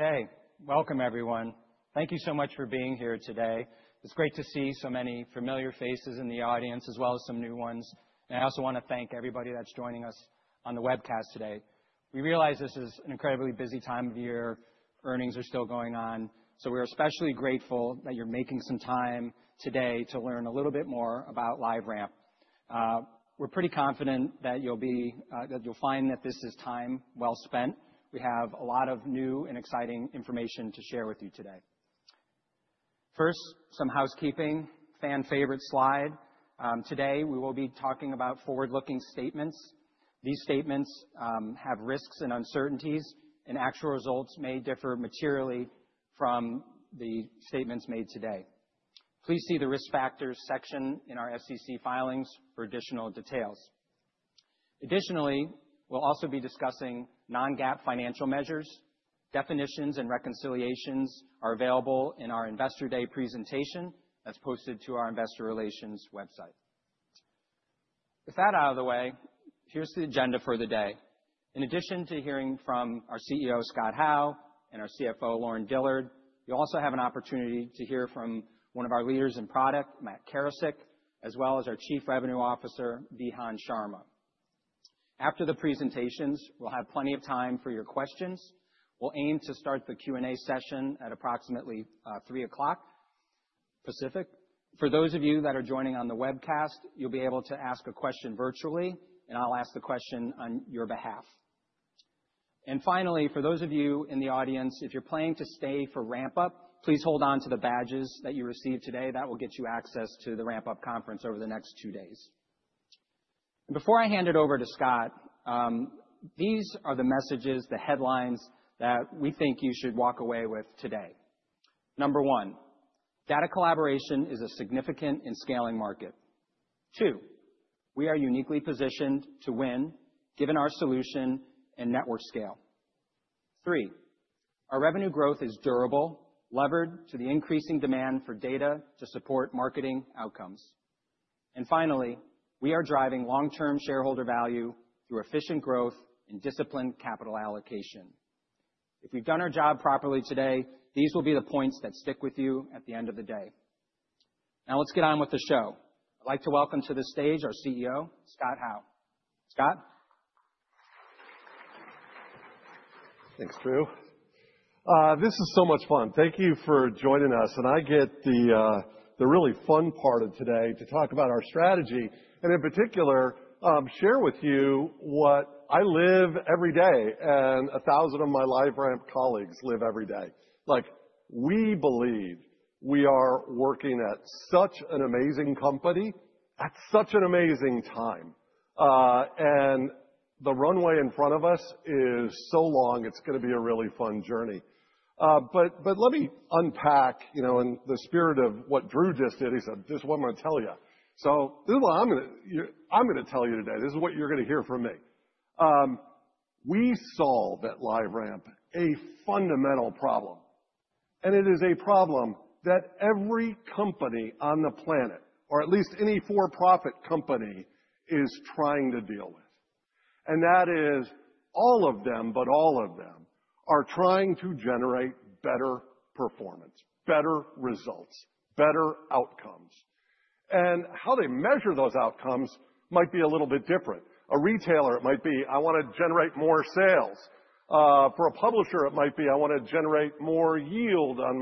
Okay. Welcome, everyone. Thank you so much for being today. It's great to see so many familiar faces in the audience, as well as some new ones. And I also want to thank everybody that's joining us on the webcast today. We realize this is an incredibly busy time of year. Earnings are still going on. So we're especially grateful that you're making some time today to learn a little bit more about LiveRamp. We're pretty confident that you'll find that this is time well spent. We have a lot of new and exciting information to share with you today. First, some housekeeping. Fan-favorite slide. Today, we will be talking about forward-looking statements. These statements have risks and uncertainties, and actual results may differ materially from the statements made today. Please see the risk factors section in our SEC filings for additional details. Additionally, we'll also be discussing non-GAAP financial measures. Definitions and reconciliations are available in our Investor Day presentation as posted to our Investor Relations website. With that out of the way, here's the agenda for the day. In addition to hearing from our CEO, Scott Howe, and our CFO, Lauren Dillard, you'll also have an opportunity to hear from one of our leaders in product, Matt Karasick, as well as our Chief Revenue Officer, Vihan Sharma. After the presentations, we'll have plenty of time for your questions. We'll aim to start the Q&A session at approximately 3:00 P.M. Pacific. For those of you that are joining on the webcast, you'll be able to ask a question virtually, and I'll ask the question on your behalf. And finally, for those of you in the audience, if you're planning to stay for Ramp-Up, please hold on to the badges that you receive today. That will get you access to the Ramp-Up conference over the next two days. And before I hand it over to Scott, these are the messages, the headlines that we think you should walk away with today. Number one, data collaboration is a significant and scaling market. Two, we are uniquely positioned to win, given our solution and network scale. Three, our revenue growth is durable, levered to the increasing demand for data to support marketing outcomes. And finally, we are driving long-term shareholder value through efficient growth and disciplined capital allocation. If we've done our job properly today, these will be the points that stick with you at the end of the day. Now, let's get on with the show. I'd like to welcome to the stage our CEO, Scott Howe. Scott. Thanks, Drew. This is so much fun. Thank you for joining us. And I get the really fun part of today to talk about our strategy and, in particular, share with you what I live every day and 1,000 of my LiveRamp colleagues live every day. We believe we are working at such an amazing company at such an amazing time. And the runway in front of us is so long, it's going to be a really fun journey. But let me unpack, in the spirit of what Drew just did. He said, "This is what I'm going to tell you." So this is what I'm going to tell you today. This is what you're going to hear from me. We solve at LiveRamp a fundamental problem. And it is a problem that every company on the planet, or at least any for-profit company, is trying to deal with. And that is all of them, but all of them, are trying to generate better performance, better results, better outcomes. And how they measure those outcomes might be a little bit different. A retailer, it might be, "I want to generate more sales." For a publisher, it might be, "I want to generate more yield on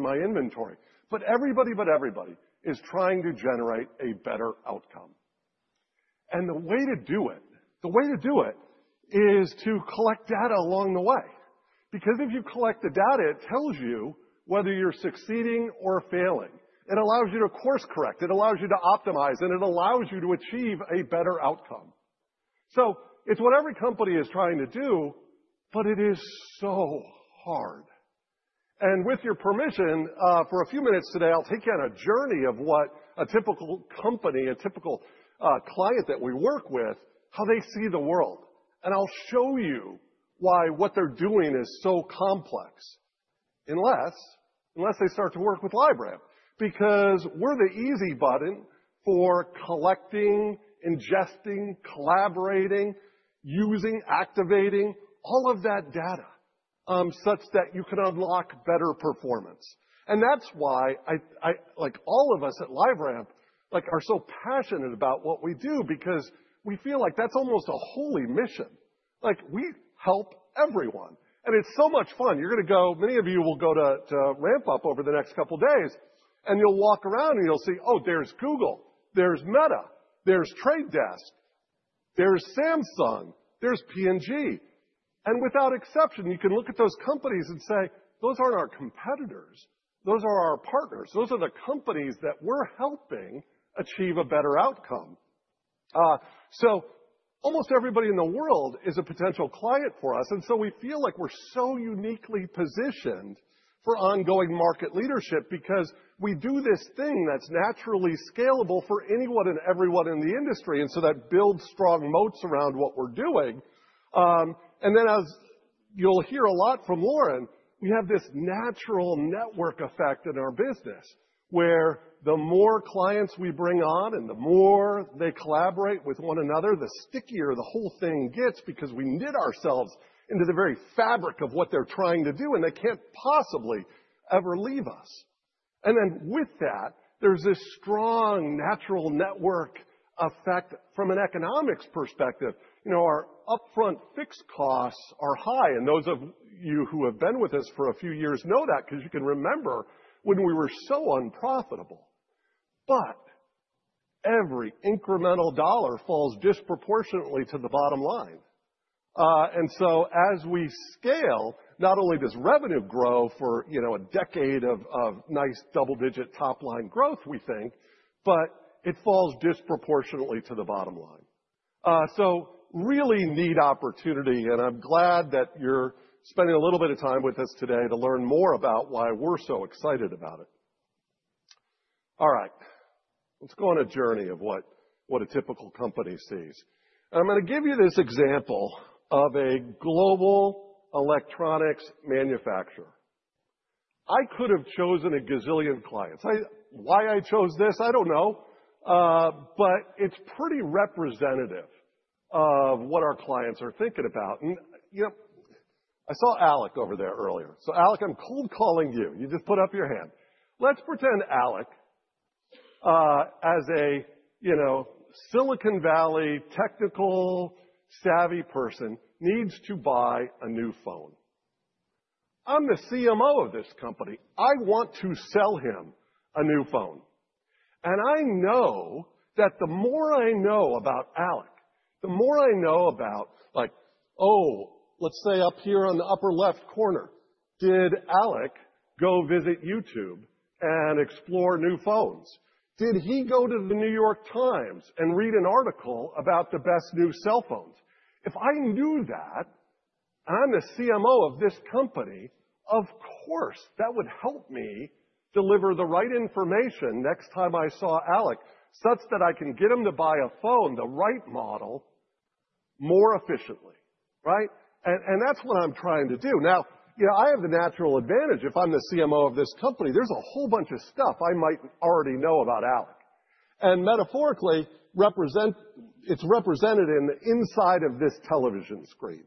my inventory." But everybody, but everybody, is trying to generate a better outcome. And the way to do it, the way to do it, is to collect data along the way. Because if you collect the data, it tells you whether you're succeeding or failing. It allows you to course-correct. It allows you to optimize. And it allows you to achieve a better outcome. So it's what every company is trying to do, but it is so hard. With your permission, for a few minutes today, I'll take you on a journey of what a typical company, a typical client that we work with, how they see the world. I'll show you why what they're doing is so complex unless they start to work with LiveRamp. Because we're the easy button for collecting, ingesting, collaborating, using, activating, all of that data such that you can unlock better performance. That's why all of us at LiveRamp are so passionate about what we do because we feel like that's almost a holy mission. We help everyone. It's so much fun. You're going to go, many of you will go to Ramp-Up over the next couple of days. You'll walk around and you'll see, "Oh, there's Google. There's Meta. There's Trade Desk. There's Samsung. There's P&G. And without exception, you can look at those companies and say, "Those aren't our competitors. Those are our partners. Those are the companies that we're helping achieve a better outcome." So almost everybody in the world is a potential client for us. And so we feel like we're so uniquely positioned for ongoing market leadership because we do this thing that's naturally scalable for anyone and everyone in the industry. And so that builds strong moats around what we're doing. And then, as you'll hear a lot from Lauren, we have this natural network effect in our business where the more clients we bring on and the more they collaborate with one another, the stickier the whole thing gets because we knit ourselves into the very fabric of what they're trying to do, and they can't possibly ever leave us. And then with that, there's this strong natural network effect from an economics perspective. Our upfront fixed costs are high. And those of you who have been with us for a few years know that because you can remember when we were so unprofitable. But every incremental dollar falls disproportionately to the bottom line. And so as we scale, not only does revenue grow for a decade of nice double-digit top-line growth, we think, but it falls disproportionately to the bottom line. So really neat opportunity. And I'm glad that you're spending a little bit of time with us today to learn more about why we're so excited about it. All right. Let's go on a journey of what a typical company sees. And I'm going to give you this example of a global electronics manufacturer. I could have chosen a gazillion clients. Why I chose this, I don't know. But it's pretty representative of what our clients are thinking about. And I saw Alec over there earlier. So Alec, I'm cold calling you. You just put up your hand. Let's pretend Alec, as a Silicon Valley tech-savvy person, needs to buy a new phone. I'm the CMO of this company. I want to sell him a new phone. And I know that the more I know about Alec, the more I know about, like, oh, let's say up here on the upper left corner, did Alec go visit YouTube and explore new phones? Did he go to the New York Times and read an article about the best new cell phones? If I knew that, and I'm the CMO of this company, of course, that would help me deliver the right information next time I saw Alec such that I can get him to buy a phone, the right model, more efficiently. Right? And that's what I'm trying to do. Now, I have the natural advantage. If I'm the CMO of this company, there's a whole bunch of stuff I might already know about Alec. And metaphorically, it's represented in the inside of this television screen.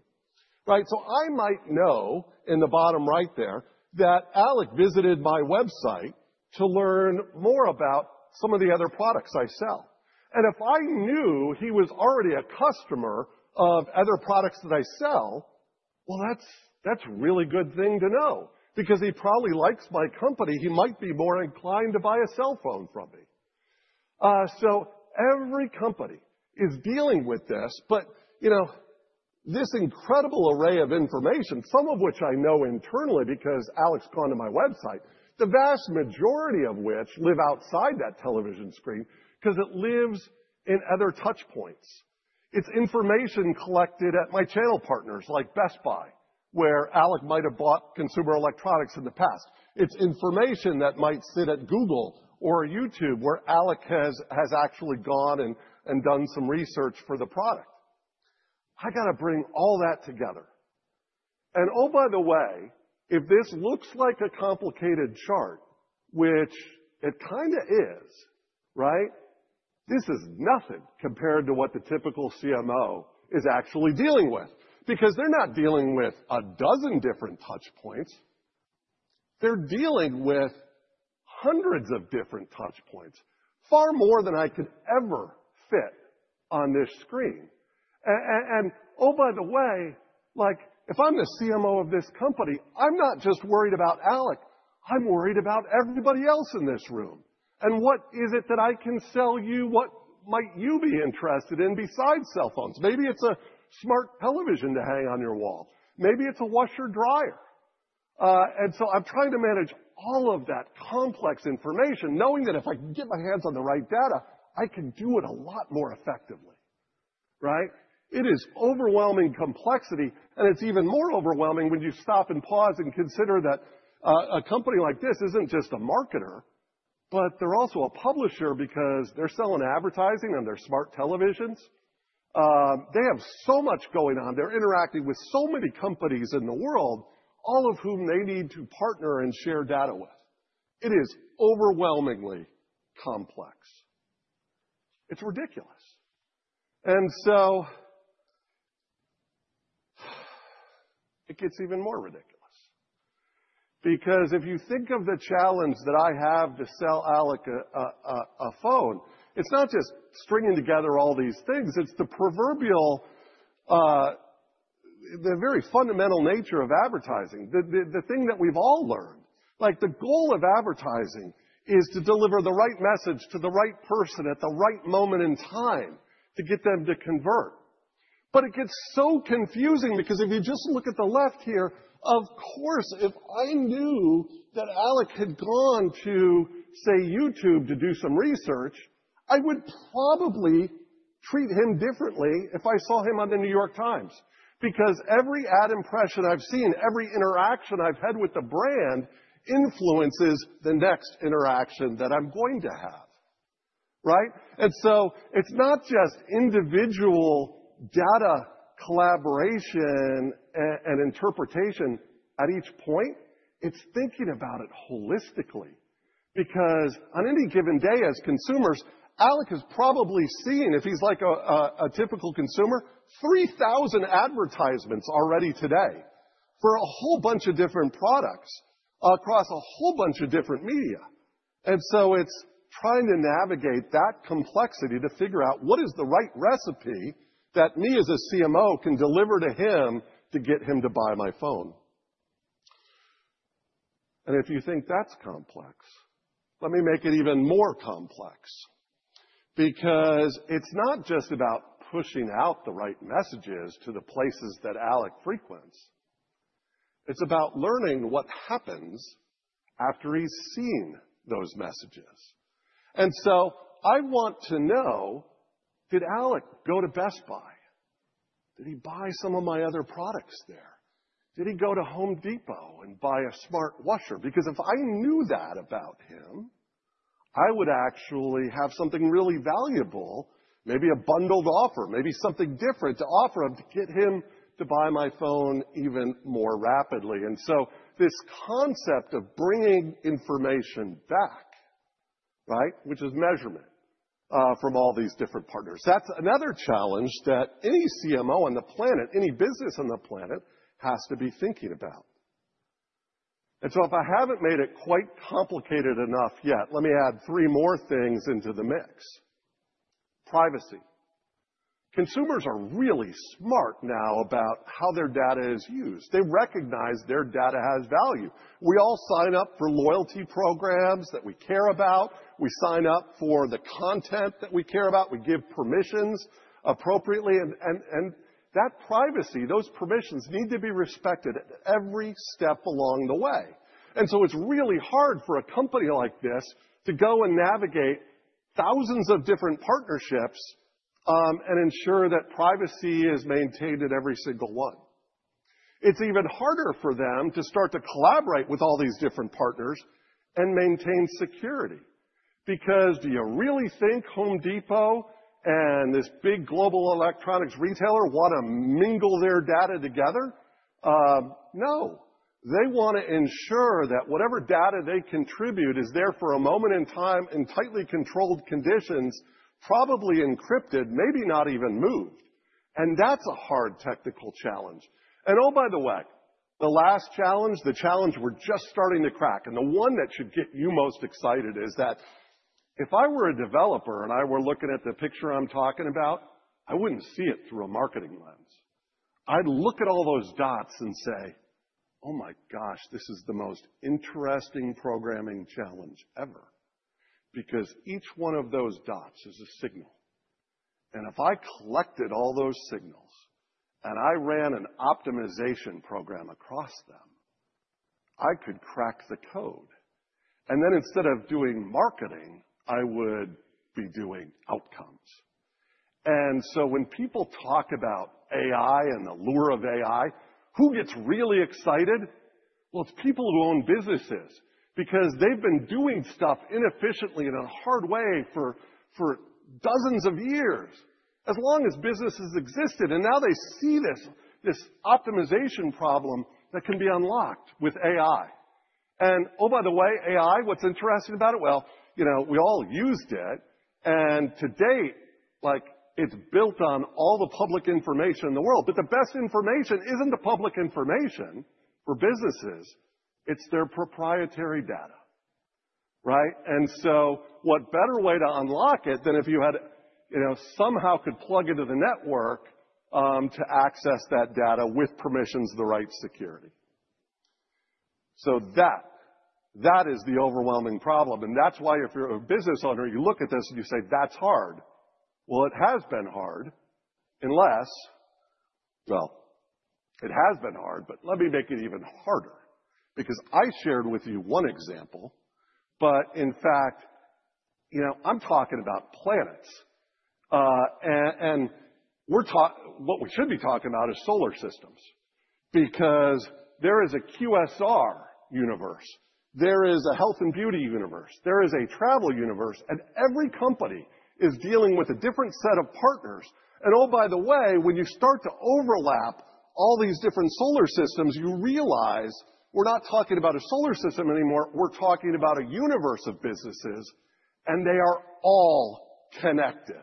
So I might know in the bottom right there that Alec visited my website to learn more about some of the other products I sell. And if I knew he was already a customer of other products that I sell, well, that's a really good thing to know because he probably likes my company. He might be more inclined to buy a cell phone from me so every company is dealing with this but this incredible array of information, some of which I know internally because Alec's gone to my website, the vast majority of which live outside that television screen because it lives in other touch points. It's information collected at my channel partners like Best Buy, where Alec might have bought consumer electronics in the past. It's information that might sit at Google or YouTube where Alec has actually gone and done some research for the product. I got to bring all that together and oh, by the way, if this looks like a complicated chart, which it kind of is, this is nothing compared to what the typical CMO is actually dealing with because they're not dealing with a dozen different touch points. They're dealing with hundreds of different touch points, far more than I could ever fit on this screen, and oh, by the way, if I'm the CMO of this company, I'm not just worried about Alec. I'm worried about everybody else in this room, and what is it that I can sell you? What might you be interested in besides cell phones? Maybe it's a smart television to hang on your wall. Maybe it's a washer dryer, and so I'm trying to manage all of that complex information, knowing that if I can get my hands on the right data, I can do it a lot more effectively. It is overwhelming complexity, and it's even more overwhelming when you stop and pause and consider that a company like this isn't just a marketer, but they're also a publisher because they're selling advertising on their smart televisions. They have so much going on. They're interacting with so many companies in the world, all of whom they need to partner and share data with. It is overwhelmingly complex. It's ridiculous, and so it gets even more ridiculous. Because if you think of the challenge that I have to sell Alec a phone, it's not just stringing together all these things. It's the proverbial, the very fundamental nature of advertising, the thing that we've all learned. The goal of advertising is to deliver the right message to the right person at the right moment in time to get them to convert, but it gets so confusing because if you just look at the left here, of course, if I knew that Alec had gone to, say, YouTube to do some research, I would probably treat him differently if I saw him on The New York Times. Because every ad impression I've seen, every interaction I've had with the brand influences the next interaction that I'm going to have. And so it's not just individual data collaboration and interpretation at each point. It's thinking about it holistically. Because on any given day, as consumers, Alec has probably seen, if he's like a typical consumer, 3,000 advertisements already today for a whole bunch of different products across a whole bunch of different media. And so it's trying to navigate that complexity to figure out what is the right recipe that me, as a CMO, can deliver to him to get him to buy my phone. And if you think that's complex, let me make it even more complex. Because it's not just about pushing out the right messages to the places that Alec frequents. It's about learning what happens after he's seen those messages. And so I want to know, did Alec go to Best Buy? Did he buy some of my other products there? Did he go to Home Depot and buy a smart washer? Because if I knew that about him, I would actually have something really valuable, maybe a bundled offer, maybe something different to offer him to get him to buy my phone even more rapidly. And so this concept of bringing information back, which is measurement from all these different partners, that's another challenge that any CMO on the planet, any business on the planet has to be thinking about. And so if I haven't made it quite complicated enough yet, let me add three more things into the mix. Privacy. Consumers are really smart now about how their data is used. They recognize their data has value. We all sign up for loyalty programs that we care about. We sign up for the content that we care about. We give permissions appropriately. And that privacy, those permissions need to be respected at every step along the way. And so it's really hard for a company like this to go and navigate thousands of different partnerships and ensure that privacy is maintained at every single one. It's even harder for them to start to collaborate with all these different partners and maintain security. Because do you really think Home Depot and this big global electronics retailer want to mingle their data together? No. They want to ensure that whatever data they contribute is there for a moment in time in tightly controlled conditions, probably encrypted, maybe not even moved. And that's a hard technical challenge. And oh, by the way, the last challenge, the challenge we're just starting to crack. The one that should get you most excited is that if I were a developer and I were looking at the picture I'm talking about, I wouldn't see it through a marketing lens. I'd look at all those dots and say, "Oh, my gosh, this is the most interesting programming challenge ever." Because each one of those dots is a signal. And if I collected all those signals and I ran an optimization program across them, I could crack the code. And then instead of doing marketing, I would be doing outcomes. And so when people talk about AI and the lure of AI, who gets really excited? It's people who own businesses because they've been doing stuff inefficiently in a hard way for dozens of years, as long as businesses existed. And now they see this optimization problem that can be unlocked with AI. And oh, by the way, AI. What's interesting about it? Well, we all used it. And to date, it's built on all the public information in the world. But the best information isn't the public information for businesses. It's their proprietary data. And so what better way to unlock it than if you had somehow could plug into the network to access that data with permissions, the right security? So that is the overwhelming problem. And that's why if you're a business owner, you look at this and you say, "That's hard." Well, it has been hard. But let me make it even harder because I shared with you one example. But in fact, I'm talking about planets. And what we should be talking about is solar systems because there is a QSR universe. There is a health and beauty universe. There is a travel universe. And every company is dealing with a different set of partners. And oh, by the way, when you start to overlap all these different solar systems, you realize we're not talking about a solar system anymore. We're talking about a universe of businesses. And they are all connected.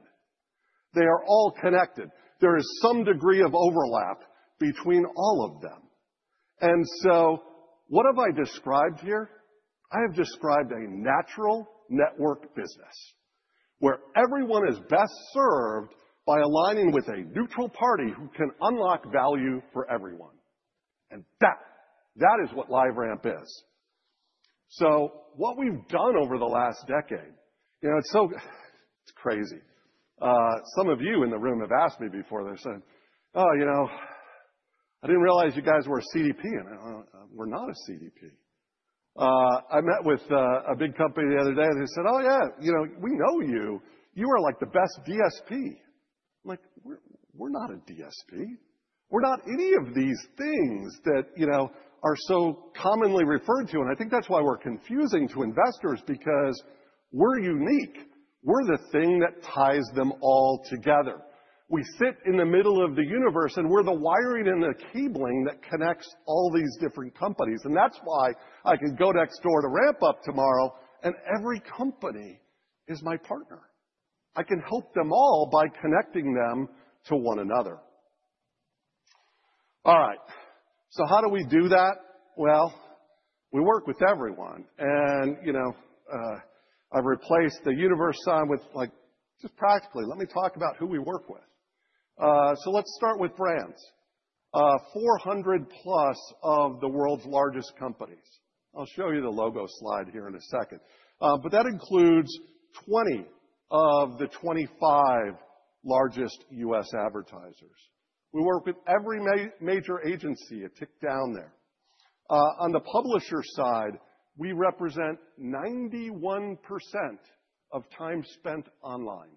They are all connected. There is some degree of overlap between all of them. And so what have I described here? I have described a natural network business where everyone is best served by aligning with a neutral party who can unlock value for everyone. And that is what LiveRamp is. So what we've done over the last decade, it's crazy. Some of you in the room have asked me before. They said, "Oh, I didn't realize you guys were a CDP." And we're not a CDP. I met with a big company the other day. They said, "Oh, yeah, we know you. You are like the best DSP." I'm like, "We're not a DSP. We're not any of these things that are so commonly referred to," and I think that's why we're confusing to investors because we're unique. We're the thing that ties them all together. We sit in the middle of the universe, and we're the wiring and the cabling that connects all these different companies. That's why I can go next door to Ramp-Up tomorrow, and every company is my partner. I can help them all by connecting them to one another. All right, so how do we do that? We work with everyone, and I've replaced the universe sign with just practically, let me talk about who we work with. Let's start with brands. 400 plus of the world's largest companies. I'll show you the logo slide here in a second. But that includes 20 of the 25 largest U.S. advertisers. We work with every major agency it ticked down there. On the publisher side, we represent 91% of time spent online.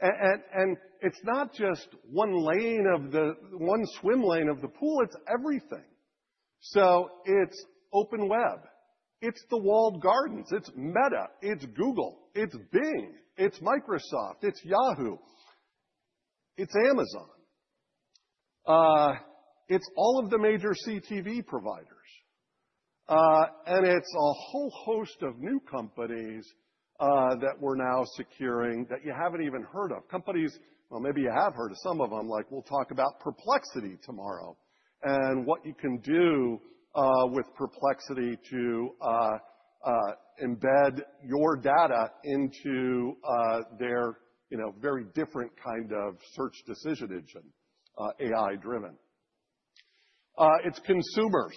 And it's not just one lane of the one swim lane of the pool. It's everything. So it's Open Web. It's the Walled Gardens. It's Meta. It's Google. It's Bing. It's Microsoft. It's Yahoo. It's Amazon. It's all of the major CTV providers. And it's a whole host of new companies that we're now securing that you haven't even heard of. Companies, well, maybe you have heard of some of them. We'll talk about Perplexity tomorrow and what you can do with Perplexity to embed your data into their very different kind of search decision engine, AI-driven. It's consumers.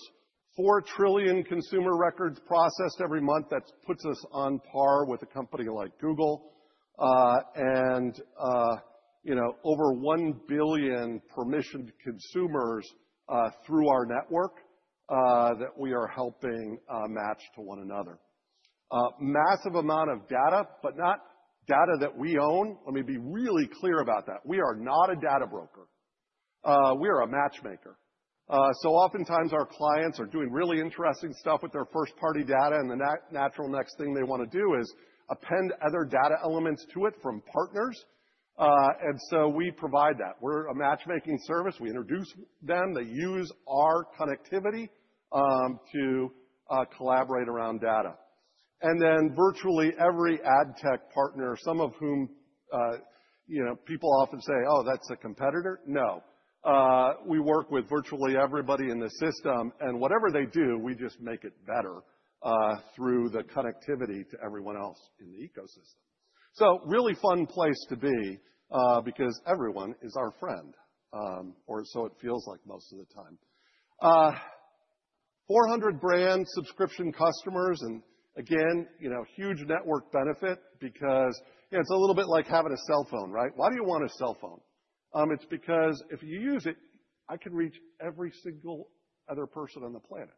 4 trillion consumer records processed every month. That puts us on par with a company like Google, and over 1 billion permissioned consumers through our network that we are helping match to one another. Massive amount of data, but not data that we own. Let me be really clear about that. We are not a data broker. We are a matchmaker, so oftentimes, our clients are doing really interesting stuff with their first-party data. And the natural next thing they want to do is append other data elements to it from partners, and so we provide that. We're a matchmaking service. We introduce them. They use our connectivity to collaborate around data, and then virtually every ad tech partner, some of whom people often say, "Oh, that's a competitor." No. We work with virtually everybody in the system, and whatever they do, we just make it better through the connectivity to everyone else in the ecosystem. So really fun place to be because everyone is our friend, or so it feels like most of the time. 400 brand subscription customers. And again, huge network benefit because it's a little bit like having a cell phone, right? Why do you want a cell phone? It's because if you use it, I can reach every single other person on the planet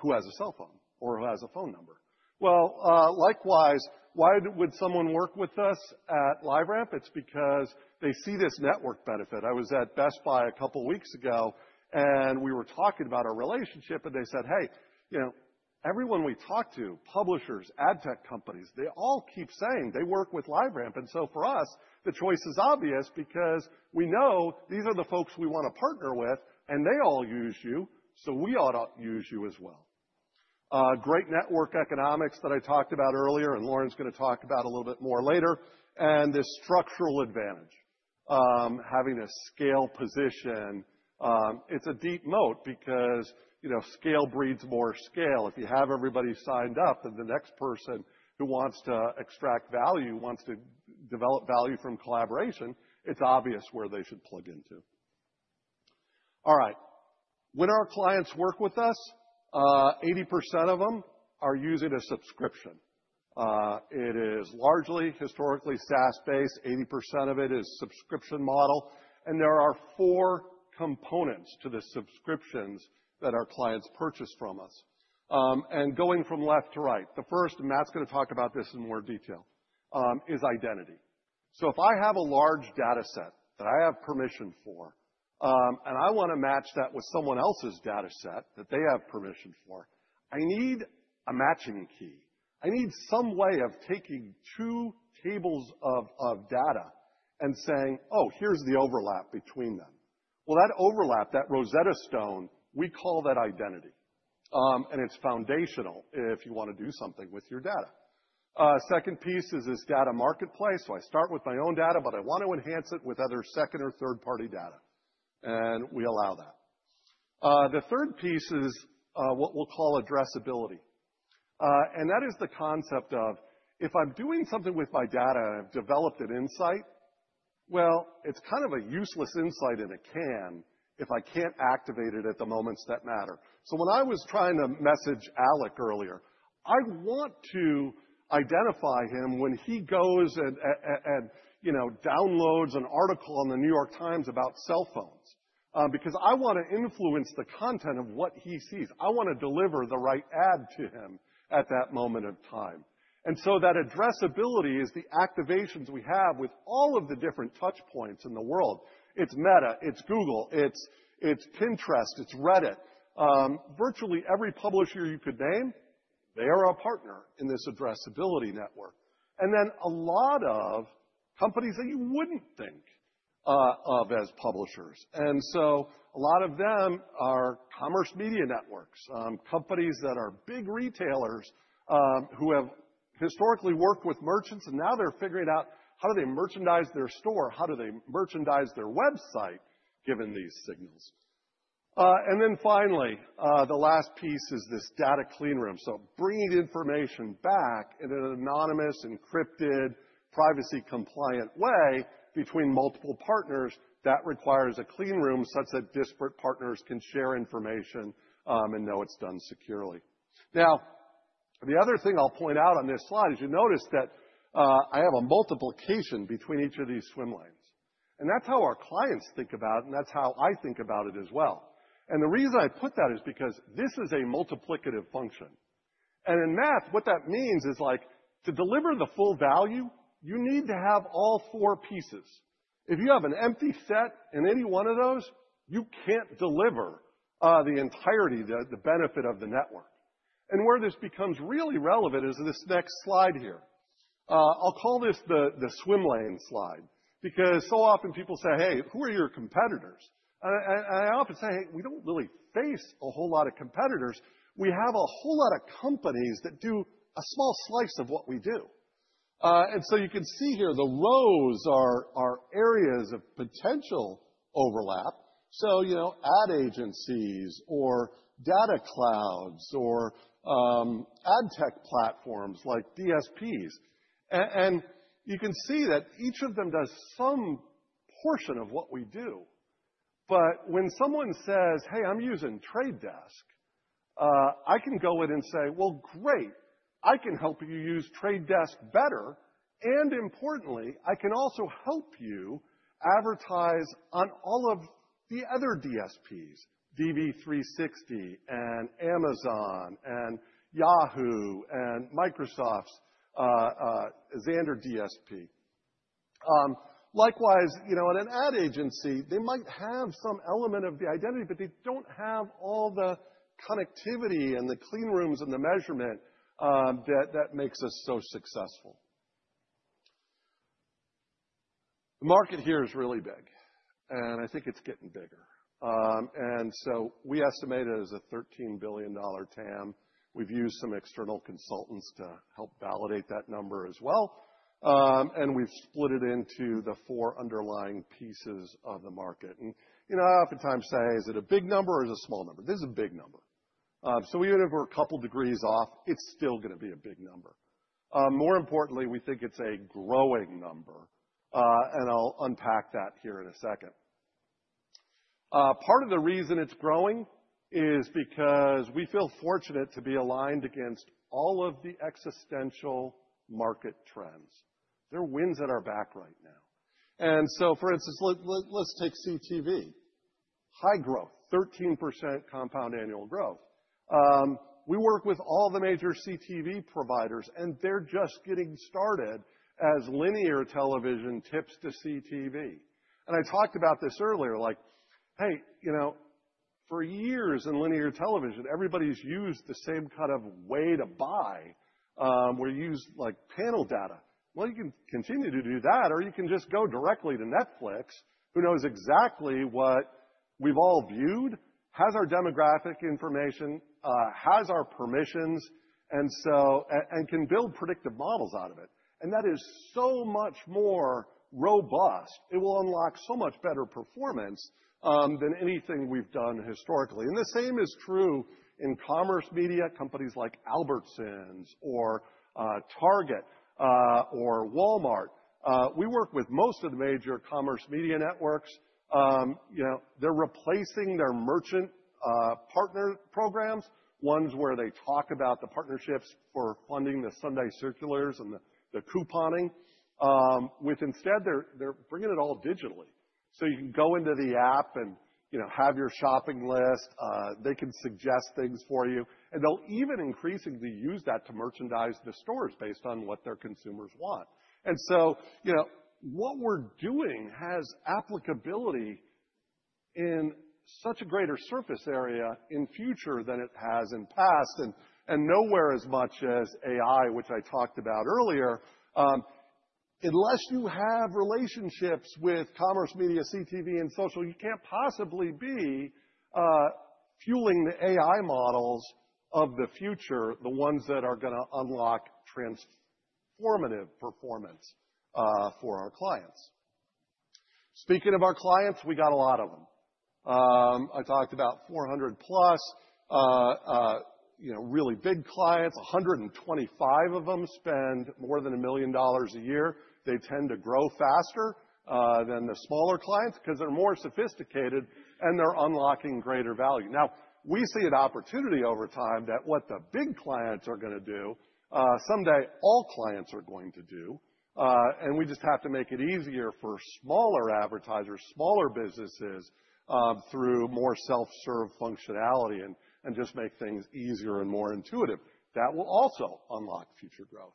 who has a cell phone or who has a phone number. Well, likewise, why would someone work with us at LiveRamp? It's because they see this network benefit. I was at Best Buy a couple of weeks ago, and we were talking about our relationship. They said, "Hey, everyone we talk to, publishers, ad tech companies, they all keep saying they work with LiveRamp." So for us, the choice is obvious because we know these are the folks we want to partner with, and they all use you. So we ought to use you as well. Great network economics that I talked about earlier, and Lauren's going to talk about a little bit more later. This structural advantage, having a scale position. It's a deep moat because scale breeds more scale. If you have everybody signed up, then the next person who wants to extract value, wants to develop value from collaboration, it's obvious where they should plug into. All right. When our clients work with us, 80% of them are using a subscription. It is largely historically SaaS-based. 80% of it is subscription model. There are four components to the subscriptions that our clients purchase from us. Going from left to right, the first, and Matt's going to talk about this in more detail, is identity. So if I have a large data set that I have permission for, and I want to match that with someone else's data set that they have permission for, I need a matching key. I need some way of taking two tables of data and saying, "Oh, here's the overlap between them." Well, that overlap, that Rosetta Stone, we call that identity. It's foundational if you want to do something with your data. The second piece is this data marketplace. So I start with my own data, but I want to enhance it with other second- or third-party data. We allow that. The third piece is what we'll call addressability. That is the concept of if I'm doing something with my data and I've developed an insight. Well, it's kind of a useless insight in a can if I can't activate it at the moments that matter. When I was trying to message Alec earlier, I want to identify him when he goes and downloads an article on The New York Times about cell phones because I want to influence the content of what he sees. I want to deliver the right ad to him at that moment of time. That addressability is the activations we have with all of the different touchpoints in the world. It's Meta. It's Google. It's Pinterest. It's Reddit. Virtually every publisher you could name. They are a partner in this addressability network. A lot of companies that you wouldn't think of as publishers. And so a lot of them are commerce media networks, companies that are big retailers who have historically worked with merchants. And now they're figuring out how do they merchandise their store, how do they merchandise their website given these signals. And then finally, the last piece is this data clean room. So bringing information back in an anonymous, encrypted, privacy-compliant way between multiple partners, that requires a clean room such that disparate partners can share information and know it's done securely. Now, the other thing I'll point out on this slide is you notice that I have a multiplication between each of these swim lanes. And that's how our clients think about it, and that's how I think about it as well. And the reason I put that is because this is a multiplicative function. And in math, what that means is to deliver the full value, you need to have all four pieces. If you have an empty set in any one of those, you can't deliver the entirety, the benefit of the network. And where this becomes really relevant is this next slide here. I'll call this the swim lane slide because so often people say, "Hey, who are your competitors?" And I often say, "Hey, we don't really face a whole lot of competitors. We have a whole lot of companies that do a small slice of what we do." And so you can see here the rows are areas of potential overlap. So ad agencies or data clouds or ad tech platforms like DSPs. And you can see that each of them does some portion of what we do. But when someone says, "Hey, I'm using Trade Desk," I can go in and say, "Well, great. I can help you use Trade Desk better. And importantly, I can also help you advertise on all of the other DSPs, DV360 and Amazon and Yahoo and Microsoft's Xandr DSP." Likewise, in an ad agency, they might have some element of the identity, but they don't have all the connectivity and the cleanrooms and the measurement that makes us so successful. The market here is really big, and I think it's getting bigger. And so we estimate it as a $13 billion TAM. We've used some external consultants to help validate that number as well. And we've split it into the four underlying pieces of the market. And I oftentimes say, "Is it a big number or is it a small number?" This is a big number. So even if we're a couple degrees off, it's still going to be a big number. More importantly, we think it's a growing number. And I'll unpack that here in a second. Part of the reason it's growing is because we feel fortunate to be aligned against all of the existential market trends. There are winds at our back right now. And so, for instance, let's take CTV. High growth, 13% compound annual growth. We work with all the major CTV providers, and they're just getting started as linear television shifts to CTV. And I talked about this earlier, like, "Hey, for years in linear television, everybody's used the same kind of way to buy. We're used like panel data," well, you can continue to do that, or you can just go directly to Netflix, who knows exactly what we've all viewed, has our demographic information, has our permissions, and can build predictive models out of it, and that is so much more robust. It will unlock so much better performance than anything we've done historically, and the same is true in commerce media, companies like Albertsons or Target or Walmart. We work with most of the major commerce media networks. They're replacing their merchant partner programs, ones where they talk about the partnerships for funding the Sunday circulars and the couponing, with instead, they're bringing it all digitally, so you can go into the app and have your shopping list. They can suggest things for you, and they'll even increasingly use that to merchandise the stores based on what their consumers want. What we're doing has applicability in such a greater surface area in future than it has in the past and nowhere as much as AI, which I talked about earlier. Unless you have relationships with commerce media, CTV, and social, you can't possibly be fueling the AI models of the future, the ones that are going to unlock transformative performance for our clients. Speaking of our clients, we got a lot of them. I talked about 400-plus really big clients. 125 of them spend more than $1 million a year. They tend to grow faster than the smaller clients because they're more sophisticated and they're unlocking greater value. Now, we see an opportunity over time that what the big clients are going to do, someday all clients are going to do. We just have to make it easier for smaller advertisers, smaller businesses through more self-serve functionality and just make things easier and more intuitive. That will also unlock future growth.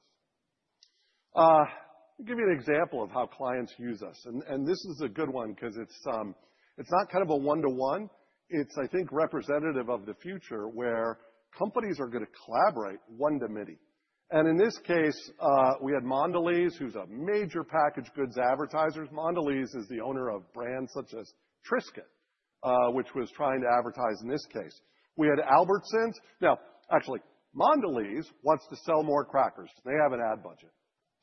I'll give you an example of how clients use us. This is a good one because it's not kind of a one-to-one. It's, I think, representative of the future where companies are going to collaborate one to many. In this case, we had Mondelez, who's a major packaged goods advertiser. Mondelez is the owner of brands such as Triscuit, which was trying to advertise in this case. We had Albertsons. Now, actually, Mondelez wants to sell more crackers because they have an ad budget,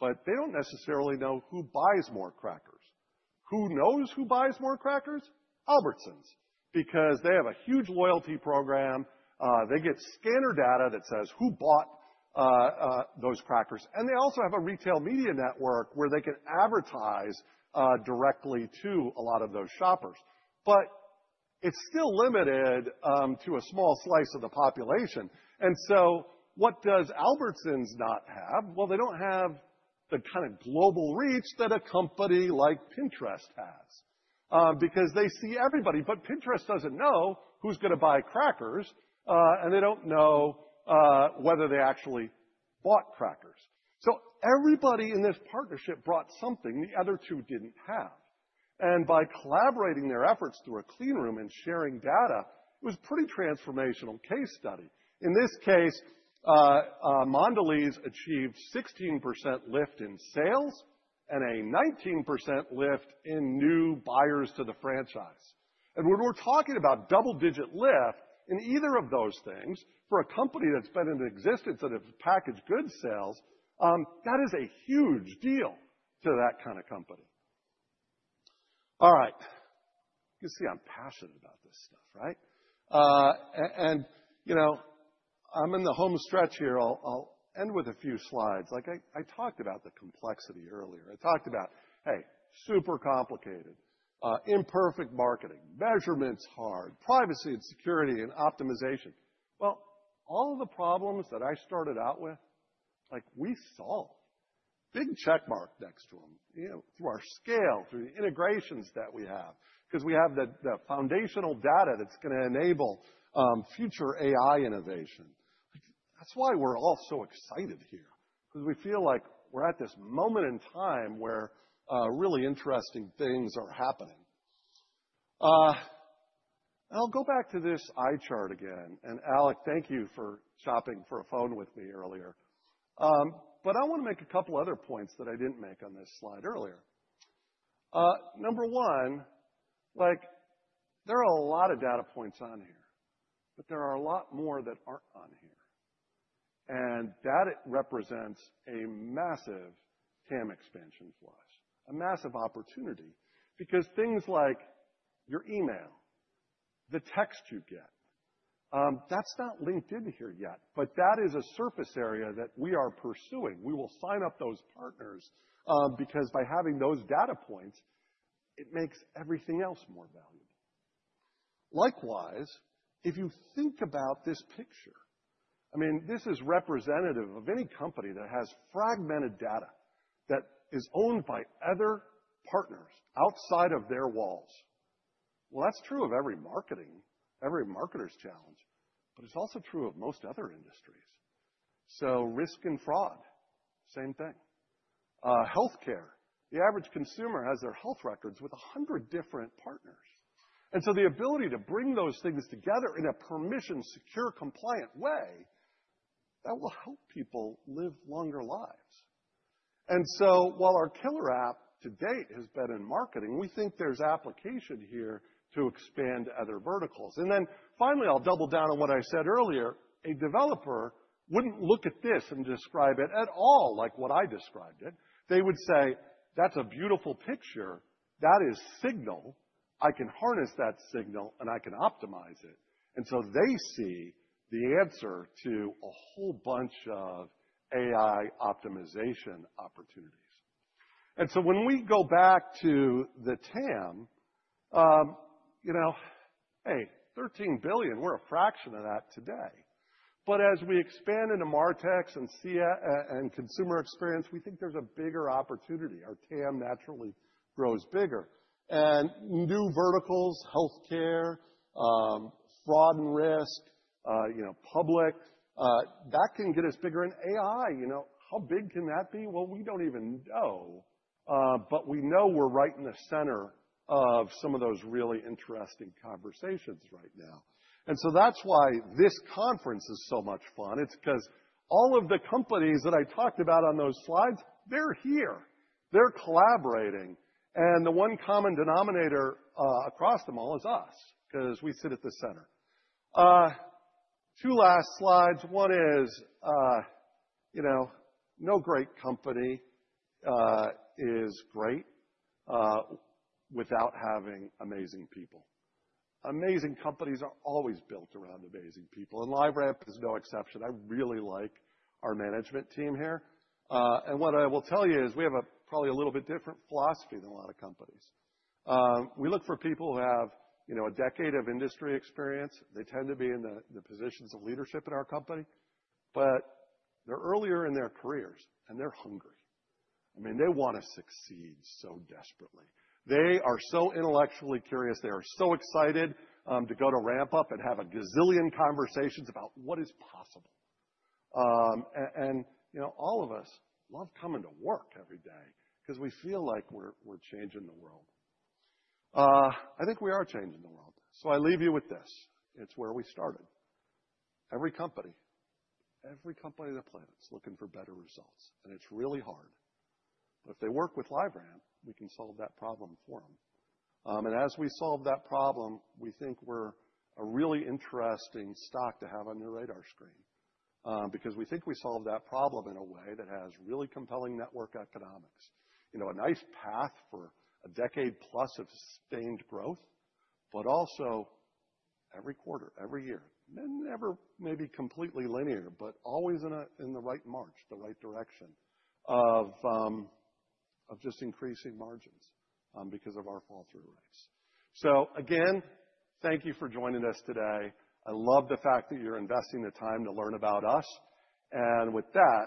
but they don't necessarily know who buys more crackers. Who knows who buys more crackers? Albertsons, because they have a huge loyalty program. They get scanner data that says who bought those crackers. And they also have a retail media network where they can advertise directly to a lot of those shoppers. But it's still limited to a small slice of the population. And so what does Albertsons not have? Well, they don't have the kind of global reach that a company like Pinterest has because they see everybody, but Pinterest doesn't know who's going to buy crackers, and they don't know whether they actually bought crackers. So everybody in this partnership brought something the other two didn't have. And by collaborating their efforts through a cleanroom and sharing data, it was a pretty transformational case study. In this case, Mondelez achieved 16% lift in sales and a 19% lift in new buyers to the franchise. And when we're talking about double-digit lift in either of those things for a company that's been in existence and has packaged goods sales, that is a huge deal to that kind of company. All right. You can see I'm passionate about this stuff, right? And I'm in the home stretch here. I'll end with a few slides. I talked about the complexity earlier. I talked about, "Hey, super complicated, imperfect marketing, measurements hard, privacy and security and optimization." Well, all of the problems that I started out with, we solved. Big checkmark next to them through our scale, through the integrations that we have because we have the foundational data that's going to enable future AI innovation. That's why we're all so excited here because we feel like we're at this moment in time where really interesting things are happening. And I'll go back to this eye chart again. Alec, thank you for shopping for a phone with me earlier. But I want to make a couple of other points that I didn't make on this slide earlier. Number one, there are a lot of data points on here, but there are a lot more that aren't on here. And that represents a massive TAM expansion for us, a massive opportunity because things like your email, the text you get, that's not LinkedIn here yet, but that is a surface area that we are pursuing. We will sign up those partners because by having those data points, it makes everything else more valuable. Likewise, if you think about this picture, I mean, this is representative of any company that has fragmented data that is owned by other partners outside of their walls. Well, that's true of every marketer's challenge, but it's also true of most other industries. So risk and fraud, same thing. Healthcare, the average consumer has their health records with 100 different partners. And so the ability to bring those things together in a permission-secure, compliant way, that will help people live longer lives. And so while our killer app to date has been in marketing, we think there's application here to expand other verticals. And then finally, I'll double down on what I said earlier. A developer wouldn't look at this and describe it at all like what I described it. They would say, "That's a beautiful picture. That is signal. I can harness that signal and I can optimize it." And so they see the answer to a whole bunch of AI optimization opportunities. And so when we go back to the TAM, hey, $13 billion, we're a fraction of that today. But as we expand into MarTechs and consumer experience, we think there's a bigger opportunity. Our TAM naturally grows bigger. And new verticals, healthcare, fraud and risk, public, that can get us bigger in AI. How big can that be? Well, we don't even know, but we know we're right in the center of some of those really interesting conversations right now. And so that's why this conference is so much fun. It's because all of the companies that I talked about on those slides, they're here. They're collaborating. And the one common denominator across them all is us because we sit at the center. Two last slides. One is no great company is great without having amazing people. Amazing companies are always built around amazing people. And LiveRamp is no exception. I really like our management team here. And what I will tell you is we have probably a little bit different philosophy than a lot of companies. We look for people who have a decade of industry experience. They tend to be in the positions of leadership in our company, but they're earlier in their careers and they're hungry. I mean, they want to succeed so desperately. They are so intellectually curious. They are so excited to go to Ramp-Up and have a gazillion conversations about what is possible. And all of us love coming to work every day because we feel like we're changing the world. I think we are changing the world. So I leave you with this. It's where we started. Every company, every company on the planet is looking for better results, and it's really hard. But if they work with LiveRamp, we can solve that problem for them. And as we solve that problem, we think we're a really interesting stock to have on your radar screen because we think we solve that problem in a way that has really compelling network economics, a nice path for a decade-plus of sustained growth, but also every quarter, every year, never maybe completely linear, but always in the right march, the right direction of just increasing margins because of our flow-through rates. So again, thank you for joining us today. I love the fact that you're investing the time to learn about us. And with that,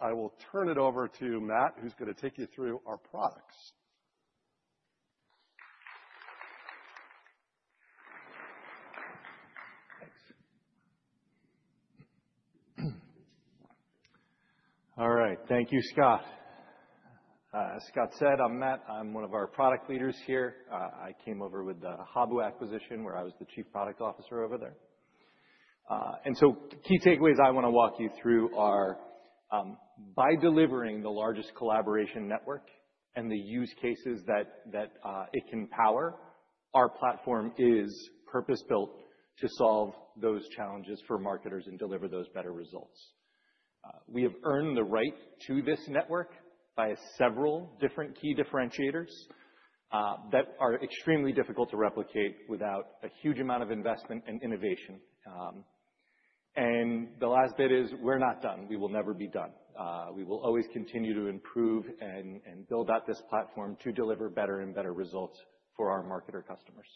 I will turn it over to Matt, who's going to take you through our products. Thanks. All right. Thank you, Scott. As Scott said, I'm Matt. I'm one of our product leaders here. I came over with the Habu acquisition where I was the Chief Product Officer over there. And so key takeaways I want to walk you through are by delivering the largest collaboration network and the use cases that it can power, our platform is purpose-built to solve those challenges for marketers and deliver those better results. We have earned the right to this network by several different key differentiators that are extremely difficult to replicate without a huge amount of investment and innovation. And the last bit is we're not done. We will never be done. We will always continue to improve and build out this platform to deliver better and better results for our marketer customers.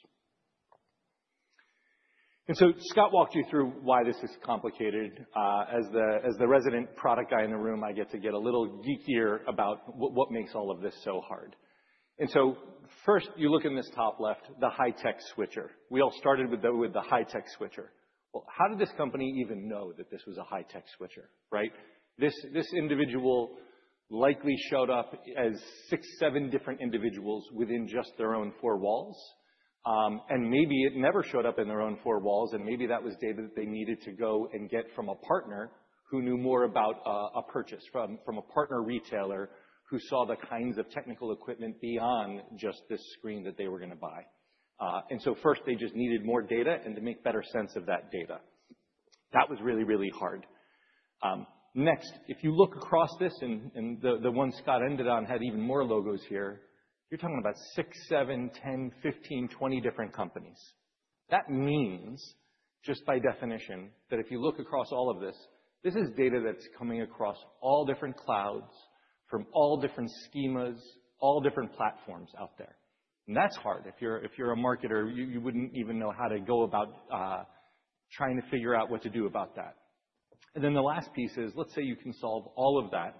And so Scott walked you through why this is complicated. As the resident product guy in the room, I get to get a little geekier about what makes all of this so hard. And so first, you look in this top left, the high-tech switcher. We all started with the high-tech switcher. Well, how did this company even know that this was a high-tech switcher, right? This individual likely showed up as six, seven different individuals within just their own four walls. And maybe it never showed up in their own four walls, and maybe that was data that they needed to go and get from a partner who knew more about a purchase from a partner retailer who saw the kinds of technical equipment beyond just this screen that they were going to buy. And so first, they just needed more data and to make better sense of that data. That was really, really hard. Next, if you look across this and the one Scott ended on had even more logos here, you're talking about six, seven, 10, 15, 20 different companies. That means just by definition that if you look across all of this, this is data that's coming across all different clouds from all different schemas, all different platforms out there, and that's hard. If you're a marketer, you wouldn't even know how to go about trying to figure out what to do about that, and then the last piece is, let's say you can solve all of that,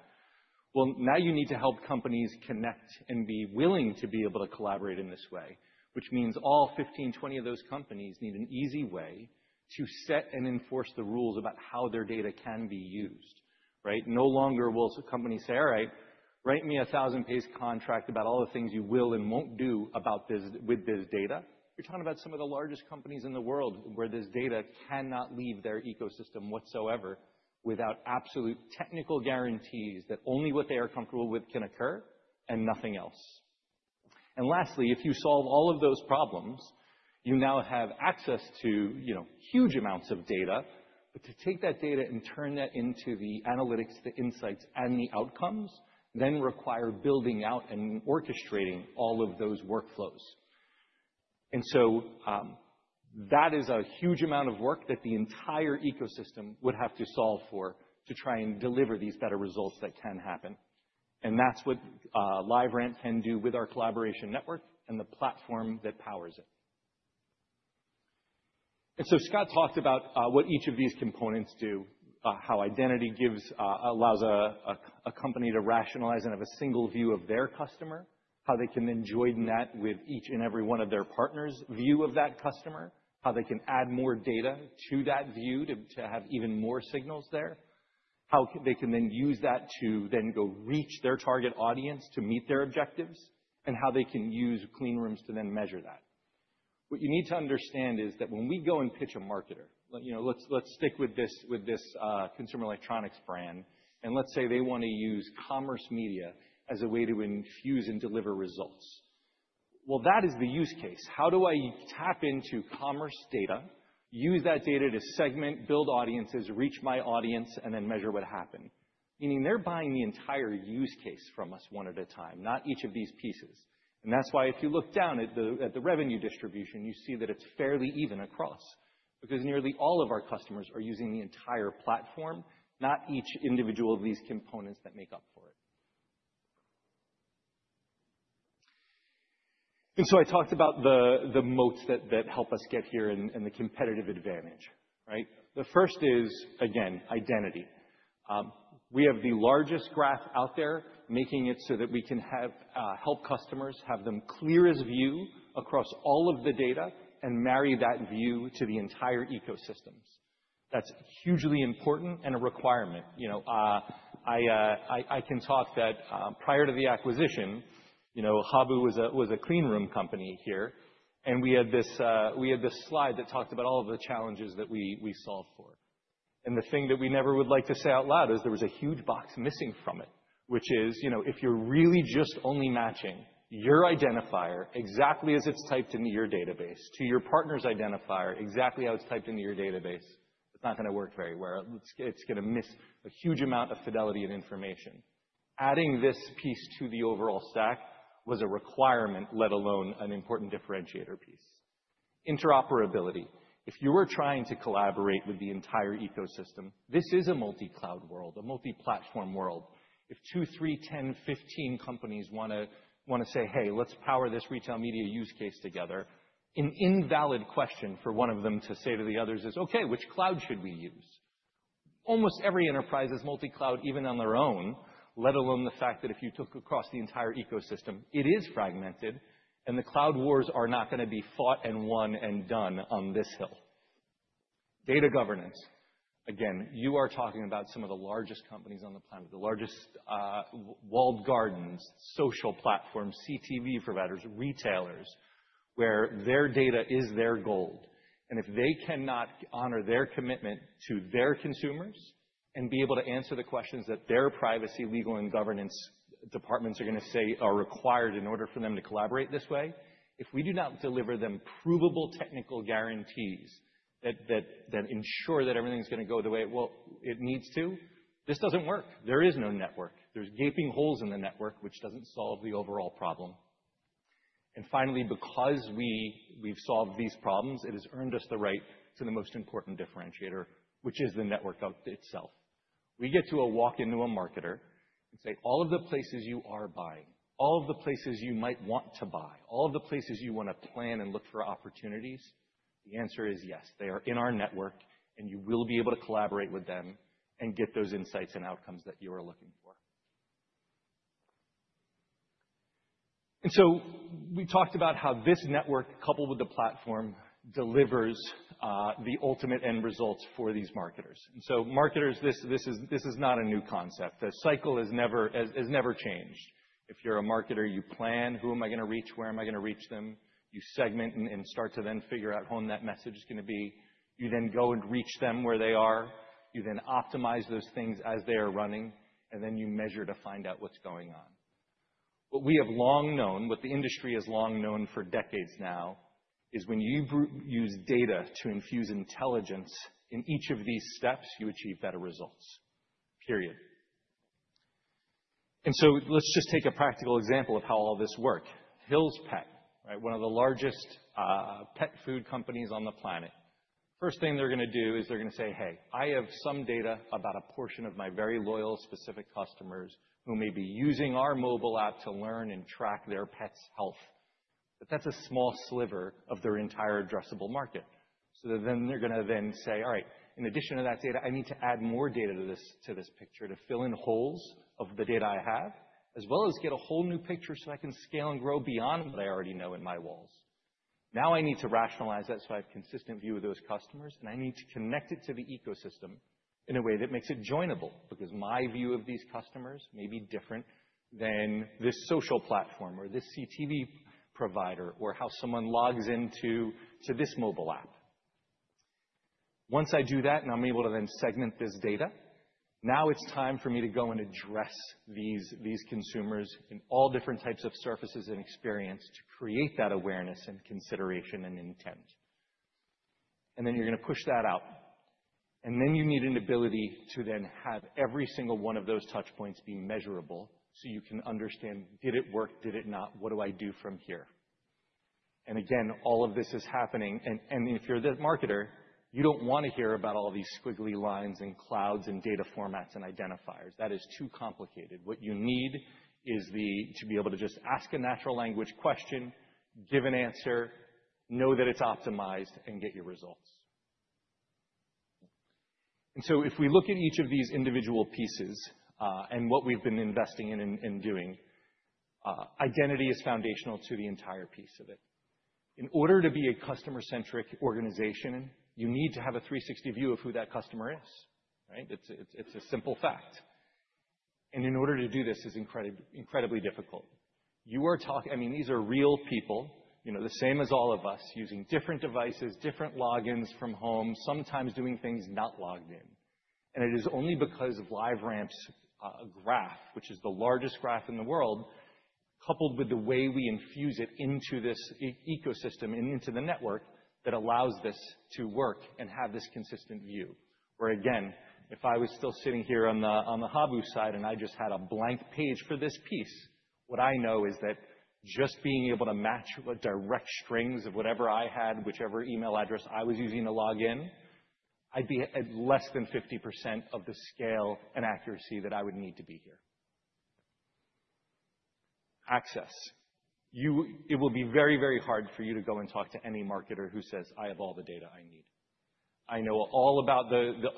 well, now you need to help companies connect and be willing to be able to collaborate in this way, which means all 15, 20 of those companies need an easy way to set and enforce the rules about how their data can be used, right? No longer will companies say, "All right, write me a thousand-page contract about all the things you will and won't do with this data." You're talking about some of the largest companies in the world where this data cannot leave their ecosystem whatsoever without absolute technical guarantees that only what they are comfortable with can occur and nothing else, and lastly, if you solve all of those problems, you now have access to huge amounts of data, but to take that data and turn that into the analytics, the insights, and the outcomes then require building out and orchestrating all of those workflows, and so that is a huge amount of work that the entire ecosystem would have to solve for to try and deliver these better results that can happen, and that's what LiveRamp can do with our collaboration network and the platform that powers it. Scott talked about what each of these components do, how identity allows a company to rationalize and have a single view of their customer, how they can then join that with each and every one of their partners' view of that customer, how they can add more data to that view to have even more signals there, how they can then use that to then go reach their target audience to meet their objectives, and how they can use cleanrooms to then measure that. What you need to understand is that when we go and pitch a marketer, let's stick with this consumer electronics brand, and let's say they want to use commerce media as a way to infuse and deliver results. Well, that is the use case. How do I tap into commerce data, use that data to segment, build audiences, reach my audience, and then measure what happened? Meaning they're buying the entire use case from us one at a time, not each of these pieces. And that's why if you look down at the revenue distribution, you see that it's fairly even across because nearly all of our customers are using the entire platform, not each individual of these components that make up for it. And so I talked about the moats that help us get here and the competitive advantage, right? The first is, again, identity. We have the largest graph out there, making it so that we can help customers have the clearest view across all of the data and marry that view to the entire ecosystems. That's hugely important and a requirement. I can talk that prior to the acquisition, Habu was a clean room company here, and we had this slide that talked about all of the challenges that we solved for, and the thing that we never would like to say out loud is there was a huge box missing from it, which is if you're really just only matching your identifier exactly as it's typed into your database to your partner's identifier exactly how it's typed into your database, it's not going to work very well. It's going to miss a huge amount of fidelity and information. Adding this piece to the overall stack was a requirement, let alone an important differentiator piece. Interoperability. If you were trying to collaborate with the entire ecosystem, this is a multi-cloud world, a multi-platform world. If two, three, 10, 15 companies want to say, "Hey, let's power this retail media use case together," an invalid question for one of them to say to the others is, "Okay, which cloud should we use?" Almost every enterprise is multi-cloud, even on their own, let alone the fact that if you took across the entire ecosystem, it is fragmented, and the cloud wars are not going to be fought and won and done on this hill. Data governance. Again, you are talking about some of the largest companies on the planet, the largest walled gardens, social platforms, CTV providers, retailers, where their data is their gold. If they cannot honor their commitment to their consumers and be able to answer the questions that their privacy, legal, and governance departments are going to say are required in order for them to collaborate this way, if we do not deliver them provable technical guarantees that ensure that everything's going to go the way it needs to, this doesn't work. There is no network. There's gaping holes in the network, which doesn't solve the overall problem. And finally, because we've solved these problems, it has earned us the right to the most important differentiator, which is the network itself. We get to walk into a marketer and say, "All of the places you are buying, all of the places you might want to buy, all of the places you want to plan and look for opportunities," the answer is yes. They are in our network, and you will be able to collaborate with them and get those insights and outcomes that you are looking for. And so we talked about how this network, coupled with the platform, delivers the ultimate end results for these marketers. And so marketers, this is not a new concept. The cycle has never changed. If you're a marketer, you plan, "Who am I going to reach? Where am I going to reach them?" You segment and start to then figure out how that message is going to be. You then go and reach them where they are. You then optimize those things as they are running, and then you measure to find out what's going on. What we have long known, what the industry has long known for decades now, is when you use data to infuse intelligence in each of these steps, you achieve better results, period. And so let's just take a practical example of how all this works. Hill's Pet, one of the largest pet food companies on the planet. First thing they're going to do is they're going to say, "Hey, I have some data about a portion of my very loyal specific customers who may be using our mobile app to learn and track their pet's health." But that's a small sliver of their entire addressable market. So then they're going to then say, "All right, in addition to that data, I need to add more data to this picture to fill in holes of the data I have, as well as get a whole new picture so I can scale and grow beyond what I already know in my walls. Now I need to rationalize that so I have a consistent view of those customers, and I need to connect it to the ecosystem in a way that makes it joinable because my view of these customers may be different than this social platform or this CTV provider or how someone logs into this mobile app." Once I do that and I'm able to then segment this data, now it's time for me to go and address these consumers in all different types of surfaces and experience to create that awareness and consideration and intent. And then you're going to push that out. And then you need an ability to then have every single one of those touchpoints be measurable so you can understand, "Did it work? Did it not? What do I do from here?" And again, all of this is happening. And if you're the marketer, you don't want to hear about all these squiggly lines and clouds and data formats and identifiers. That is too complicated. What you need is to be able to just ask a natural language question, give an answer, know that it's optimized, and get your results. And so if we look at each of these individual pieces and what we've been investing in and doing, identity is foundational to the entire piece of it. In order to be a customer-centric organization, you need to have a 360 view of who that customer is, right? It's a simple fact. And in order to do this is incredibly difficult. I mean, these are real people, the same as all of us, using different devices, different logins from home, sometimes doing things not logged in. And it is only because of LiveRamp's graph, which is the largest graph in the world, coupled with the way we infuse it into this ecosystem and into the network that allows this to work and have this consistent view. Where again, if I was still sitting here on the Habu side and I just had a blank page for this piece, what I know is that just being able to match what direct strings of whatever I had, whichever email address I was using to log in, I'd be at less than 50% of the scale and accuracy that I would need to be here. Access. It will be very, very hard for you to go and talk to any marketer who says, "I have all the data I need. I know all about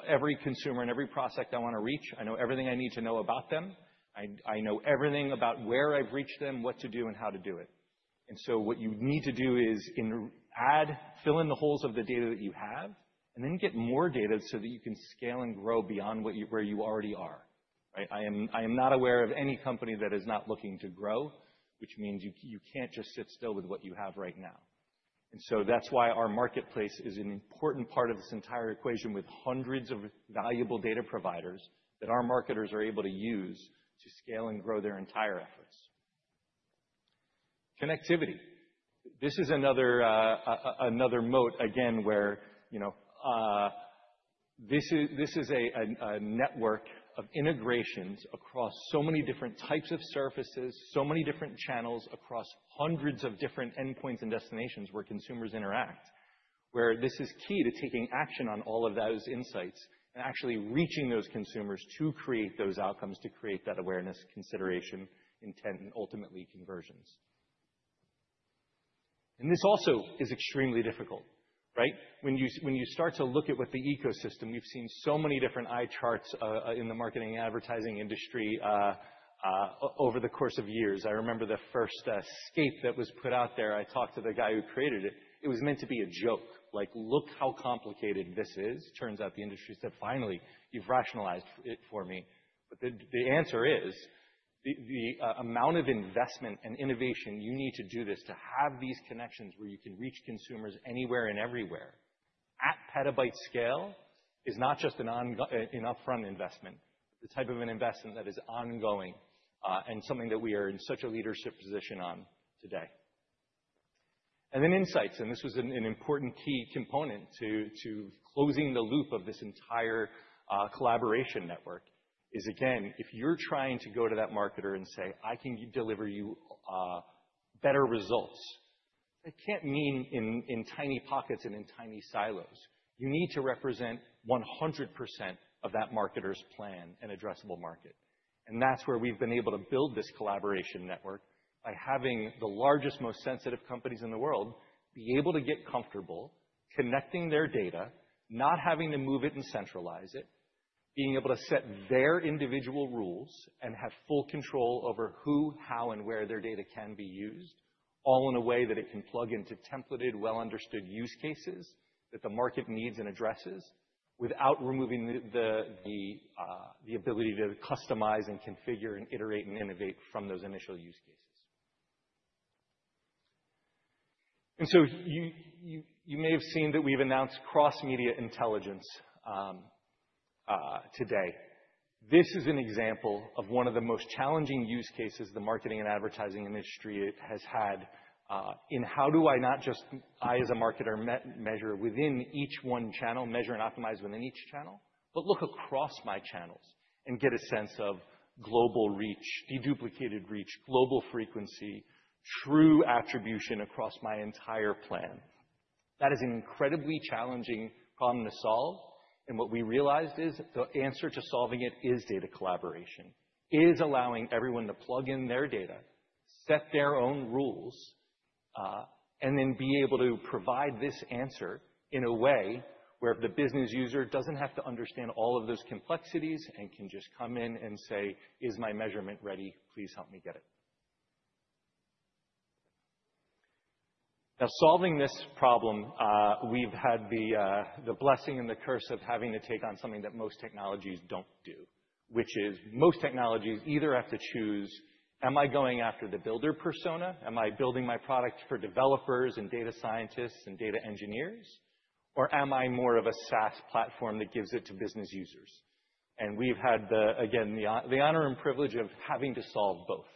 every consumer and every prospect I want to reach. I know everything I need to know about them. I know everything about where I've reached them, what to do, and how to do it." And so what you need to do is add, fill in the holes of the data that you have, and then get more data so that you can scale and grow beyond where you already are, right? I am not aware of any company that is not looking to grow, which means you can't just sit still with what you have right now. And so that's why our marketplace is an important part of this entire equation with hundreds of valuable data providers that our marketers are able to use to scale and grow their entire efforts. Connectivity. This is another moat, again, where this is a network of integrations across so many different types of surfaces, so many different channels across hundreds of different endpoints and destinations where consumers interact, where this is key to taking action on all of those insights and actually reaching those consumers to create those outcomes, to create that awareness, consideration, intent, and ultimately conversions. And this also is extremely difficult, right? When you start to look at what the ecosystem, we've seen so many different eye charts in the marketing advertising industry over the course of years. I remember the first landscape that was put out there. I talked to the guy who created it. It was meant to be a joke, like, "Look how complicated this is." Turns out the industry said, "Finally, you've rationalized it for me." But the answer is the amount of investment and innovation you need to do this to have these connections where you can reach consumers anywhere and everywhere at petabyte scale is not just an upfront investment, but the type of an investment that is ongoing and something that we are in such a leadership position on today. And then insights. And this was an important key component to closing the loop of this entire collaboration network is, again, if you're trying to go to that marketer and say, "I can deliver you better results," that can't mean in tiny pockets and in tiny silos. You need to represent 100% of that marketer's plan and addressable market. And that's where we've been able to build this collaboration network by having the largest, most sensitive companies in the world be able to get comfortable connecting their data, not having to move it and centralize it, being able to set their individual rules and have full control over who, how, and where their data can be used, all in a way that it can plug into templated, well-understood use cases that the market needs and addresses without removing the ability to customize and configure and iterate and innovate from those initial use cases. And so you may have seen that we've announced Cross-Media Intelligence today. This is an example of one of the most challenging use cases the marketing and advertising industry has had in how do I not just, I as a marketer measure within each one channel, measure and optimize within each channel, but look across my channels and get a sense of global reach, deduplicated reach, global frequency, true attribution across my entire plan. That is an incredibly challenging problem to solve, and what we realized is the answer to solving it is data collaboration, is allowing everyone to plug in their data, set their own rules, and then be able to provide this answer in a way where the business user doesn't have to understand all of those complexities and can just come in and say, "Is my measurement ready? “Please help me get it.” Now, solving this problem, we've had the blessing and the curse of having to take on something that most technologies don't do, which is most technologies either have to choose, “Am I going after the builder persona? Am I building my product for developers and data scientists and data engineers? Or am I more of a SaaS platform that gives it to business users?” And we've had, again, the honor and privilege of having to solve both.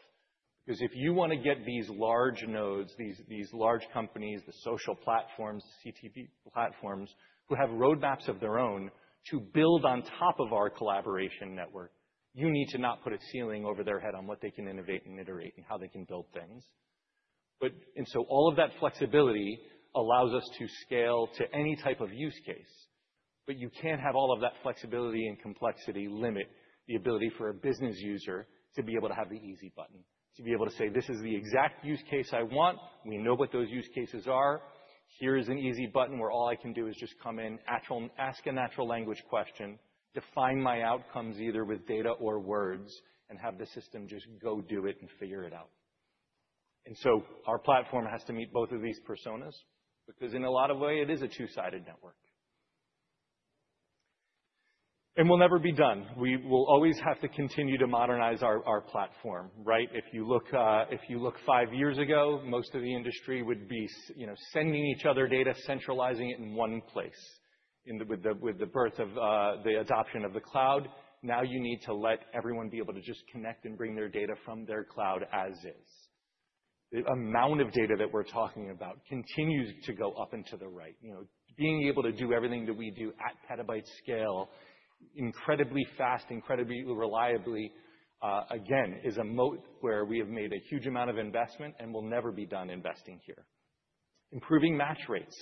Because if you want to get these large nodes, these large companies, the social platforms, CTV platforms who have roadmaps of their own to build on top of our collaboration network, you need to not put a ceiling over their head on what they can innovate and iterate and how they can build things. And so all of that flexibility allows us to scale to any type of use case. But you can't have all of that flexibility and complexity limit the ability for a business user to be able to have the easy button, to be able to say, "This is the exact use case I want. We know what those use cases are. Here is an easy button where all I can do is just come in, ask a natural language question, define my outcomes either with data or words, and have the system just go do it and figure it out." And so our platform has to meet both of these personas because in a lot of ways, it is a two-sided network. And we'll never be done. We will always have to continue to modernize our platform, right? If you look five years ago, most of the industry would be sending each other data, centralizing it in one place. With the birth of the adoption of the cloud, now you need to let everyone be able to just connect and bring their data from their cloud as is. The amount of data that we're talking about continues to go up and to the right. Being able to do everything that we do at petabyte scale, incredibly fast, incredibly reliably, again, is a moat where we have made a huge amount of investment and will never be done investing here. Improving match rates.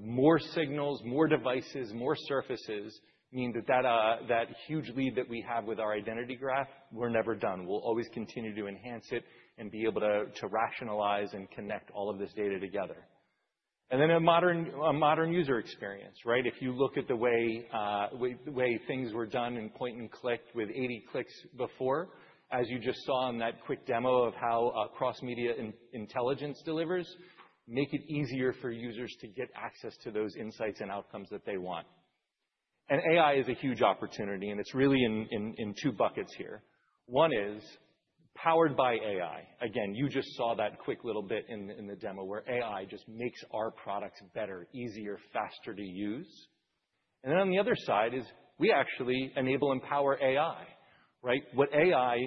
More signals, more devices, more surfaces mean that that huge lead that we have with our identity graph, we're never done. We'll always continue to enhance it and be able to rationalize and connect all of this data together, and then a modern user experience, right? If you look at the way things were done and point and clicked with 80 clicks before, as you just saw in that quick demo of how Cross-Media Intelligence delivers, make it easier for users to get access to those insights and outcomes that they want. And AI is a huge opportunity, and it's really in two buckets here. One is powered by AI. Again, you just saw that quick little bit in the demo where AI just makes our products better, easier, faster to use. And then on the other side is we actually enable and power AI, right? What AI,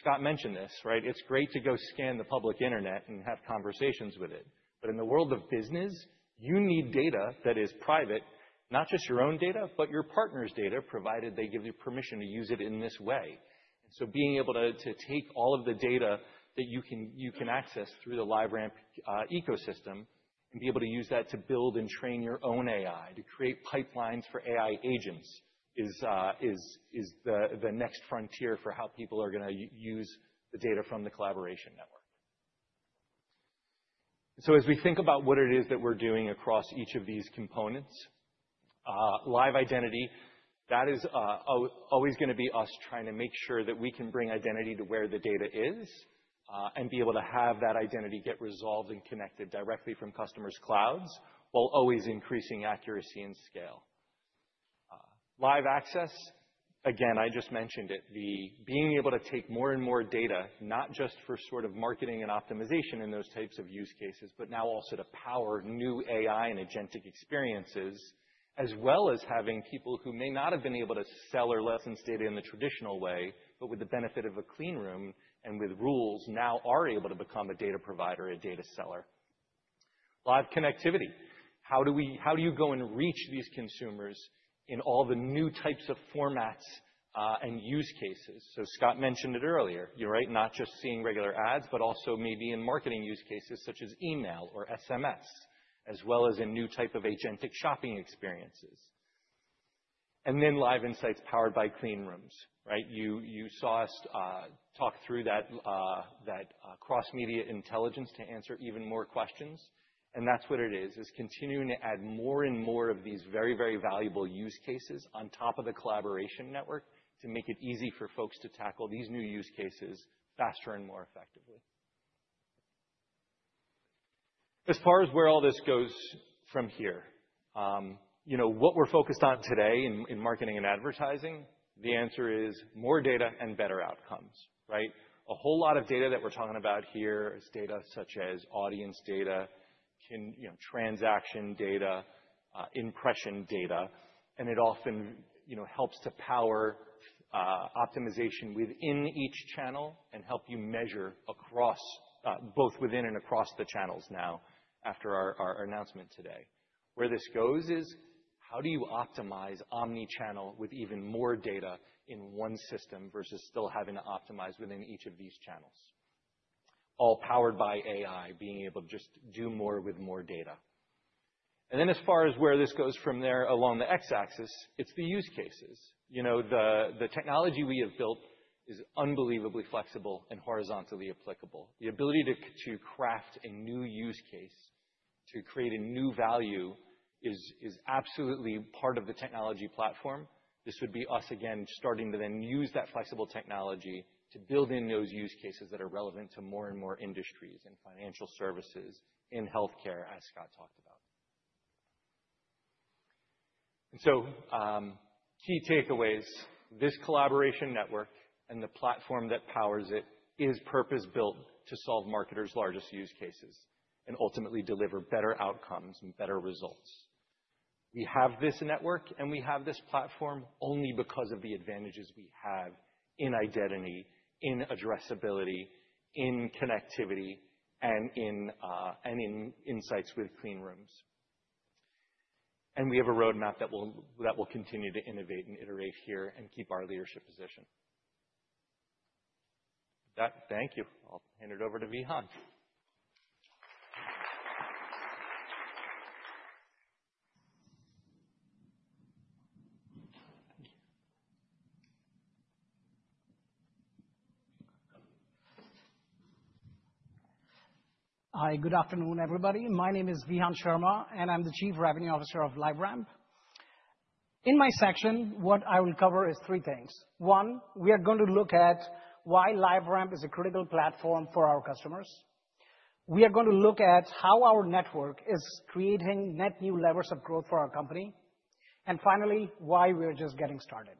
Scott mentioned this, right? It's great to go scan the public internet and have conversations with it. But in the world of business, you need data that is private, not just your own data, but your partner's data, provided they give you permission to use it in this way. And so being able to take all of the data that you can access through the LiveRamp ecosystem and be able to use that to build and train your own AI, to create pipelines for AI agents is the next frontier for how people are going to use the data from the collaboration network. And so as we think about what it is that we're doing across each of these components, LiveRamp Identity, that is always going to be us trying to make sure that we can bring identity to where the data is and be able to have that identity get resolved and connected directly from customers' clouds while always increasing accuracy and scale. Live access, again, I just mentioned it, being able to take more and more data, not just for sort of marketing and optimization in those types of use cases, but now also to power new AI and agentic experiences, as well as having people who may not have been able to sell or license data in the traditional way, but with the benefit of a clean room and with rules, now are able to become a data provider, a data seller. Live connectivity. How do you go and reach these consumers in all the new types of formats and use cases? So Scott mentioned it earlier, you're right, not just seeing regular ads, but also maybe in marketing use cases such as email or SMS, as well as a new type of agentic shopping experiences. And then live insights powered by clean rooms, right? You saw us talk through that Cross-Media Intelligence to answer even more questions, and that's what it is, is continuing to add more and more of these very, very valuable use cases on top of the collaboration network to make it easy for folks to tackle these new use cases faster and more effectively. As far as where all this goes from here, what we're focused on today in marketing and advertising, the answer is more data and better outcomes, right? A whole lot of data that we're talking about here is data such as audience data, transaction data, impression data, and it often helps to power optimization within each channel and help you measure across both within and across the channels now after our announcement today. Where this goes is how do you optimize omnichannel with even more data in one system versus still having to optimize within each of these channels, all powered by AI, being able to just do more with more data. And then as far as where this goes from there along the X-axis, it's the use cases. The technology we have built is unbelievably flexible and horizontally applicable. The ability to craft a new use case, to create a new value is absolutely part of the technology platform. This would be us, again, starting to then use that flexible technology to build in those use cases that are relevant to more and more industries in financial services, in healthcare, as Scott talked about. And so key takeaways: this collaboration network and the platform that powers it is purpose-built to solve marketers' largest use cases and ultimately deliver better outcomes and better results. We have this network and we have this platform only because of the advantages we have in identity, in addressability, in connectivity, and in insights with clean rooms. And we have a roadmap that will continue to innovate and iterate here and keep our leadership position. With that, thank you. I'll hand it over to Vihan. Hi, good afternoon, everybody. My name is Vihan Sharma and I'm the Chief Revenue Officer of LiveRamp. In my section, what I will cover is three things. One, we are going to look at why LiveRamp is a critical platform for our customers. We are going to look at how our network is creating net new levers of growth for our company. And finally, why we're just getting started.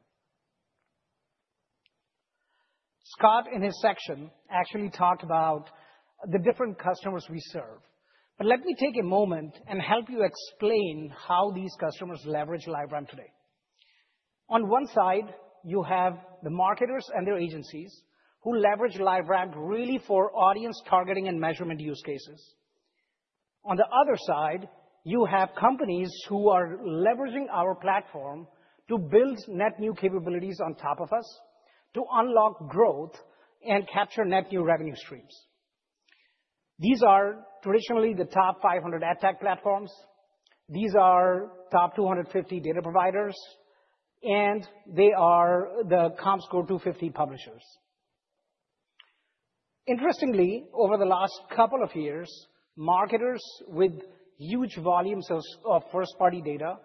Scott, in his section, actually talked about the different customers we serve. But let me take a moment and help you explain how these customers leverage LiveRamp today. On one side, you have the marketers and their agencies who leverage LiveRamp really for audience targeting and measurement use cases. On the other side, you have companies who are leveraging our platform to build net new capabilities on top of us to unlock growth and capture net new revenue streams. These are traditionally the top 500 ad tech platforms. These are top 250 data providers, and they are the Comscore 250 publishers. Interestingly, over the last couple of years, marketers with huge volumes of first-party data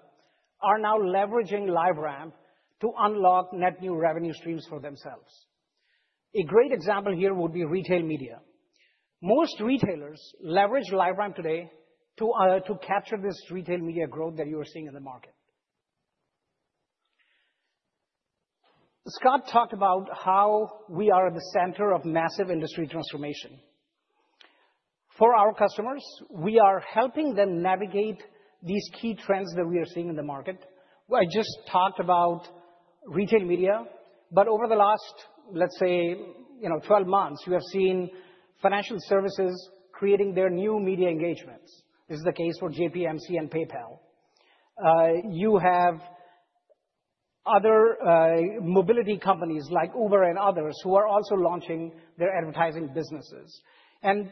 are now leveraging LiveRamp to unlock net new revenue streams for themselves. A great example here would be retail media. Most retailers leverage LiveRamp today to capture this retail media growth that you are seeing in the market. Scott talked about how we are at the center of massive industry transformation. For our customers, we are helping them navigate these key trends that we are seeing in the market. I just talked about retail media, but over the last, let's say, 12 months, you have seen financial services creating their new media engagements. This is the case for JPMC and PayPal. You have other mobility companies like Uber and others who are also launching their advertising businesses, and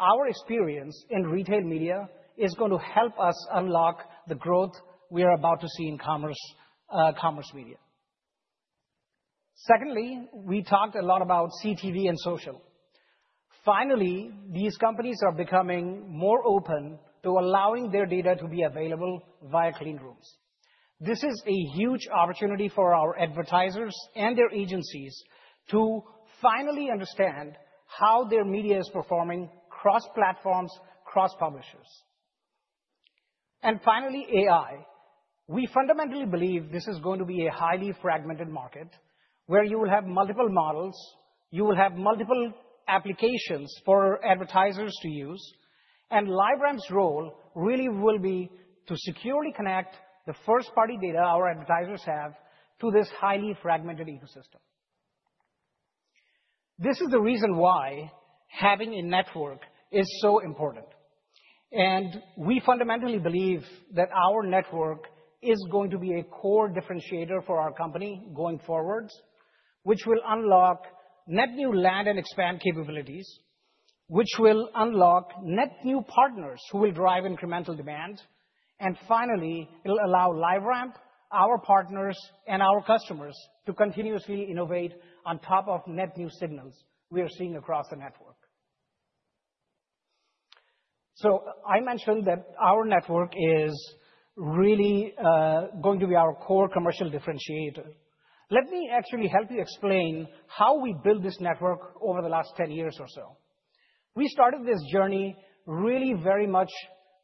our experience in retail media is going to help us unlock the growth we are about to see in commerce media. Secondly, we talked a lot about CTV and social. Finally, these companies are becoming more open to allowing their data to be available via clean rooms. This is a huge opportunity for our advertisers and their agencies to finally understand how their media is performing cross-platforms, cross-publishers, and finally, AI. We fundamentally believe this is going to be a highly fragmented market where you will have multiple models. You will have multiple applications for advertisers to use, and LiveRamp's role really will be to securely connect the first-party data our advertisers have to this highly fragmented ecosystem. This is the reason why having a network is so important, and we fundamentally believe that our network is going to be a core differentiator for our company going forward, which will unlock net new land and expand capabilities, which will unlock net new partners who will drive incremental demand, and finally, it'll allow LiveRamp, our partners, and our customers to continuously innovate on top of net new signals we are seeing across the network. So I mentioned that our network is really going to be our core commercial differentiator. Let me actually help you explain how we built this network over the last 10 years or so. We started this journey really very much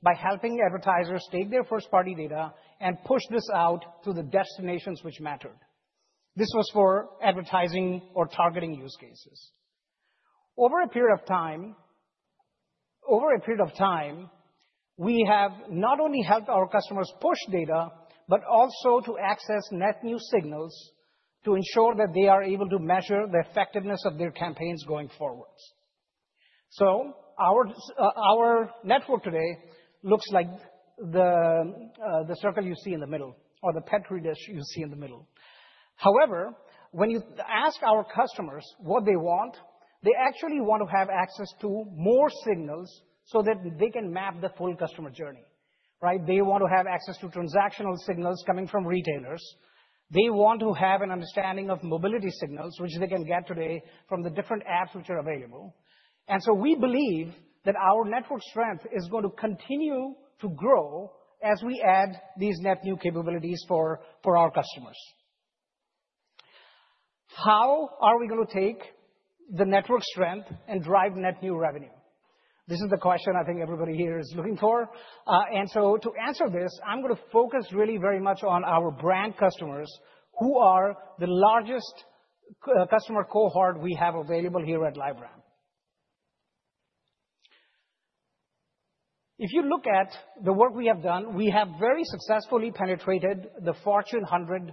by helping advertisers take their first-party data and push this out to the destinations which mattered. This was for advertising or targeting use cases. Over a period of time, we have not only helped our customers push data, but also to access net new signals to ensure that they are able to measure the effectiveness of their campaigns going forwards. So our network today looks like the circle you see in the middle or the petri dish you see in the middle. However, when you ask our customers what they want, they actually want to have access to more signals so that they can map the full customer journey, right? They want to have access to transactional signals coming from retailers. They want to have an understanding of mobility signals, which they can get today from the different apps which are available. And so we believe that our network strength is going to continue to grow as we add these net new capabilities for our customers. How are we going to take the network strength and drive net new revenue? This is the question I think everybody here is looking for. And so to answer this, I'm going to focus really very much on our brand customers who are the largest customer cohort we have available here at LiveRamp. If you look at the work we have done, we have very successfully penetrated the Fortune 100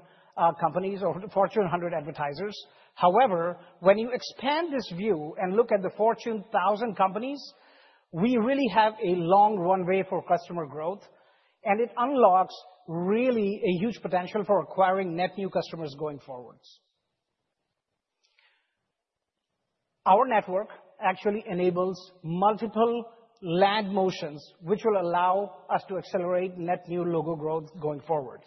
companies or the Fortune 100 advertisers. However, when you expand this view and look at the Fortune 1000 companies, we really have a long runway for customer growth, and it unlocks really a huge potential for acquiring net new customers going forwards. Our network actually enables multiple land motions, which will allow us to accelerate net new logo growth going forwards.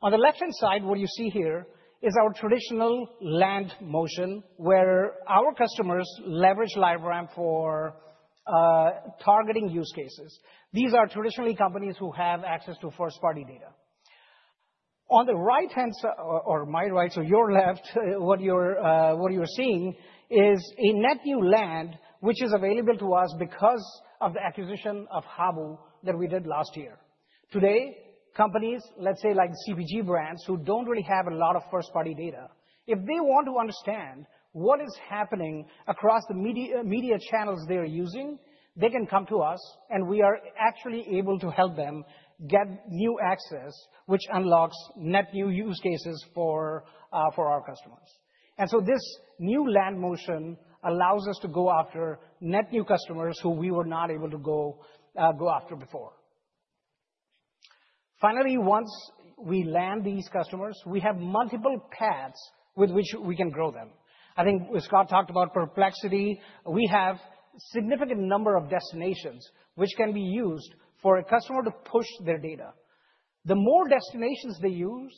On the left-hand side, what you see here is our traditional land motion where our customers leverage LiveRamp for targeting use cases. These are traditionally companies who have access to first-party data. On the right-hand side or my right, so your left, what you're seeing is a net new land which is available to us because of the acquisition of Habu that we did last year. Today, companies, let's say like CPG brands who don't really have a lot of first-party data, if they want to understand what is happening across the media channels they're using, they can come to us, and we are actually able to help them get new access, which unlocks net new use cases for our customers, and so this new land motion allows us to go after net new customers who we were not able to go after before. Finally, once we land these customers, we have multiple paths with which we can grow them. I think Scott talked about Perplexity. We have a significant number of destinations which can be used for a customer to push their data. The more destinations they use,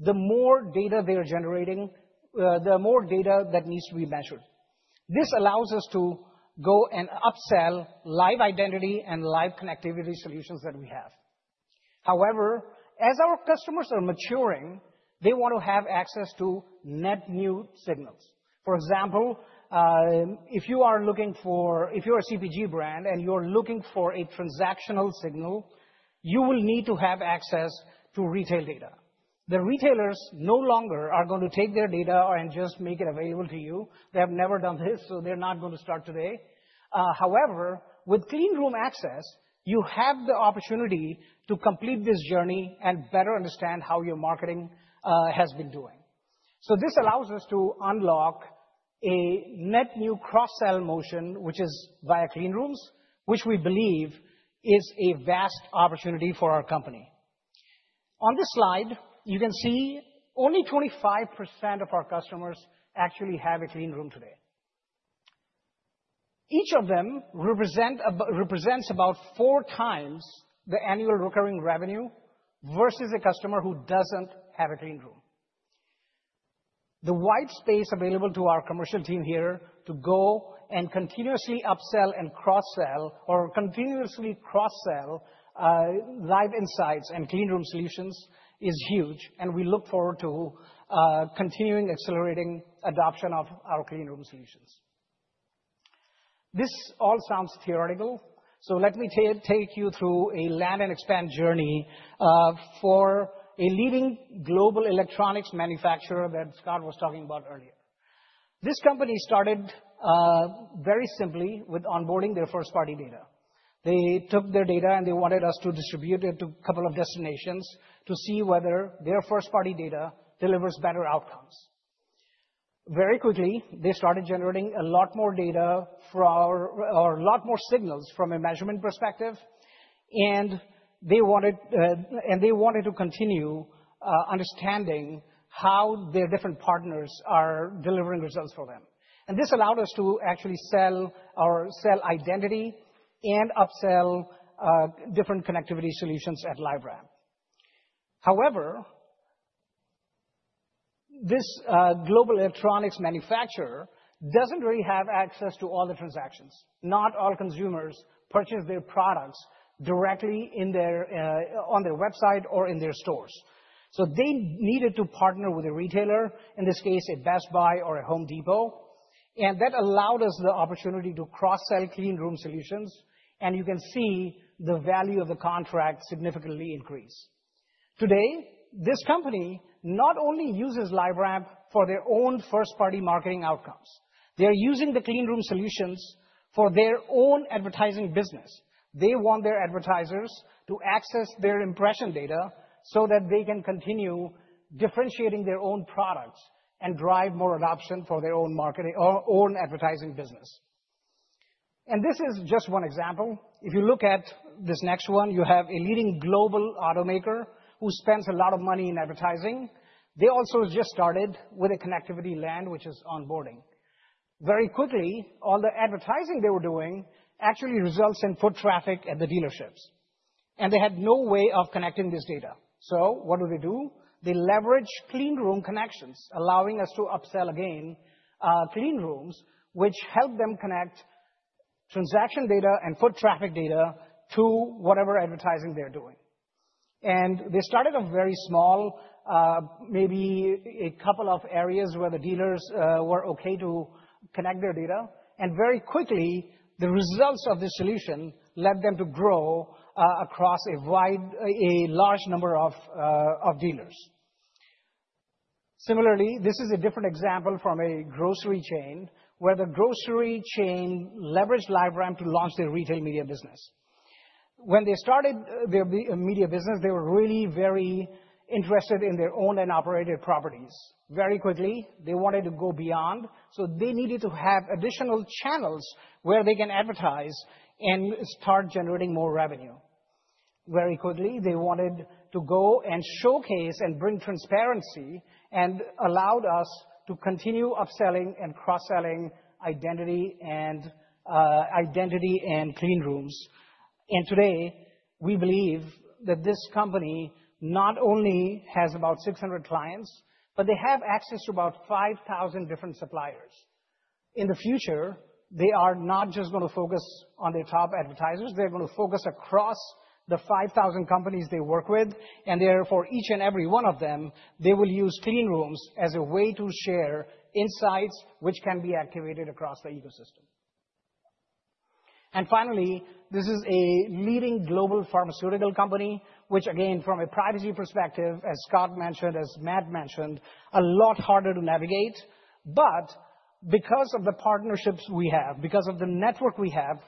the more data they are generating, the more data that needs to be measured. This allows us to go and upsell live identity and live connectivity solutions that we have. However, as our customers are maturing, they want to have access to net new signals. For example, if you are looking for, if you're a CPG brand and you're looking for a transactional signal, you will need to have access to retail data. The retailers no longer are going to take their data and just make it available to you. They have never done this, so they're not going to start today. However, with clean room access, you have the opportunity to complete this journey and better understand how your marketing has been doing. So this allows us to unlock a net new cross-sell motion, which is via clean rooms, which we believe is a vast opportunity for our company. On this slide, you can see only 25% of our customers actually have a clean room today. Each of them represents about four times the annual recurring revenue versus a customer who doesn't have a clean room. The white space available to our commercial team here to go and continuously upsell and cross-sell or continuously cross-sell live insights and clean room solutions is huge, and we look forward to continuing accelerating adoption of our clean room solutions. This all sounds theoretical, so let me take you through a land and expand journey for a leading global electronics manufacturer that Scott was talking about earlier. This company started very simply with onboarding their first-party data. They took their data and they wanted us to distribute it to a couple of destinations to see whether their first-party data delivers better outcomes. Very quickly, they started generating a lot more data or a lot more signals from a measurement perspective, and they wanted to continue understanding how their different partners are delivering results for them. And this allowed us to actually sell our identity and upsell different connectivity solutions at LiveRamp. However, this global electronics manufacturer doesn't really have access to all the transactions. Not all consumers purchase their products directly on their website or in their stores. So they needed to partner with a retailer, in this case, a Best Buy or a Home Depot. And that allowed us the opportunity to cross-sell clean room solutions, and you can see the value of the contract significantly increase. Today, this company not only uses LiveRamp for their own first-party marketing outcomes. They're using the clean room solutions for their own advertising business. They want their advertisers to access their impression data so that they can continue differentiating their own products and drive more adoption for their own marketing or own advertising business, and this is just one example. If you look at this next one, you have a leading global automaker who spends a lot of money in advertising. They also just started with a connectivity land, which is onboarding. Very quickly, all the advertising they were doing actually results in foot traffic at the dealerships, and they had no way of connecting this data. So what do they do? They leverage clean room connections, allowing us to upsell again clean rooms, which help them connect transaction data and foot traffic data to whatever advertising they're doing, and they started a very small, maybe a couple of areas where the dealers were okay to connect their data. And very quickly, the results of this solution led them to grow across a large number of dealers. Similarly, this is a different example from a grocery chain where the grocery chain leveraged LiveRamp to launch their retail media business. When they started their media business, they were really very interested in their owned and operated properties. Very quickly, they wanted to go beyond, so they needed to have additional channels where they can advertise and start generating more revenue. Very quickly, they wanted to go and showcase and bring transparency and allowed us to continue upselling and cross-selling identity and clean rooms. And today, we believe that this company not only has about 600 clients, but they have access to about 5,000 different suppliers. In the future, they are not just going to focus on their top advertisers. They are going to focus across the 5,000 companies they work with. And therefore, each and every one of them, they will use clean rooms as a way to share insights which can be activated across the ecosystem. And finally, this is a leading global pharmaceutical company, which again, from a privacy perspective, as Scott mentioned, as Matt mentioned, a lot harder to navigate. But because of the partnerships we have, because of the network we have,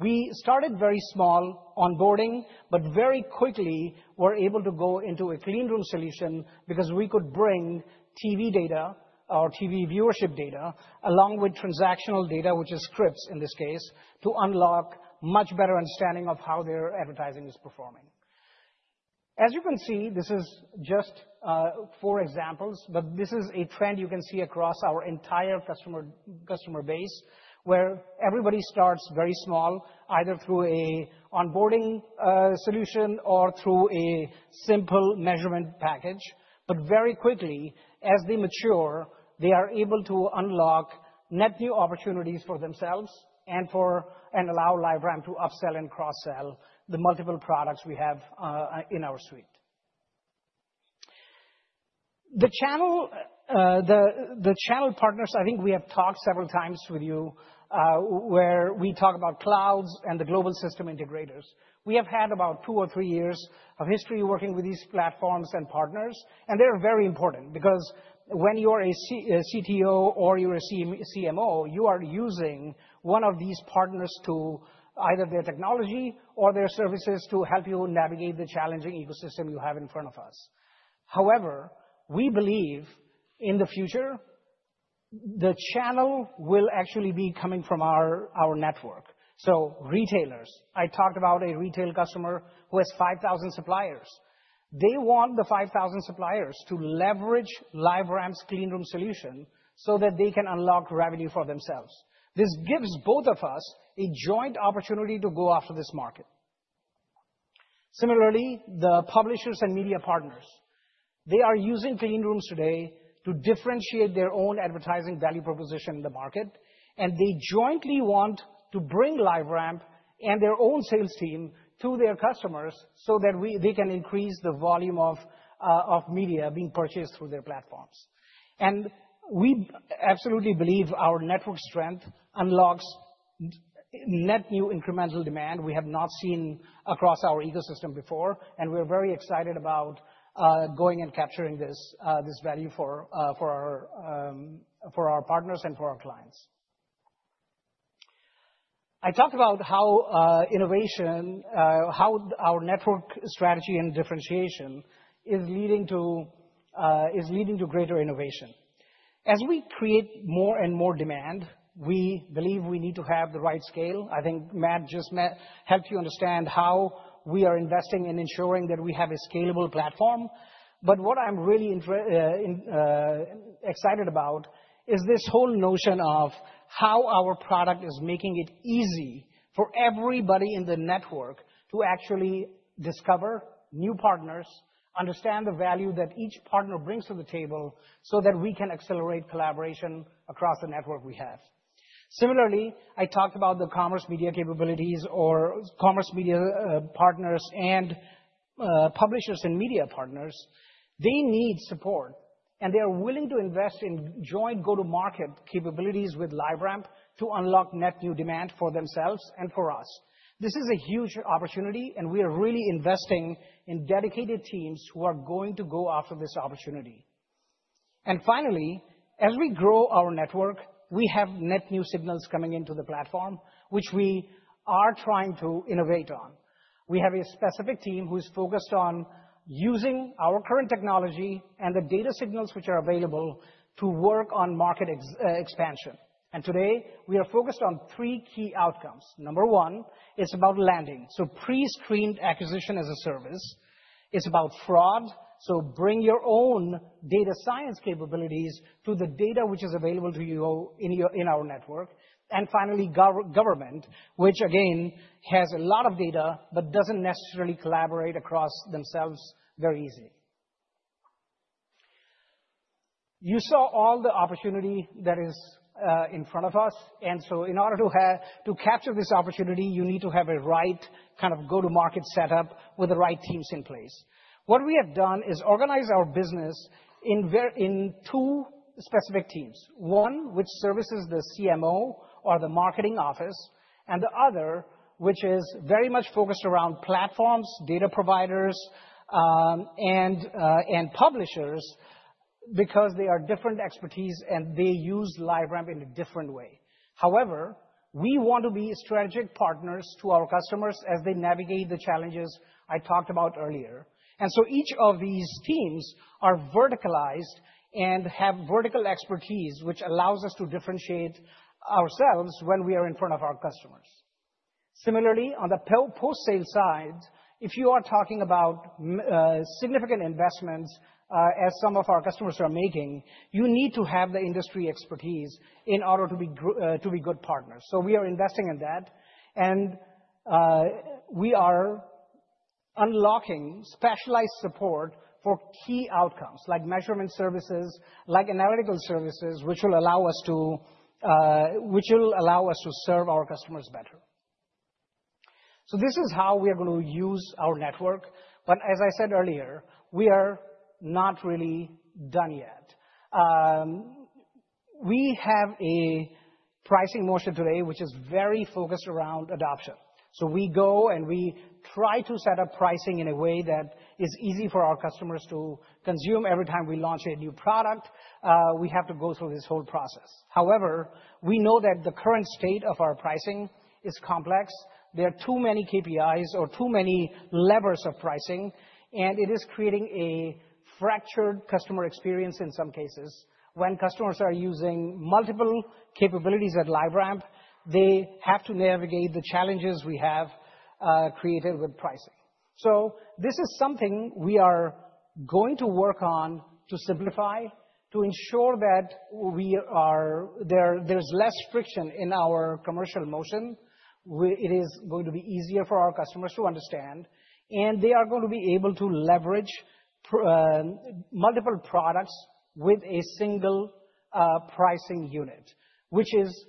we started very small onboarding, but very quickly were able to go into a clean room solution because we could bring TV data or TV viewership data along with transactional data, which is scripts in this case, to unlock much better understanding of how their advertising is performing. As you can see, this is just four examples, but this is a trend you can see across our entire customer base where everybody starts very small, either through an onboarding solution or through a simple measurement package. But very quickly, as they mature, they are able to unlock net new opportunities for themselves and allow LiveRamp to upsell and cross-sell the multiple products we have in our suite. The channel partners, I think we have talked several times with you where we talk about clouds and the global system integrators. We have had about two or three years of history working with these platforms and partners, and they're very important because when you're a CTO or you're a CMO, you are using one of these partners to either their technology or their services to help you navigate the challenging ecosystem you have in front of us. However, we believe in the future, the channel will actually be coming from our network. So retailers, I talked about a retail customer who has 5,000 suppliers. They want the 5,000 suppliers to leverage LiveRamp's clean room solution so that they can unlock revenue for themselves. This gives both of us a joint opportunity to go after this market. Similarly, the publishers and media partners, they are using clean rooms today to differentiate their own advertising value proposition in the market, and they jointly want to bring LiveRamp and their own sales team to their customers so that they can increase the volume of media being purchased through their platforms, and we absolutely believe our network strength unlocks net new incremental demand we have not seen across our ecosystem before, and we're very excited about going and capturing this value for our partners and for our clients. I talked about how innovation, how our network strategy and differentiation is leading to greater innovation. As we create more and more demand, we believe we need to have the right scale. I think Matt just helped you understand how we are investing in ensuring that we have a scalable platform. But what I'm really excited about is this whole notion of how our product is making it easy for everybody in the network to actually discover new partners, understand the value that each partner brings to the table so that we can accelerate collaboration across the network we have. Similarly, I talked about the commerce media capabilities or commerce media partners and publishers and media partners. They need support, and they are willing to invest in joint go-to-market capabilities with LiveRamp to unlock net new demand for themselves and for us. This is a huge opportunity, and we are really investing in dedicated teams who are going to go after this opportunity. And finally, as we grow our network, we have net new signals coming into the platform, which we are trying to innovate on. We have a specific team who is focused on using our current technology and the data signals which are available to work on market expansion. And today, we are focused on three key outcomes. Number one, it's about landing. So pre-screened acquisition as a service is about fraud. So bring your own data science capabilities to the data which is available to you in our network. And finally, government, which again has a lot of data but doesn't necessarily collaborate across themselves very easily. You saw all the opportunity that is in front of us. And so in order to capture this opportunity, you need to have a right kind of go-to-market setup with the right teams in place. What we have done is organize our business in two specific teams. One, which services the CMO or the marketing office, and the other, which is very much focused around platforms, data providers, and publishers because they are different expertise and they use LiveRamp in a different way. However, we want to be strategic partners to our customers as they navigate the challenges I talked about earlier. And so each of these teams are verticalized and have vertical expertise, which allows us to differentiate ourselves when we are in front of our customers. Similarly, on the post-sale side, if you are talking about significant investments as some of our customers are making, you need to have the industry expertise in order to be good partners. So we are investing in that, and we are unlocking specialized support for key outcomes like measurement services, like analytical services, which will allow us to serve our customers better. So this is how we are going to use our network. But as I said earlier, we are not really done yet. We have a pricing motion today which is very focused around adoption. So we go and we try to set up pricing in a way that is easy for our customers to consume every time we launch a new product. We have to go through this whole process. However, we know that the current state of our pricing is complex. There are too many KPIs or too many levers of pricing, and it is creating a fractured customer experience in some cases. When customers are using multiple capabilities at LiveRamp, they have to navigate the challenges we have created with pricing, so this is something we are going to work on to simplify, to ensure that there's less friction in our commercial motion. It is going to be easier for our customers to understand, and they are going to be able to leverage multiple products with a single pricing unit, which is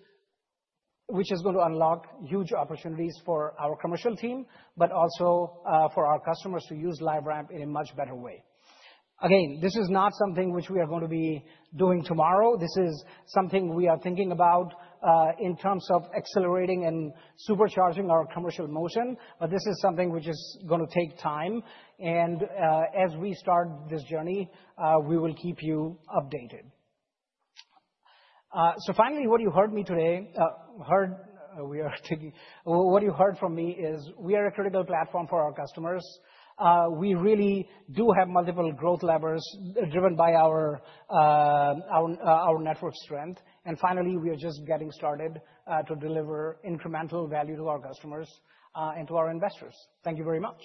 going to unlock huge opportunities for our commercial team, but also for our customers to use LiveRamp in a much better way. Again, this is not something which we are going to be doing tomorrow. This is something we are thinking about in terms of accelerating and supercharging our commercial motion, but this is something which is going to take time, and as we start this journey, we will keep you updated. So finally, what you heard me today, what you heard from me is we are a critical platform for our customers. We really do have multiple growth levers driven by our network strength. And finally, we are just getting started to deliver incremental value to our customers and to our investors. Thank you very much.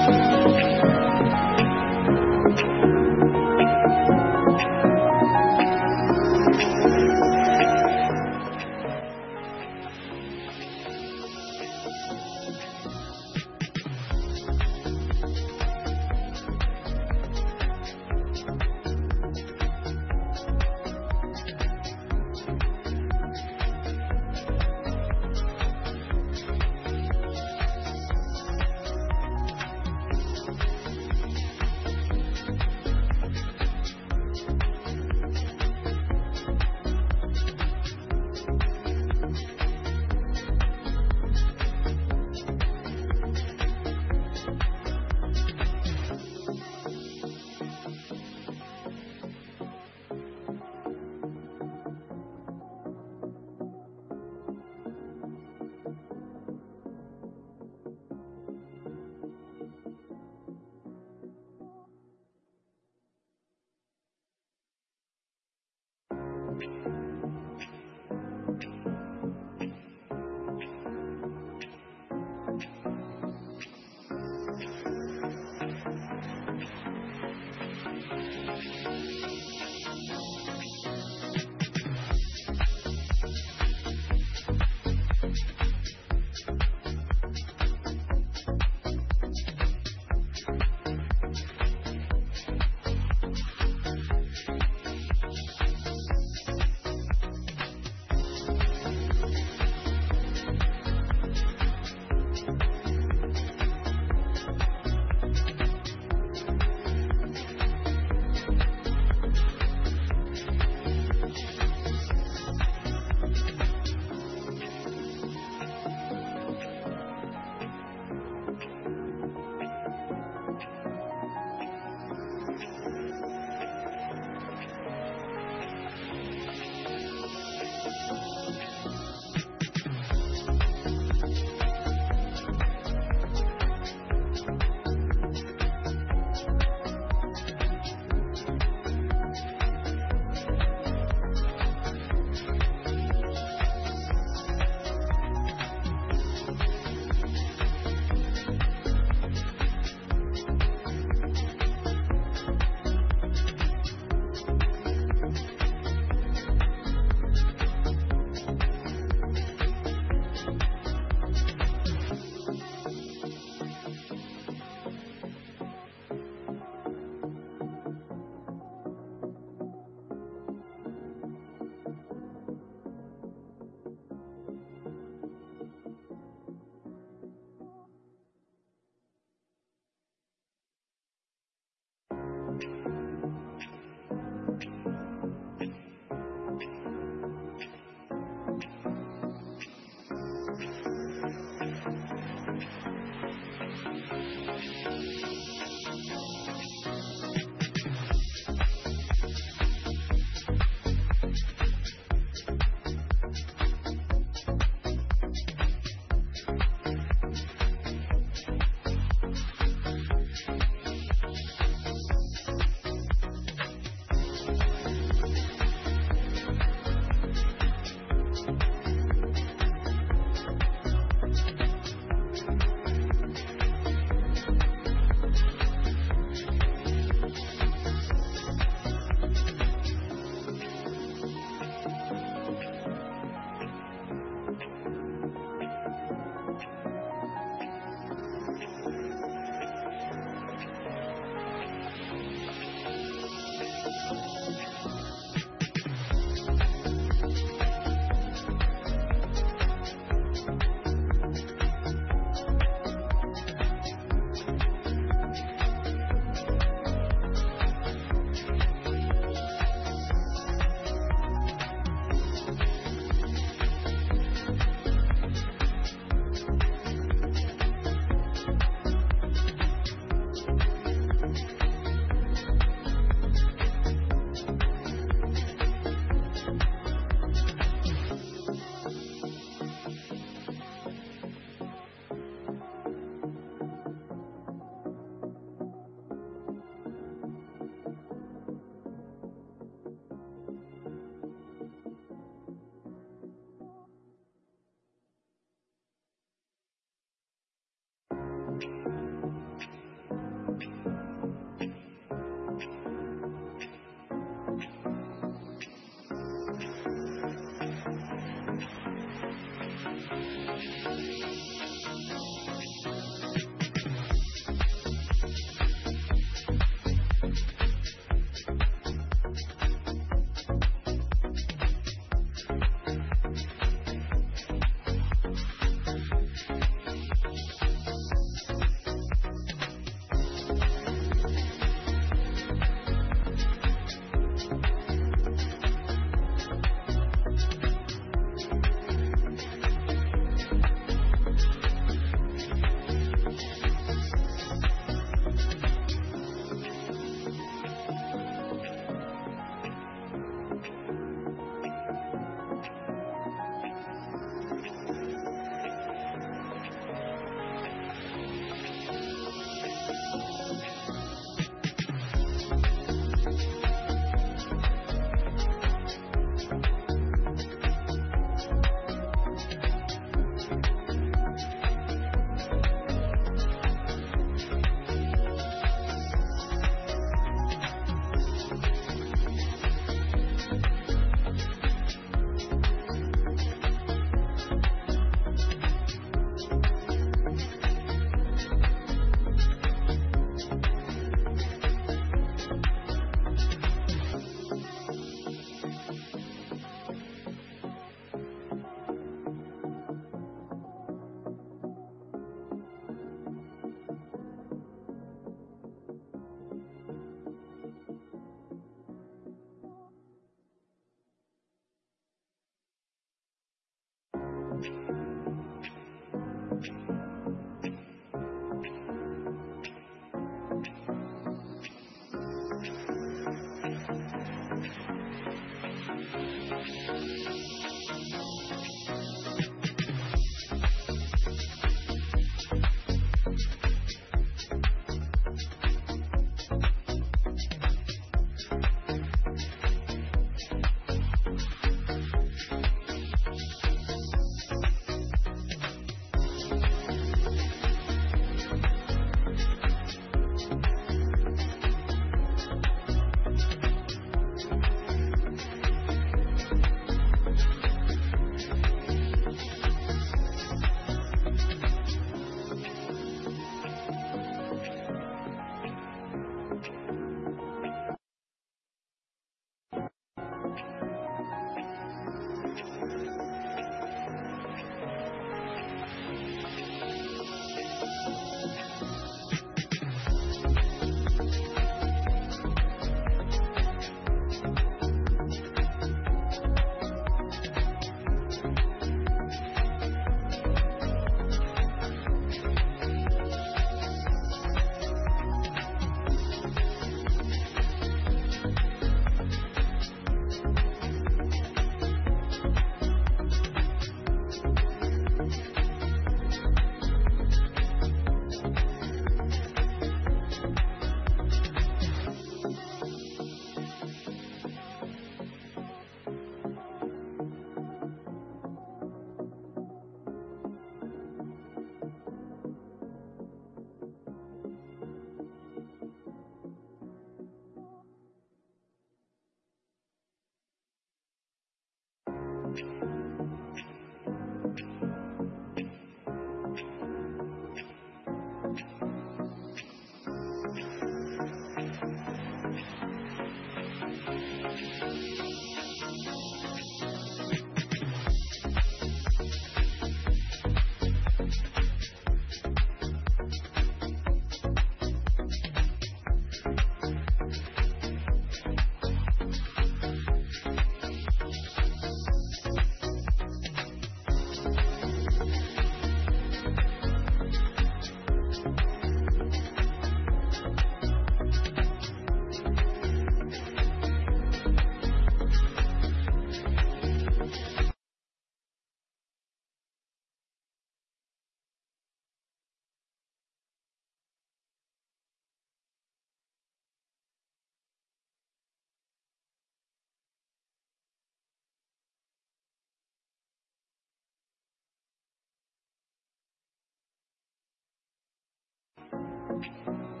All right,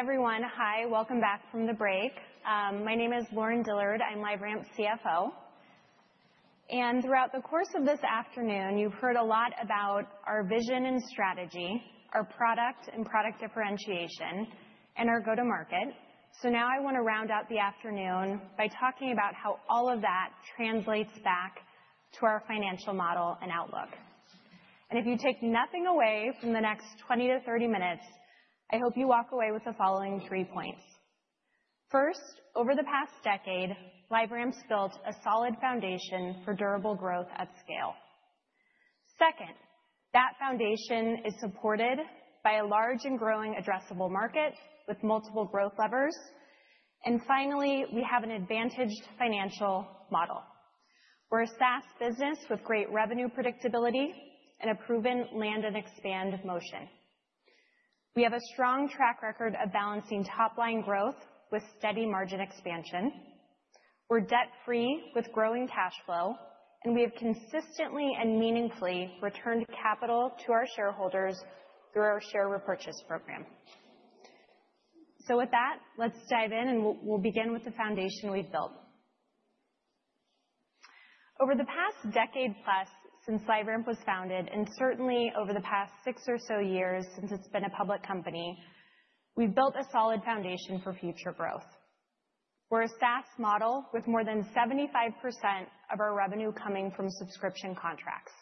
everyone. Hi. Welcome back from the break. My name is Lauren Dillard. I'm LiveRamp's CFO. And throughout the course of this afternoon, you've heard a lot about our vision and strategy, our product and product differentiation, and our go-to-market. So now I want to round out the afternoon by talking about how all of that translates back to our financial model and outlook. And if you take nothing away from the next 20 to 30 minutes, I hope you walk away with the following three points. First, over the past decade, LiveRamp's built a solid foundation for durable growth at scale. Second, that foundation is supported by a large and growing addressable market with multiple growth levers. Finally, we have an advantaged financial model. We're a SaaS business with great revenue predictability and a proven land and expand motion. We have a strong track record of balancing top-line growth with steady margin expansion. We're debt-free with growing cash flow, and we have consistently and meaningfully returned capital to our shareholders through our share repurchase program. With that, let's dive in, and we'll begin with the foundation we've built. Over the past decade-plus since LiveRamp was founded, and certainly over the past six or so years since it's been a public company, we've built a solid foundation for future growth. We're a SaaS model with more than 75% of our revenue coming from subscription contracts.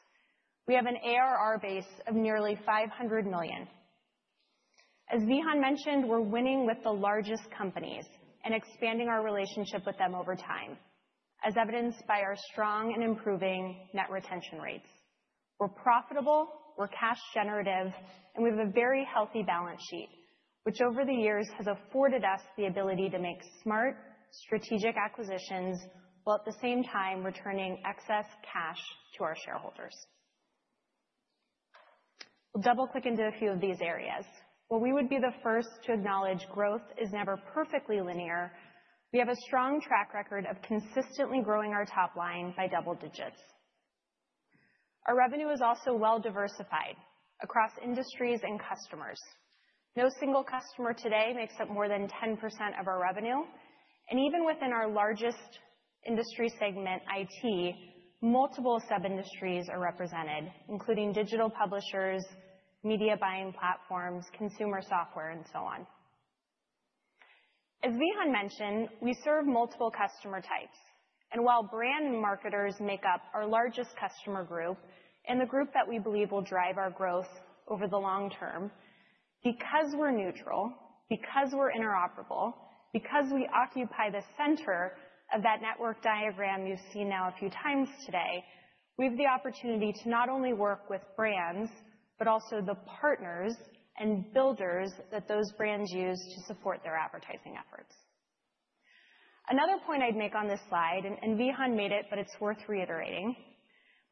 We have an ARR base of nearly $500 million. As Vihan mentioned, we're winning with the largest companies and expanding our relationship with them over time, as evidenced by our strong and improving net retention rates. We're profitable, we're cash-generative, and we have a very healthy balance sheet, which over the years has afforded us the ability to make smart, strategic acquisitions while at the same time returning excess cash to our shareholders. We'll double-click into a few of these areas. While we would be the first to acknowledge growth is never perfectly linear, we have a strong track record of consistently growing our top line by double digits. Our revenue is also well-diversified across industries and customers. No single customer today makes up more than 10% of our revenue. Even within our largest industry segment, IT, multiple sub-industries are represented, including digital publishers, media buying platforms, consumer software, and so on. As Vihan mentioned, we serve multiple customer types. While brands and marketers make up our largest customer group and the group that we believe will drive our growth over the long term, because we're neutral, because we're interoperable, because we occupy the center of that network diagram you've seen now a few times today, we have the opportunity to not only work with brands, but also the partners and builders that those brands use to support their advertising efforts. Another point I'd make on this slide, and Vihan made it, but it's worth reiterating,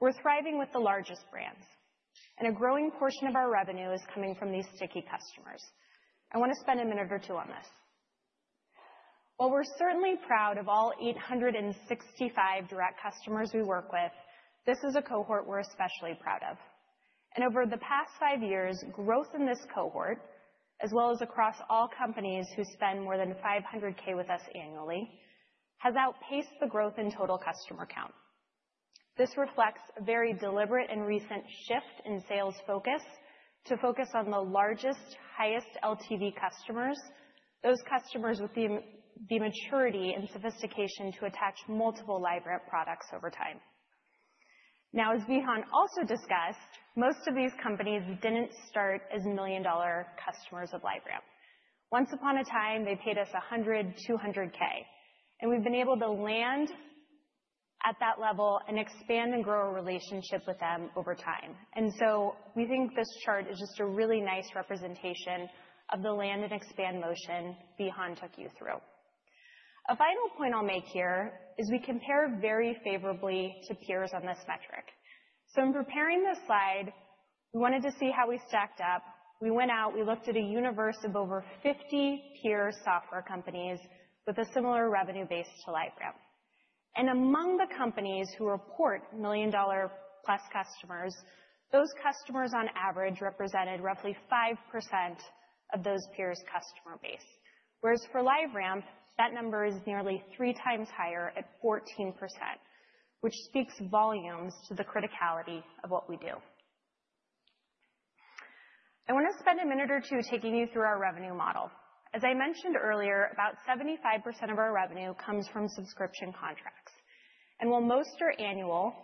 we're thriving with the largest brands. A growing portion of our revenue is coming from these sticky customers. I want to spend a minute or two on this. While we're certainly proud of all 865 direct customers we work with, this is a cohort we're especially proud of. And over the past five years, growth in this cohort, as well as across all companies who spend more than $500K with us annually, has outpaced the growth in total customer count. This reflects a very deliberate and recent shift in sales focus to focus on the largest, highest LTV customers, those customers with the maturity and sophistication to attach multiple LiveRamp products over time. Now, as Vihan also discussed, most of these companies didn't start as million-dollar customers of LiveRamp. Once upon a time, they paid us $100K, $200K. And we've been able to land at that level and expand and grow a relationship with them over time. And so we think this chart is just a really nice representation of the land and expand motion Vihan took you through. A final point I'll make here is we compare very favorably to peers on this metric. So in preparing this slide, we wanted to see how we stacked up. We went out, we looked at a universe of over 50 peer software companies with a similar revenue base to LiveRamp. And among the companies who report million-dollar plus customers, those customers on average represented roughly 5% of those peers' customer base. Whereas for LiveRamp, that number is nearly three times higher at 14%, which speaks volumes to the criticality of what we do. I want to spend a minute or two taking you through our revenue model. As I mentioned earlier, about 75% of our revenue comes from subscription contracts. While most are annual,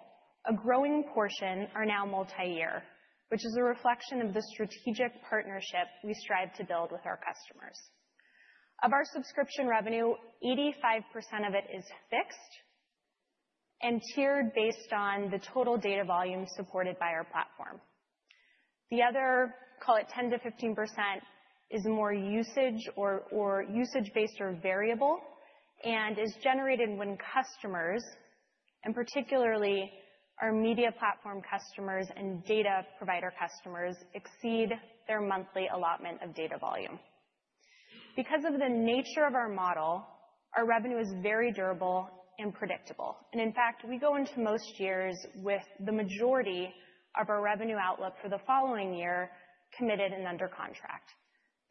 a growing portion are now multi-year, which is a reflection of the strategic partnership we strive to build with our customers. Of our subscription revenue, 85% of it is fixed and tiered based on the total data volume supported by our platform. The other, call it 10%-15%, is more usage or usage-based or variable and is generated when customers, and particularly our media platform customers and data provider customers, exceed their monthly allotment of data volume. Because of the nature of our model, our revenue is very durable and predictable. In fact, we go into most years with the majority of our revenue outlook for the following year committed and under contract.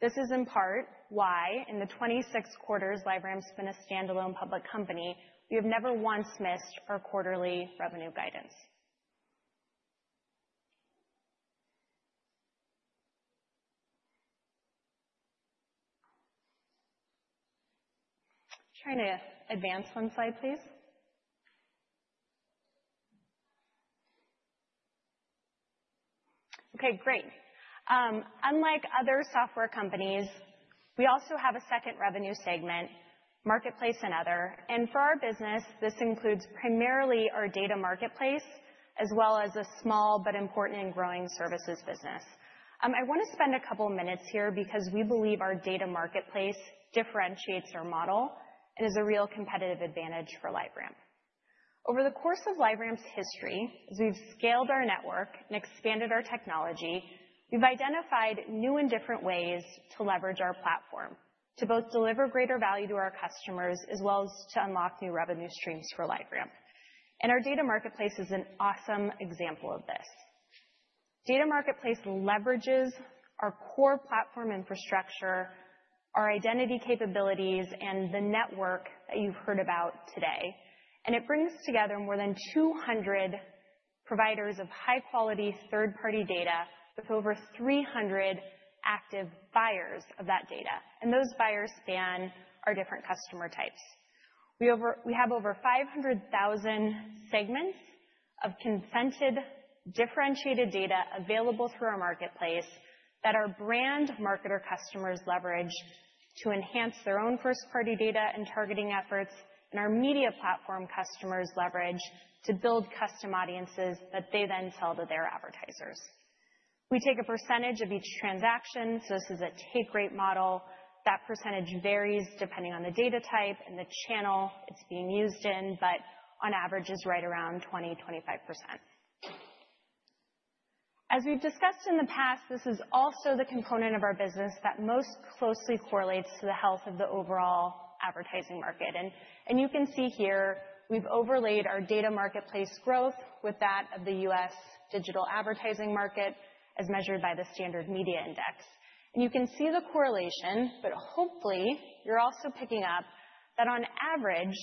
This is in part why in the 26 quarters LiveRamp's been a standalone public company, we have never once missed our quarterly revenue guidance. Trying to advance one slide, please. Okay, great. Unlike other software companies, we also have a second revenue segment, marketplace and other. And for our business, this includes primarily our data marketplace, as well as a small but important and growing services business. I want to spend a couple of minutes here because we believe our data marketplace differentiates our model and is a real competitive advantage for LiveRamp. Over the course of LiveRamp's history, as we've scaled our network and expanded our technology, we've identified new and different ways to leverage our platform to both deliver greater value to our customers as well as to unlock new revenue streams for LiveRamp. And our data marketplace is an awesome example of this. Data marketplace leverages our core platform infrastructure, our identity capabilities, and the network that you've heard about today. It brings together more than 200 providers of high-quality third-party data with over 300 active buyers of that data. Those buyers span our different customer types. We have over 500,000 segments of consented, differentiated data available through our marketplace that our brand marketer customers leverage to enhance their own first-party data and targeting efforts, and our media platform customers leverage to build custom audiences that they then sell to their advertisers. We take a percentage of each transaction, so this is a take-rate model. That percentage varies depending on the data type and the channel it's being used in, but on average is right around 20%-25%. As we've discussed in the past, this is also the component of our business that most closely correlates to the health of the overall advertising market. You can see here, we've overlaid our data marketplace growth with that of the U.S. digital advertising market as measured by the Standard Media Index. You can see the correlation, but hopefully you're also picking up that on average,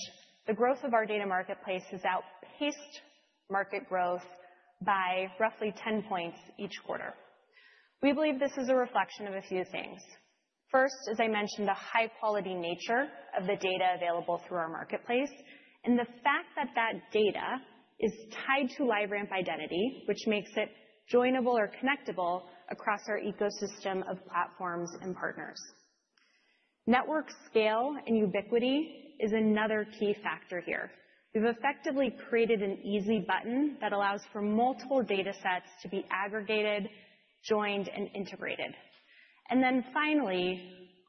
the growth of our data marketplace has outpaced market growth by roughly 10 points each quarter. We believe this is a reflection of a few things. First, as I mentioned, the high-quality nature of the data available through our marketplace and the fact that that data is tied to LiveRamp Identity, which makes it joinable or connectable across our ecosystem of platforms and partners. Network scale and ubiquity is another key factor here. We've effectively created an easy button that allows for multiple data sets to be aggregated, joined, and integrated. And then finally,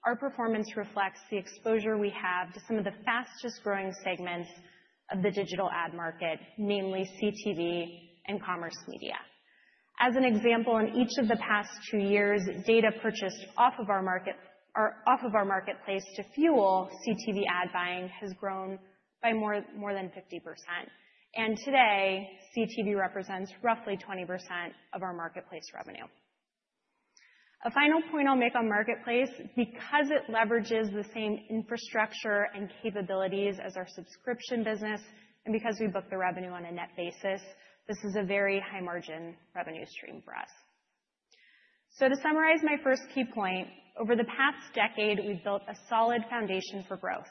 our performance reflects the exposure we have to some of the fastest-growing segments of the digital ad market, namely CTV and commerce media. As an example, in each of the past two years, data purchased off of our marketplace to fuel CTV ad buying has grown by more than 50%. And today, CTV represents roughly 20% of our marketplace revenue. A final point I'll make on marketplace, because it leverages the same infrastructure and capabilities as our subscription business and because we book the revenue on a net basis, this is a very high-margin revenue stream for us. So to summarize my first key point, over the past decade, we've built a solid foundation for growth.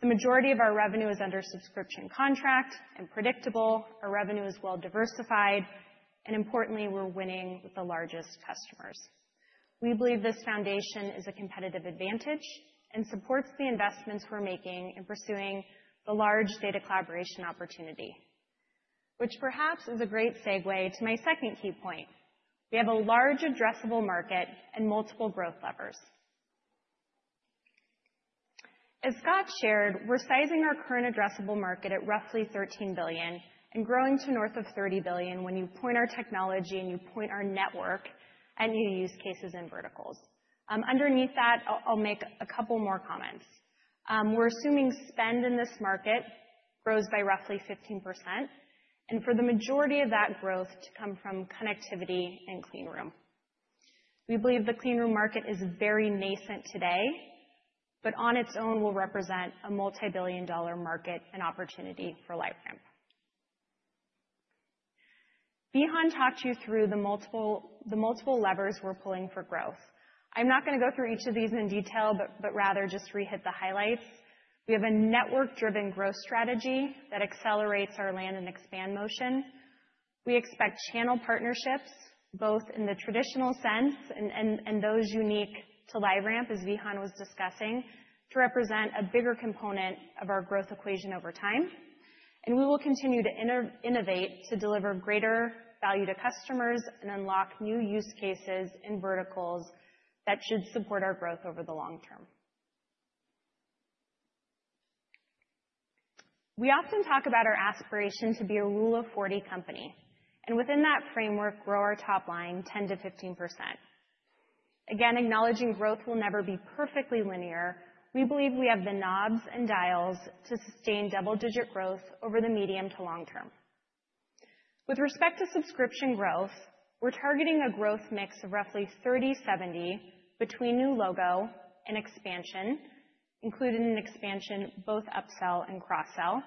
The majority of our revenue is under subscription contract and predictable. Our revenue is well-diversified. And importantly, we're winning with the largest customers. We believe this foundation is a competitive advantage and supports the investments we're making in pursuing the large data collaboration opportunity, which perhaps is a great segue to my second key point. We have a large addressable market and multiple growth levers. As Scott shared, we're sizing our current addressable market at roughly $13 billion and growing to north of $30 billion when you point our technology and you point our network and your use cases and verticals. Underneath that, I'll make a couple more comments. We're assuming spend in this market grows by roughly 15% and for the majority of that growth to come from connectivity and clean room. We believe the clean room market is very nascent today, but on its own will represent a multi-billion dollar market and opportunity for LiveRamp. Vihan talked you through the multiple levers we're pulling for growth. I'm not going to go through each of these in detail, but rather just re-hit the highlights. We have a network-driven growth strategy that accelerates our land and expand motion. We expect channel partnerships, both in the traditional sense and those unique to LiveRamp, as Vihan was discussing, to represent a bigger component of our growth equation over time. And we will continue to innovate to deliver greater value to customers and unlock new use cases and verticals that should support our growth over the long term. We often talk about our aspiration to be a Rule of 40 company and within that framework, grow our top line 10%-15%. Again, acknowledging growth will never be perfectly linear, we believe we have the knobs and dials to sustain double-digit growth over the medium to long term. With respect to subscription growth, we're targeting a growth mix of roughly 30-70 between new logo and expansion, including an expansion both upsell and cross-sell.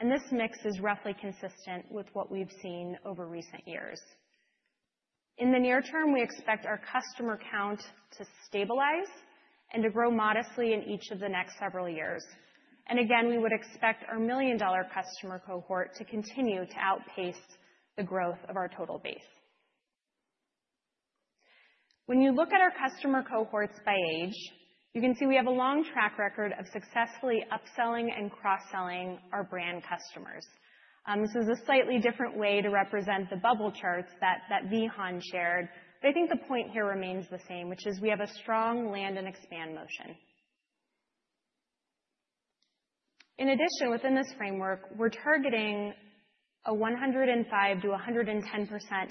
And this mix is roughly consistent with what we've seen over recent years. In the near term, we expect our customer count to stabilize and to grow modestly in each of the next several years. And again, we would expect our million-dollar customer cohort to continue to outpace the growth of our total base. When you look at our customer cohorts by age, you can see we have a long track record of successfully upselling and cross-selling our brand customers. This is a slightly different way to represent the bubble charts that Vihan shared. But I think the point here remains the same, which is we have a strong land and expand motion. In addition, within this framework, we're targeting a 105%-110%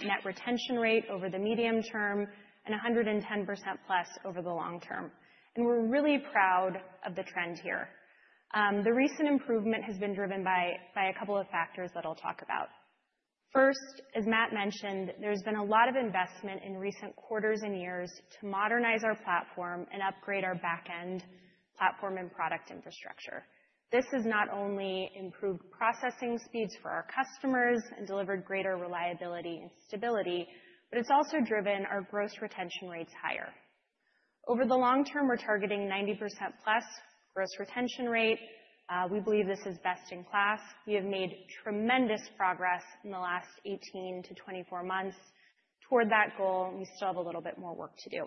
net retention rate over the medium term and 110% plus over the long term. And we're really proud of the trend here. The recent improvement has been driven by a couple of factors that I'll talk about. First, as Matt mentioned, there's been a lot of investment in recent quarters and years to modernize our platform and upgrade our backend platform and product infrastructure. This has not only improved processing speeds for our customers and delivered greater reliability and stability, but it's also driven our gross retention rates higher. Over the long term, we're targeting 90% plus gross retention rate. We believe this is best in class. We have made tremendous progress in the last 18 to 24 months toward that goal. We still have a little bit more work to do.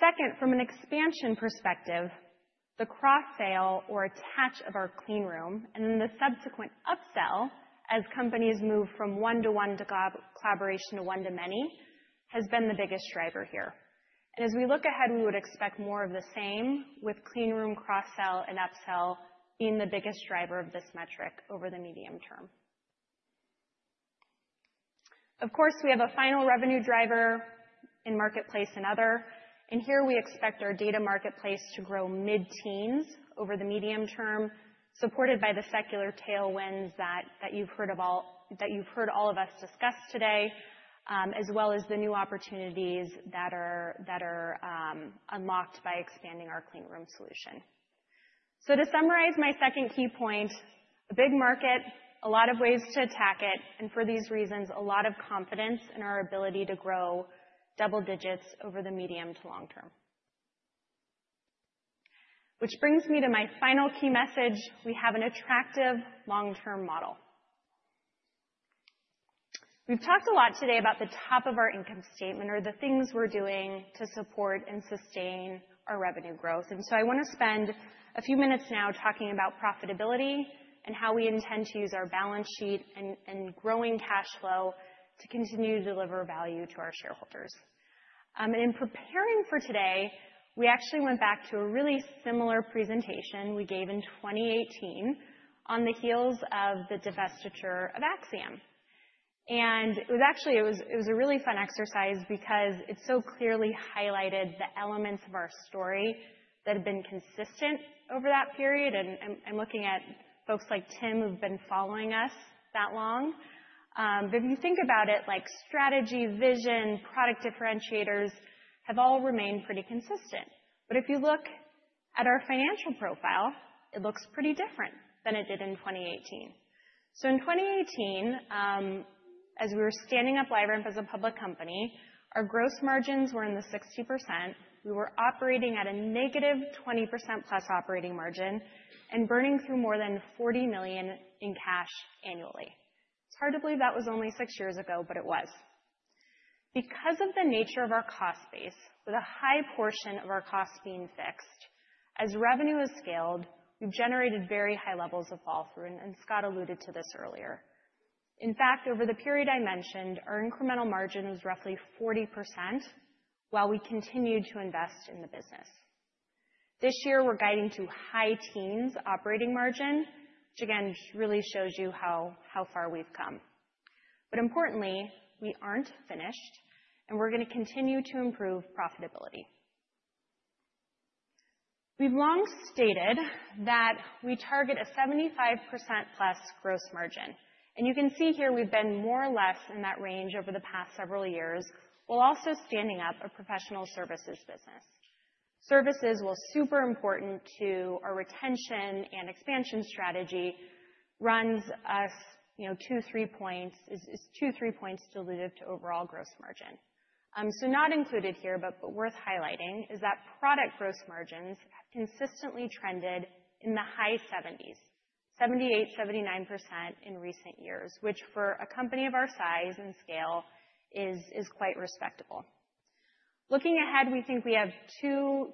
Second, from an expansion perspective, the cross-sale or attach of our clean room and then the subsequent upsell as companies move from one-to-one to collaboration to one-to-many has been the biggest driver here. And as we look ahead, we would expect more of the same with clean room cross-sell and upsell being the biggest driver of this metric over the medium term. Of course, we have a final revenue driver in marketplace and other. And here we expect our data marketplace to grow mid-teens over the medium term, supported by the secular tailwinds that you've heard all of us discuss today, as well as the new opportunities that are unlocked by expanding our clean room solution. So to summarize my second key point, a big market, a lot of ways to attack it, and for these reasons, a lot of confidence in our ability to grow double digits over the medium to long term. Which brings me to my final key message. We have an attractive long-term model. We've talked a lot today about the top of our income statement or the things we're doing to support and sustain our revenue growth. And so I want to spend a few minutes now talking about profitability and how we intend to use our balance sheet and growing cash flow to continue to deliver value to our shareholders. And in preparing for today, we actually went back to a really similar presentation we gave in 2018 on the heels of the divestiture of Acxiom. It was actually a really fun exercise because it so clearly highlighted the elements of our story that have been consistent over that period. I'm looking at folks like Tim, who've been following us that long. If you think about it, strategy, vision, product differentiators have all remained pretty consistent. If you look at our financial profile, it looks pretty different than it did in 2018. In 2018, as we were standing up LiveRamp as a public company, our gross margins were in the 60%. We were operating at a negative 20% plus operating margin and burning through more than $40 million in cash annually. It's hard to believe that was only six years ago, but it was. Because of the nature of our cost base, with a high portion of our cost being fixed, as revenue has scaled, we've generated very high levels of flow-through, and Scott alluded to this earlier. In fact, over the period I mentioned, our incremental margin was roughly 40% while we continued to invest in the business. This year, we're guiding to high teens operating margin, which again really shows you how far we've come. But importantly, we aren't finished, and we're going to continue to improve profitability. We've long stated that we target a 75% plus gross margin. And you can see here we've been more or less in that range over the past several years while also standing up a professional services business. Services were super important to our retention and expansion strategy, runs us two, three points delivered to overall gross margin. So not included here, but worth highlighting is that product gross margins have consistently trended in the high 70s, 78-79% in recent years, which for a company of our size and scale is quite respectable. Looking ahead, we think we have two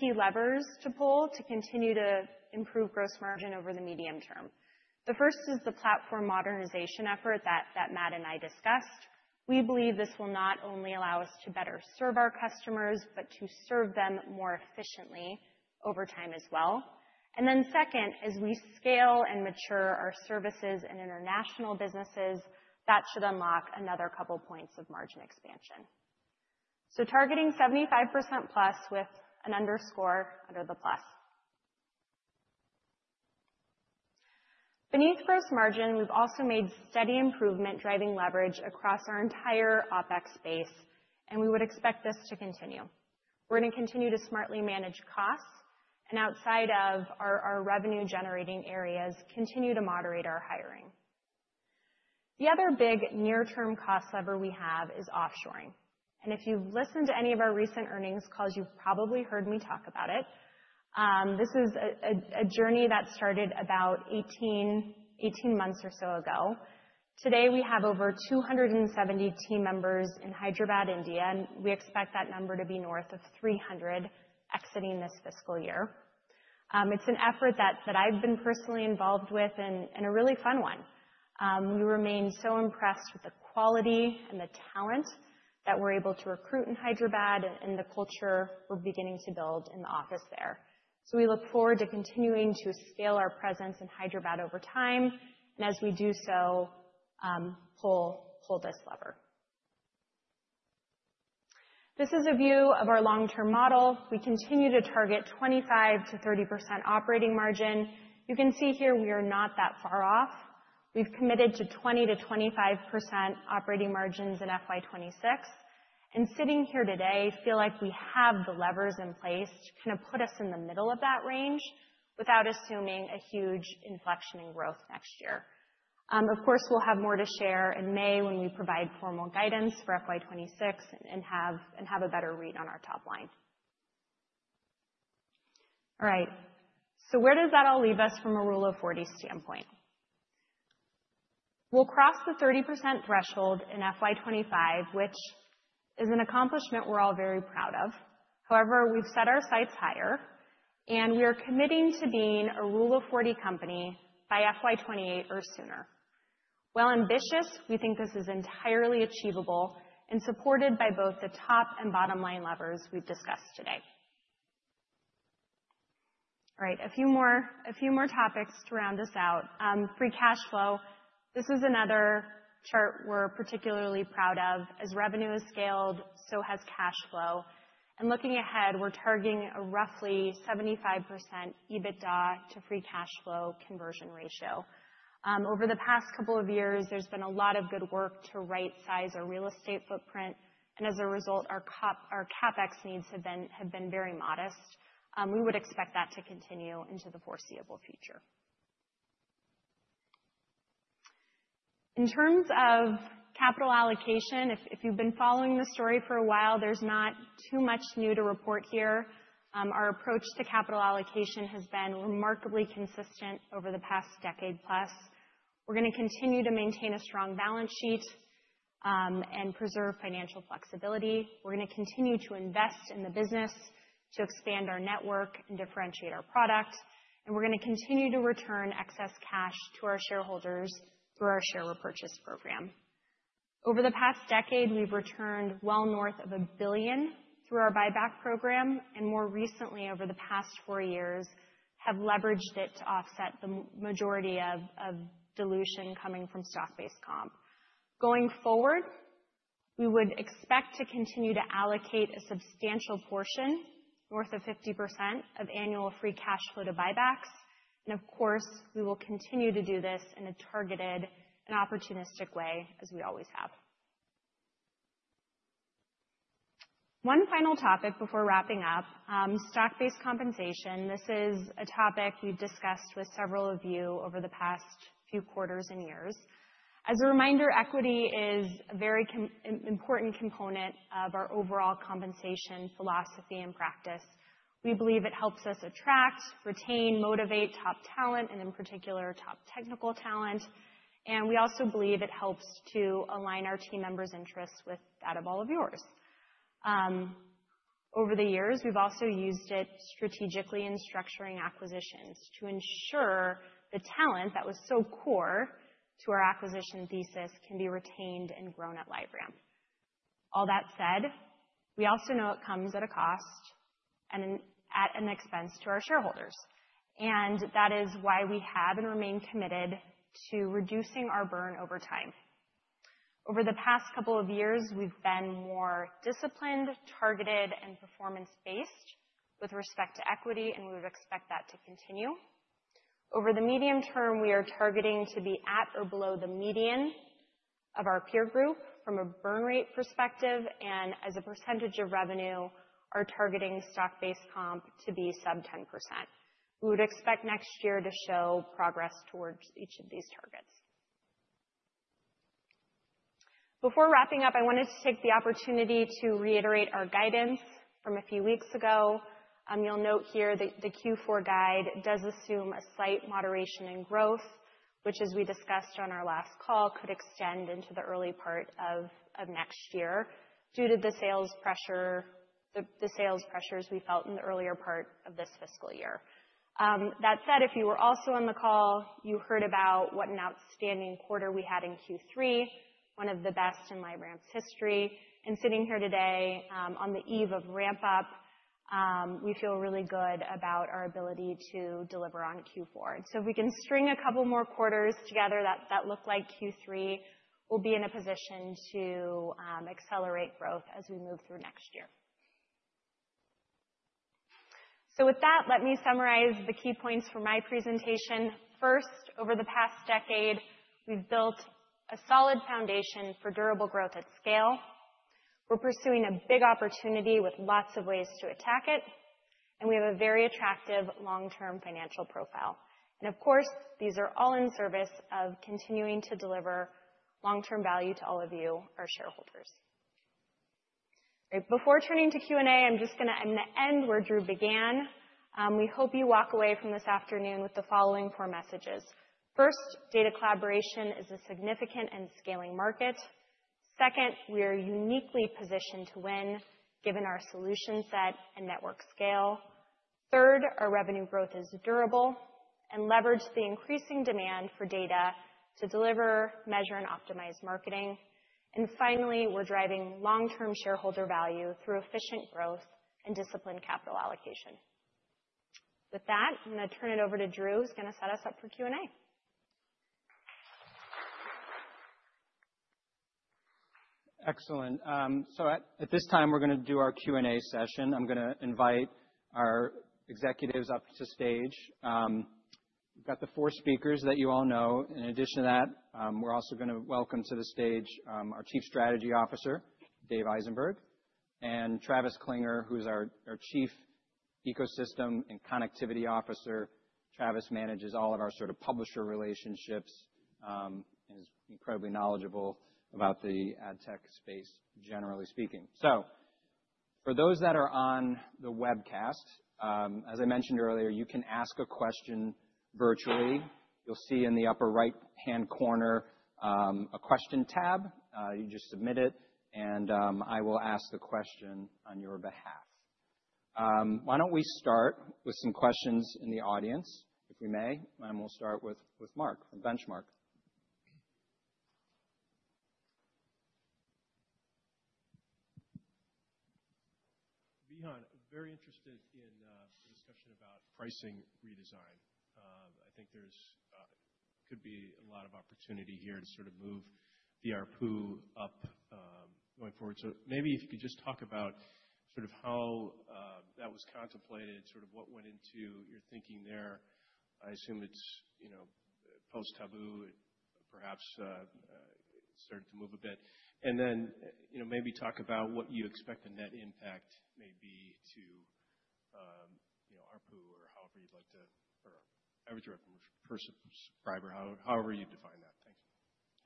key levers to pull to continue to improve gross margin over the medium term. The first is the platform modernization effort that Matt and I discussed. We believe this will not only allow us to better serve our customers, but to serve them more efficiently over time as well. And then second, as we scale and mature our services and international businesses, that should unlock another couple points of margin expansion. So targeting 75% plus with an underscore under the plus. Beneath gross margin, we've also made steady improvement driving leverage across our entire OpEx base, and we would expect this to continue. We're going to continue to smartly manage costs and outside of our revenue-generating areas, continue to moderate our hiring. The other big near-term cost lever we have is offshoring. And if you've listened to any of our recent earnings calls, you've probably heard me talk about it. This is a journey that started about 18 months or so ago. Today, we have over 270 team members in Hyderabad, India, and we expect that number to be north of 300 exiting this fiscal year. It's an effort that I've been personally involved with and a really fun one. We remain so impressed with the quality and the talent that we're able to recruit in Hyderabad and the culture we're beginning to build in the office there. So we look forward to continuing to scale our presence in Hyderabad over time. And as we do so, pull this lever. This is a view of our long-term model. We continue to target 25%-30% operating margin. You can see here we are not that far off. We've committed to 20%-25% operating margins in FY26. And sitting here today, I feel like we have the levers in place to kind of put us in the middle of that range without assuming a huge inflection in growth next year. Of course, we'll have more to share in May when we provide formal guidance for FY26 and have a better read on our top line. All right. So where does that all leave us from a Rule of 40 standpoint? We'll cross the 30% threshold in FY25, which is an accomplishment we're all very proud of. However, we've set our sights higher, and we are committing to being a Rule of 40 company by FY28 or sooner. While ambitious, we think this is entirely achievable and supported by both the top and bottom line levers we've discussed today. All right, a few more topics to round us out. Free cash flow, this is another chart we're particularly proud of. As revenue has scaled, so has cash flow. And looking ahead, we're targeting a roughly 75% EBITDA to free cash flow conversion ratio. Over the past couple of years, there's been a lot of good work to right-size our real estate footprint. And as a result, our CapEx needs have been very modest. We would expect that to continue into the foreseeable future. In terms of capital allocation, if you've been following the story for a while, there's not too much new to report here. Our approach to capital allocation has been remarkably consistent over the past decade plus. We're going to continue to maintain a strong balance sheet and preserve financial flexibility. We're going to continue to invest in the business to expand our network and differentiate our product. We're going to continue to return excess cash to our shareholders through our share repurchase program. Over the past decade, we've returned well north of $1 billion through our buyback program, and more recently, over the past four years, have leveraged it to offset the majority of dilution coming from stock-based comp. Going forward, we would expect to continue to allocate a substantial portion, north of 50% of annual free cash flow to buybacks. Of course, we will continue to do this in a targeted and opportunistic way, as we always have. One final topic before wrapping up: stock-based compensation. This is a topic we've discussed with several of you over the past few quarters and years. As a reminder, equity is a very important component of our overall compensation philosophy and practice. We believe it helps us attract, retain, motivate top talent, and in particular, top technical talent. And we also believe it helps to align our team members' interests with that of all of yours. Over the years, we've also used it strategically in structuring acquisitions to ensure the talent that was so core to our acquisition thesis can be retained and grown at LiveRamp. All that said, we also know it comes at a cost and at an expense to our shareholders. And that is why we have and remain committed to reducing our burn over time. Over the past couple of years, we've been more disciplined, targeted, and performance-based with respect to equity, and we would expect that to continue. Over the medium term, we are targeting to be at or below the median of our peer group from a burn rate perspective. And as a percentage of revenue, our targeting stock-based comp to be sub 10%. We would expect next year to show progress towards each of these targets. Before wrapping up, I wanted to take the opportunity to reiterate our guidance from a few weeks ago. You'll note here that the Q4 guide does assume a slight moderation in growth, which, as we discussed on our last call, could extend into the early part of next year due to the sales pressures we felt in the earlier part of this fiscal year. That said, if you were also on the call, you heard about what an outstanding quarter we had in Q3, one of the best in LiveRamp's history. And sitting here today on the eve of Ramp-Up, we feel really good about our ability to deliver on Q4. And so if we can string a couple more quarters together that look like Q3, we'll be in a position to accelerate growth as we move through next year. So with that, let me summarize the key points for my presentation. First, over the past decade, we've built a solid foundation for durable growth at scale. We're pursuing a big opportunity with lots of ways to attack it, and we have a very attractive long-term financial profile. And of course, these are all in service of continuing to deliver long-term value to all of you, our shareholders. Before turning to Q&A, I'm going to end where Drew began. We hope you walk away from this afternoon with the following four messages. First, data collaboration is a significant and scaling market. Second, we are uniquely positioned to win given our solution set and network scale. Third, our revenue growth is durable and leverages the increasing demand for data to deliver, measure, and optimize marketing. And finally, we're driving long-term shareholder value through efficient growth and disciplined capital allocation. With that, I'm going to turn it over to Drew, who's going to set us up for Q&A. Excellent. So at this time, we're going to do our Q&A session. I'm going to invite our executives up to stage. We've got the four speakers that you all know. In addition to that, we're also going to welcome to the stage our Chief Strategy Officer, Dave Eisenberg, and Travis Klinger, who's our Chief Ecosystem and Connectivity Officer. Travis manages all of our sort of publisher relationships and is incredibly knowledgeable about the ad tech space, generally speaking. For those that are on the webcast, as I mentioned earlier, you can ask a question virtually. You'll see in the upper right-hand corner a question tab. You just submit it, and I will ask the question on your behalf. Why don't we start with some questions in the audience, if we may? And we'll start with Mark from Benchmark. Vihan, very interested in the discussion about pricing redesign. I think there could be a lot of opportunity here to sort of move the ARPU up going forward. So maybe if you could just talk about sort of how that was contemplated, sort of what went into your thinking there. I assume it's post-taboo, perhaps started to move a bit. And then maybe talk about what you expect the net impact may be to ARPU or however you'd like to, or average revenue per subscriber, however you define that.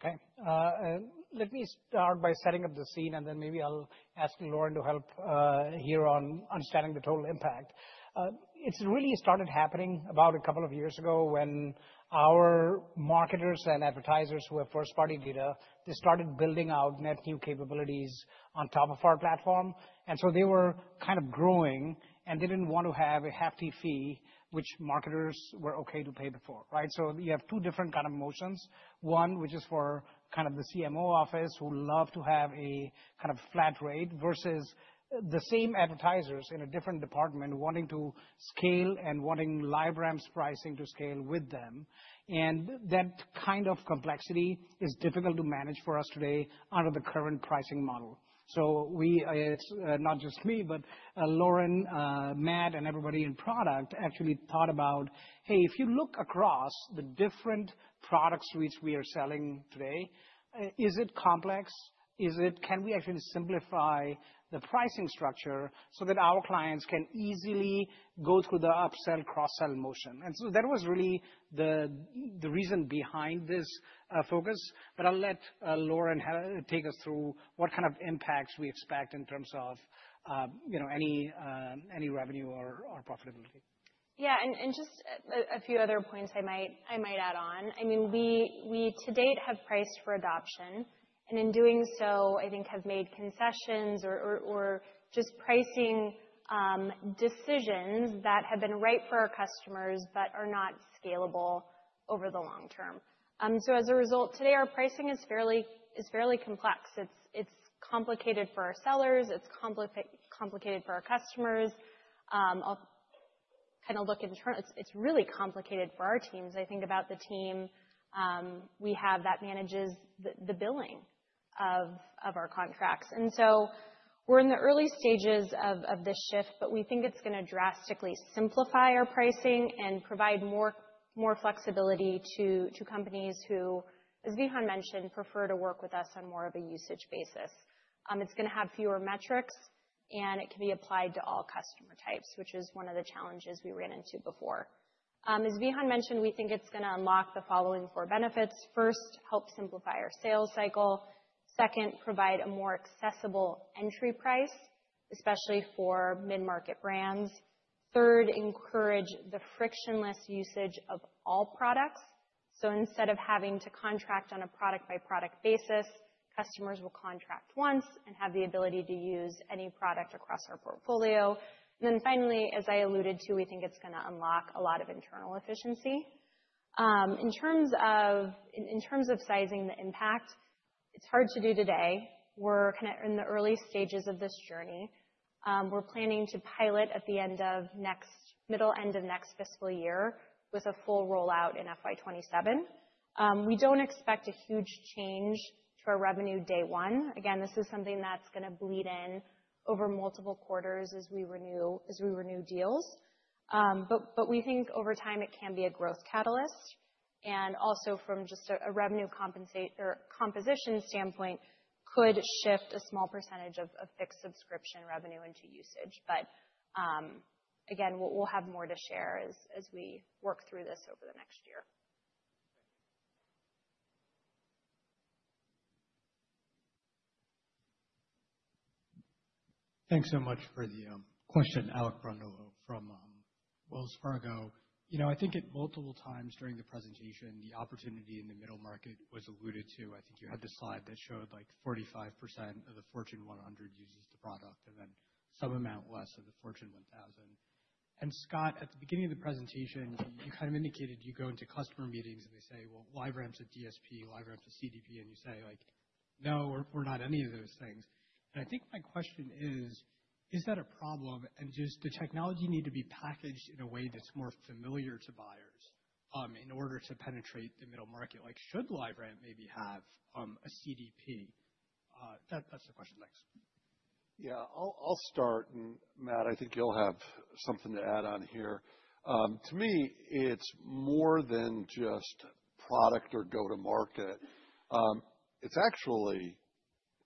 Thanks. Okay. Let me start by setting up the scene, and then maybe I'll ask Lauren to help here on understanding the total impact. It really started happening about a couple of years ago when our marketers and advertisers who were first-party data, they started building out net new capabilities on top of our platform, and so they were kind of growing, and they didn't want to have a hefty fee, which marketers were okay to pay before, so you have two different kinds of motions. One, which is for kind of the CMO office, who love to have a kind of flat rate versus the same advertisers in a different department wanting to scale and wanting LiveRamp's pricing to scale with them, and that kind of complexity is difficult to manage for us today under the current pricing model. So, it's not just me, but Lauren, Matt, and everybody in product actually thought about, "Hey, if you look across the different product suites we are selling today, is it complex? Can we actually simplify the pricing structure so that our clients can easily go through the upsell, cross-sell motion?" And so that was really the reason behind this focus. But I'll let Lauren take us through what kind of impacts we expect in terms of any revenue or profitability. Yeah, and just a few other points I might add on. I mean, we to date have priced for adoption, and in doing so, I think have made concessions or just pricing decisions that have been right for our customers but are not scalable over the long term. So as a result, today, our pricing is fairly complex. It's complicated for our sellers. It's complicated for our customers. I'll kind of look in terms of it's really complicated for our teams. I think about the team we have that manages the billing of our contracts. And so we're in the early stages of this shift, but we think it's going to drastically simplify our pricing and provide more flexibility to companies who, as Vihan mentioned, prefer to work with us on more of a usage basis. It's going to have fewer metrics, and it can be applied to all customer types, which is one of the challenges we ran into before. As Vihan mentioned, we think it's going to unlock the following four benefits. First, help simplify our sales cycle. Second, provide a more accessible entry price, especially for mid-market brands. Third, encourage the frictionless usage of all products. So instead of having to contract on a product-by-product basis, customers will contract once and have the ability to use any product across our portfolio. And then finally, as I alluded to, we think it's going to unlock a lot of internal efficiency. In terms of sizing the impact, it's hard to do today. We're kind of in the early stages of this journey. We're planning to pilot at the mid-end of next fiscal year with a full rollout in FY27. We don't expect a huge change to our revenue day one. Again, this is something that's going to bleed in over multiple quarters as we renew deals. But we think over time, it can be a growth catalyst. And also, from just a revenue composition standpoint, could shift a small percentage of fixed subscription revenue into usage. But again, we'll have more to share as we work through this over the next year. Thanks so much for the question, Alec Brondolo from Wells Fargo. I think at multiple times during the presentation, the opportunity in the middle market was alluded to. I think you had the slide that showed like 45% of the Fortune 100 uses the product and then some amount less of the Fortune 1000. And Scott, at the beginning of the presentation, you kind of indicated you go into customer meetings and they say, "Well, LiveRamp's a DSP, LiveRamp's a CDP," and you say, "No, we're not any of those things." And I think my question is, is that a problem? And does the technology need to be packaged in a way that's more familiar to buyers in order to penetrate the middle market? Should LiveRamp maybe have a CDP? That's the question. Thanks. Yeah, I'll start, and Matt, I think you'll have something to add on here. To me, it's more than just product or go-to-market. It's actually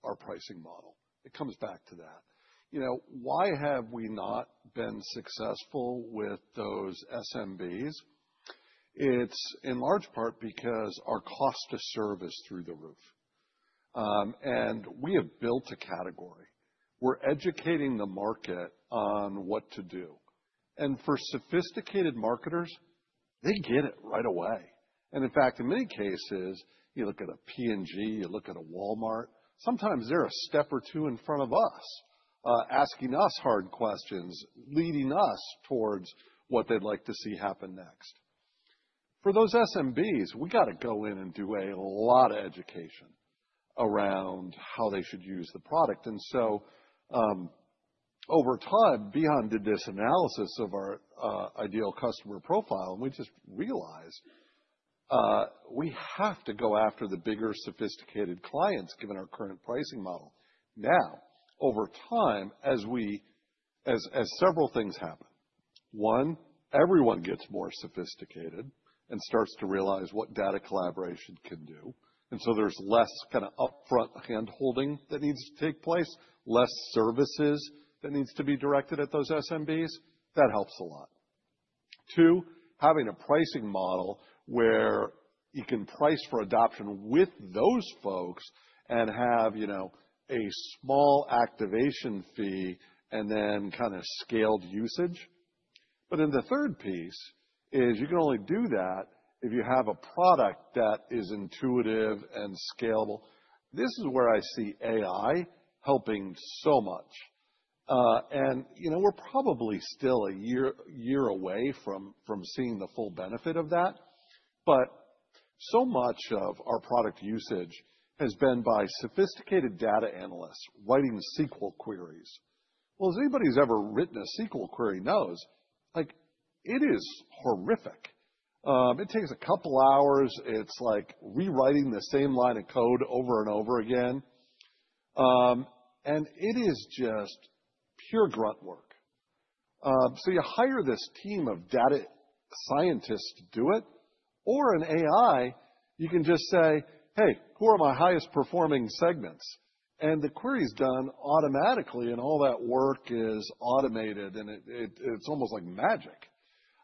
our pricing model. It comes back to that. Why have we not been successful with those SMBs? It's in large part because our cost of service is through the roof, and we have built a category. We're educating the market on what to do, and for sophisticated marketers, they get it right away. And in fact, in many cases, you look at a P&G, you look at a Walmart, sometimes they're a step or two in front of us, asking us hard questions, leading us towards what they'd like to see happen next. For those SMBs, we got to go in and do a lot of education around how they should use the product. And so over time, Vihan did this analysis of our ideal customer profile, and we just realized we have to go after the bigger, sophisticated clients given our current pricing model. Now, over time, as several things happen, one, everyone gets more sophisticated and starts to realize what data collaboration can do. And so there's less kind of upfront handholding that needs to take place, less services that need to be directed at those SMBs. That helps a lot. Two, having a pricing model where you can price for adoption with those folks and have a small activation fee and then kind of scaled usage. But then the third piece is you can only do that if you have a product that is intuitive and scalable. This is where I see AI helping so much. And we're probably still a year away from seeing the full benefit of that. But so much of our product usage has been by sophisticated data analysts writing SQL queries. Well, as anybody who's ever written a SQL query knows, it is horrific. It takes a couple of hours. It's like rewriting the same line of code over and over again. And it is just pure grunt work. So you hire this team of data scientists to do it, or an AI, you can just say, "Hey, who are my highest performing segments?" And the query is done automatically, and all that work is automated, and it's almost like magic.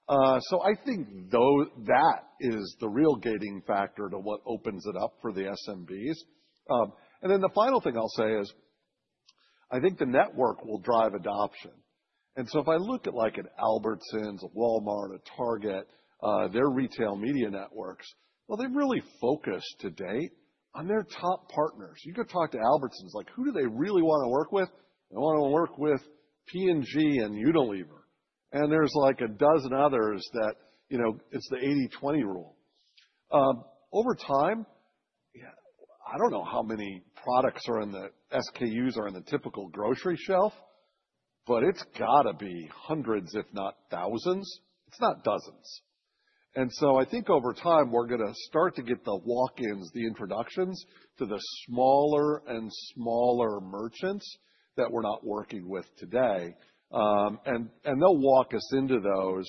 So I think that is the real gating factor to what opens it up for the SMBs. And then the final thing I'll say is I think the network will drive adoption. And so if I look at an Albertsons, a Walmart, a Target, their retail media networks, well, they've really focused to date on their top partners. You go talk to Albertsons, who do they really want to work with? They want to work with P&G and Unilever. And there's like a dozen others that it's the 80/20 rule. Over time, I don't know how many products or SKUs are in the typical grocery shelf, but it's got to be hundreds, if not thousands. It's not dozens. And so I think over time, we're going to start to get the walk-ins, the introductions to the smaller and smaller merchants that we're not working with today. And they'll walk us into those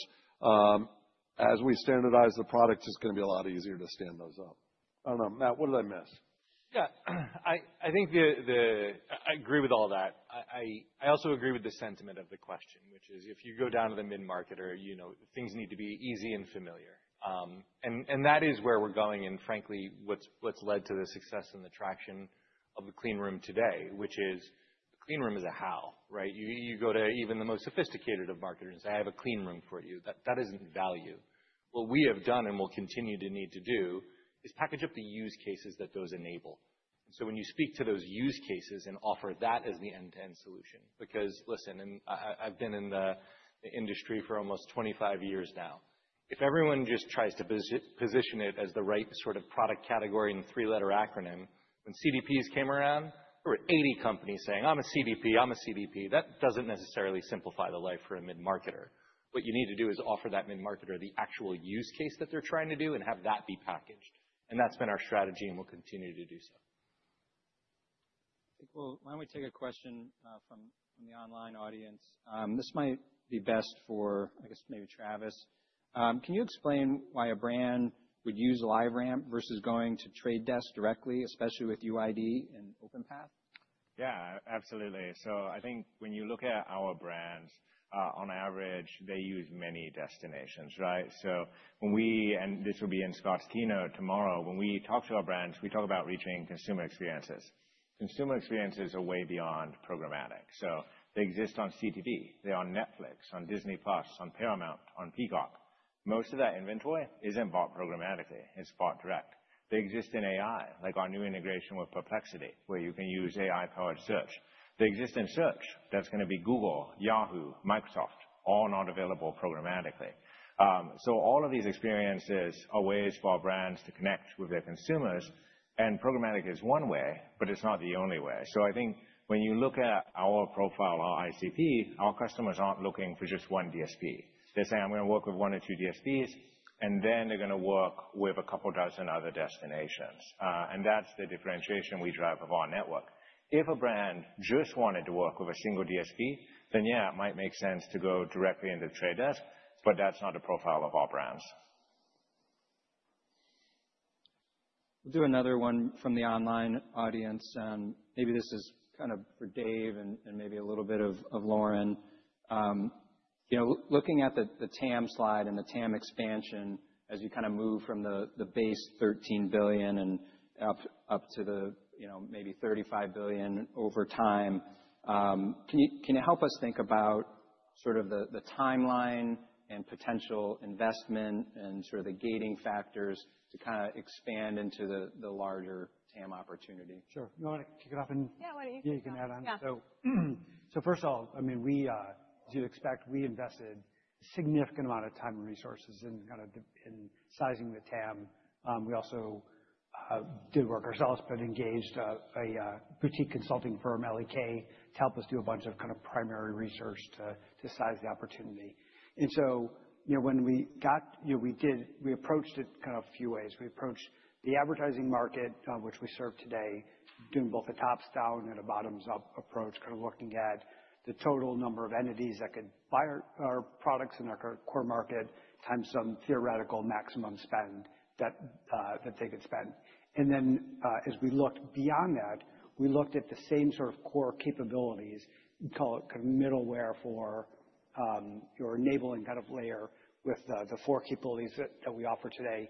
as we standardize the product. It's going to be a lot easier to stand those up. I don't know. Matt, what did I miss? Yeah, I agree with all that. I also agree with the sentiment of the question, which is if you go down to the mid-marketer, things need to be easy and familiar. And that is where we're going. And frankly, what's led to the success and the traction of the clean room today, which is the clean room is a how. You go to even the most sophisticated of marketers and say, "I have a clean room for you." That isn't value. What we have done and will continue to need to do is package up the use cases that those enable. And so when you speak to those use cases and offer that as the end-to-end solution, because listen, I've been in the industry for almost 25 years now. If everyone just tries to position it as the right sort of product category and three-letter acronym, when CDPs came around, there were 80 companies saying, "I'm a CDP. I'm a CDP." That doesn't necessarily simplify the life for a mid-marketer. What you need to do is offer that mid-marketer the actual use case that they're trying to do and have that be packaged. And that's been our strategy, and we'll continue to do so. I think, well, why don't we take a question from the online audience? This might be best for, I guess, maybe Travis. Can you explain why a brand would use LiveRamp versus going to Trade Desk directly, especially with UID and OpenPath? Yeah, absolutely. So I think when you look at our brands, on average, they use many destinations. So this will be in Scott's keynote tomorrow. When we talk to our brands, we talk about reaching consumer experiences. Consumer experiences are way beyond programmatic. So they exist on CTV. They're on Netflix, on Disney+, on Paramount, on Peacock. Most of that inventory isn't bought programmatically. It's bought direct. They exist in AI, like our new integration with Perplexity, where you can use AI-powered search. They exist in search. That's going to be Google, Yahoo, Microsoft, all not available programmatically. So all of these experiences are ways for our brands to connect with their consumers. And programmatic is one way, but it's not the only way. So I think when you look at our profile, our ICP, our customers aren't looking for just one DSP. They're saying, "I'm going to work with one or two DSPs," and then they're going to work with a couple dozen other destinations. That's the differentiation we drive of our network. If a brand just wanted to work with a single DSP, then yeah, it might make sense to go directly into Trade Desk, but that's not a profile of our brands. We'll do another one from the online audience. And maybe this is kind of for Dave and maybe a little bit of Lauren. Looking at the TAM slide and the TAM expansion as you kind of move from the base $13 billion and up to the maybe $35 billion over time, can you help us think about sort of the timeline and potential investment and sort of the gating factors to kind of expand into the larger TAM opportunity? Sure. You want to kick it off? Yeah, why don't you? Yeah, you can add on. Yeah So first of all, I mean, we invested a significant amount of time and resources in kind of sizing the TAM. We also did work ourselves but engaged a boutique consulting firm, L.E.K., to help us do a bunch of kind of primary research to size the opportunity. And so when we got, we approached it kind of a few ways. We approached the advertising market, which we serve today, doing both a top-down and a bottoms-up approach, kind of looking at the total number of entities that could buy our products in our core market times some theoretical maximum spend that they could spend. And then, as we looked beyond that, we looked at the same sort of core capabilities we call kind of middleware for your enabling kind of layer with the four capabilities that we offer today,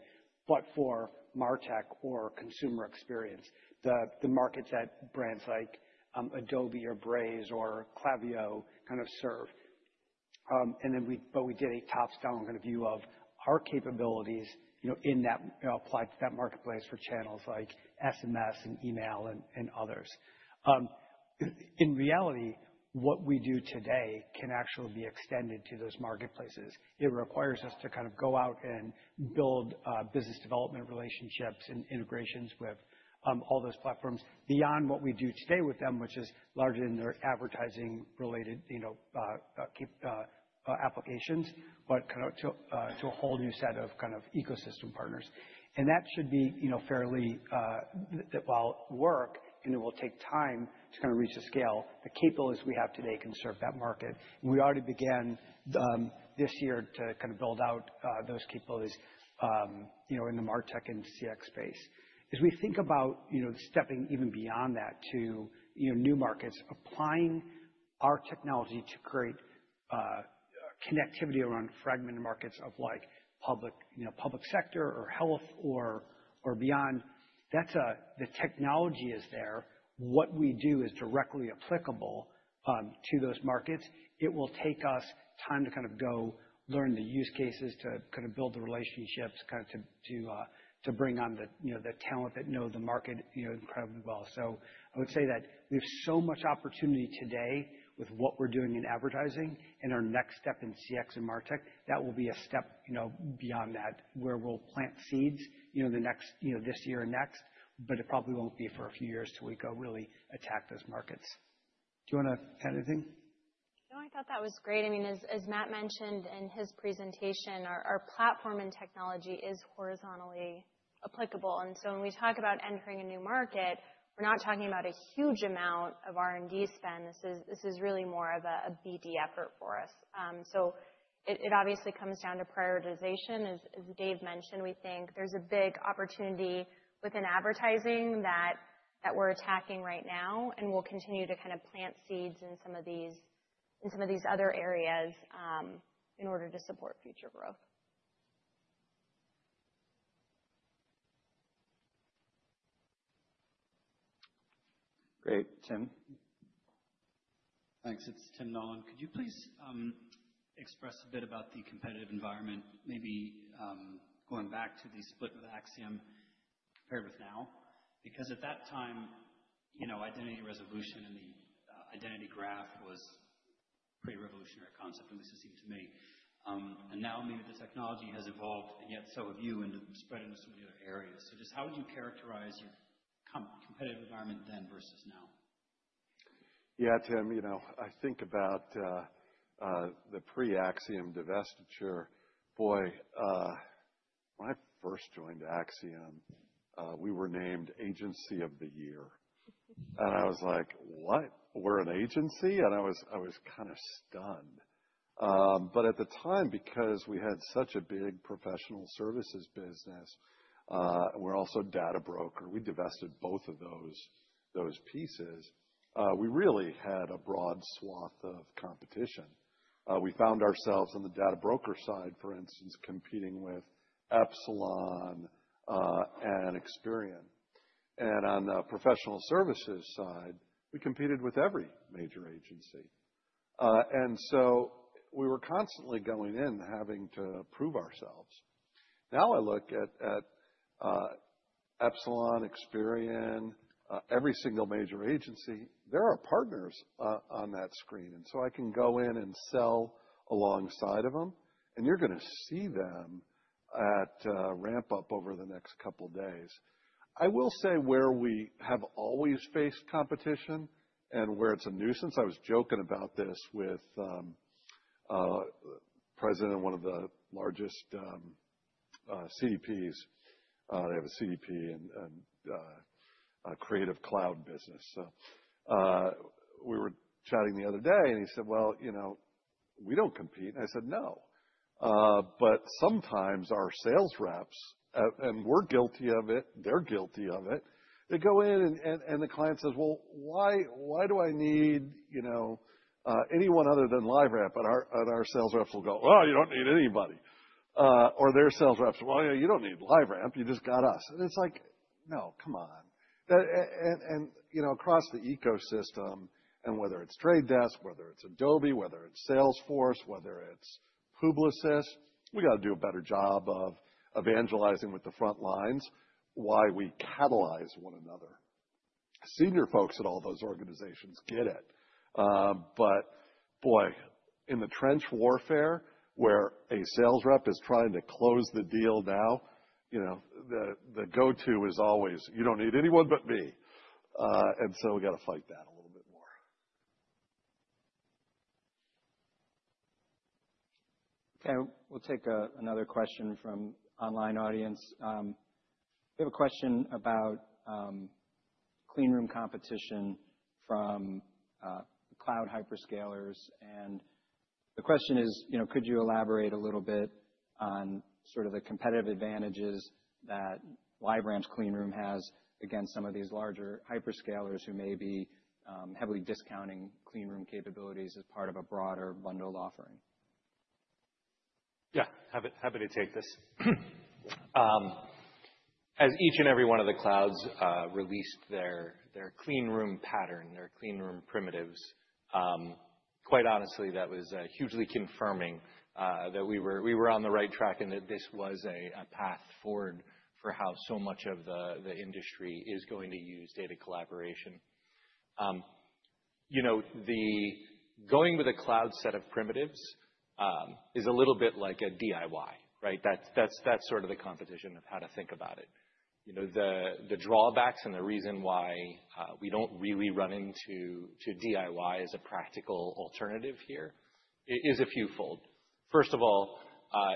but for MarTech or consumer experience, the markets that brands like Adobe or Braze or Klaviyo kind of serve. But we did a top-down kind of view of our capabilities in that applied to that marketplace for channels like SMS and email and others. In reality, what we do today can actually be extended to those marketplaces. It requires us to kind of go out and build business development relationships and integrations with all those platforms beyond what we do today with them, which is largely in their advertising-related applications, but kind of to a whole new set of kind of ecosystem partners. That should be fairly hard work, and it will take time to kind of reach a scale. The capabilities we have today can serve that market. We already began this year to kind of build out those capabilities in the MarTech and CX space. As we think about stepping even beyond that to new markets, applying our technology to create connectivity around fragmented markets like public sector or health or beyond, the technology is there. What we do is directly applicable to those markets. It will take us time to kind of go learn the use cases, to kind of build the relationships, kind of to bring on the talent that know the market incredibly well. So, I would say that we have so much opportunity today with what we're doing in advertising and our next step in CX and martech, that will be a step beyond that where we'll plant seeds this year and next, but it probably won't be for a few years till we go really attack those markets. Do you want to add anything? No, I thought that was great. I mean, as Matt mentioned in his presentation, our platform and technology is horizontally applicable, and so when we talk about entering a new market, we're not talking about a huge amount of R&D spend. This is really more of a BD effort for us, so it obviously comes down to prioritization. As Dave mentioned, we think there's a big opportunity within advertising that we're attacking right now, and we'll continue to kind of plant seeds in some of these other areas in order to support future growth. Great. Tim. Thanks. It's Tim Nollen. Could you please express a bit about the competitive environment, maybe going back to the split with Acxiom compared with now? Because at that time, identity resolution and the identity graph was a pretty revolutionary concept, at least it seemed to me. And now maybe the technology has evolved, and yet so have you and spread into so many other areas. So just how would you characterize your competitive environment then versus now? Yeah, Tim, I think about the pre-Acxiom divestiture. Boy, when I first joined Acxiom, we were named Agency of the Year. And I was like, "What? We're an agency?" And I was kind of stunned. But at the time, because we had such a big professional services business, we're also a data broker. We divested both of those pieces. We really had a broad swath of competition. We found ourselves on the data broker side, for instance, competing with Epsilon and Experian. And on the professional services side, we competed with every major agency. And so we were constantly going in, having to prove ourselves. Now I look at Epsilon, Experian, every single major agency, there are partners on that screen. And so I can go in and sell alongside of them, and you're going to see them Ramp-Up over the next couple of days. I will say where we have always faced competition and where it's a nuisance. I was joking about this with the president of one of the largest CDPs. They have a CDP and creative cloud business. So we were chatting the other day, and he said, "Well, we don't compete." And I said, "No." But sometimes our sales reps, and we're guilty of it, they're guilty of it. They go in, and the client says, "Well, why do I need anyone other than LiveRamp?" And our sales reps will go, "Well, you don't need anybody." Or their sales reps, "Well, you don't need LiveRamp. You just got us." And it's like, "No, come on." And across the ecosystem, and whether it's Trade Desk, whether it's Adobe, whether it's Salesforce, whether it's Publicis, we got to do a better job of evangelizing with the front lines why we catalyze one another. Senior folks at all those organizations get it. But boy, in the trench warfare where a sales rep is trying to close the deal now, the go-to is always, "You don't need anyone but me." And so we got to fight that a little bit more. Okay. We'll take another question from the online audience. We have a question about clean room competition from cloud hyperscalers. And the question is, could you elaborate a little bit on sort of the competitive advantages that LiveRamp's clean room has against some of these larger hyperscalers who may be heavily discounting clean room capabilities as part of a broader bundled offering? Yeah, happy to take this. As each and every one of the clouds released their clean room pattern, their clean room primitives, quite honestly, that was hugely confirming that we were on the right track and that this was a path forward for how so much of the industry is going to use data collaboration. Going with a cloud set of primitives is a little bit like a DIY. That's sort of the competition of how to think about it. The drawbacks and the reason why we don't really run into DIY as a practical alternative here is a few-fold. First of all,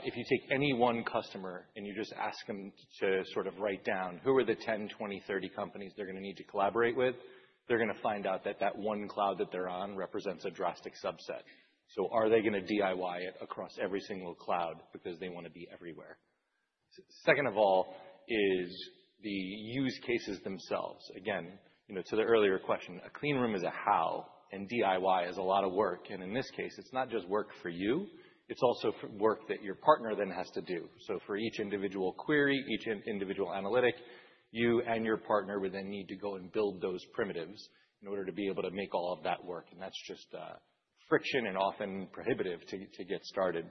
if you take any one customer and you just ask them to sort of write down who are the 10, 20, 30 companies they're going to need to collaborate with, they're going to find out that that one cloud that they're on represents a drastic subset. So are they going to DIY it across every single cloud because they want to be everywhere? Second of all is the use cases themselves. Again, to the earlier question, a clean room is a how, and DIY is a lot of work. And in this case, it's not just work for you. It's also work that your partner then has to do. So for each individual query, each individual analytic, you and your partner would then need to go and build those primitives in order to be able to make all of that work. And that's just friction and often prohibitive to get started.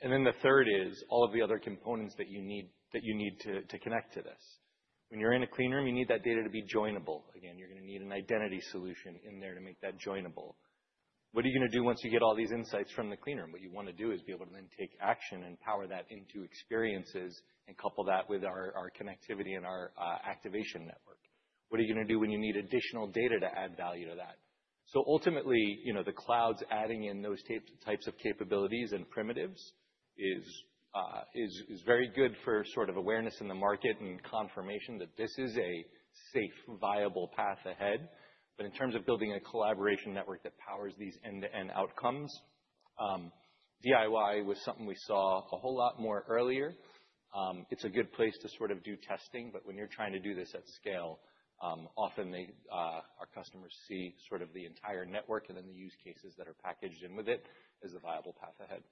And then the third is all of the other components that you need to connect to this. When you're in a clean room, you need that data to be joinable. Again, you're going to need an identity solution in there to make that joinable. What are you going to do once you get all these insights from the clean room? What you want to do is be able to then take action and power that into experiences and couple that with our connectivity and our activation network. What are you going to do when you need additional data to add value to that? So ultimately, the cloud's adding in those types of capabilities and primitives is very good for sort of awareness in the market and confirmation that this is a safe, viable path ahead. But in terms of building a collaboration network that powers these end-to-end outcomes, DIY was something we saw a whole lot more earlier. It's a good place to sort of do testing, but when you're trying to do this at scale, often our customers see sort of the entire network and then the use cases that are packaged in with it as a viable path ahead.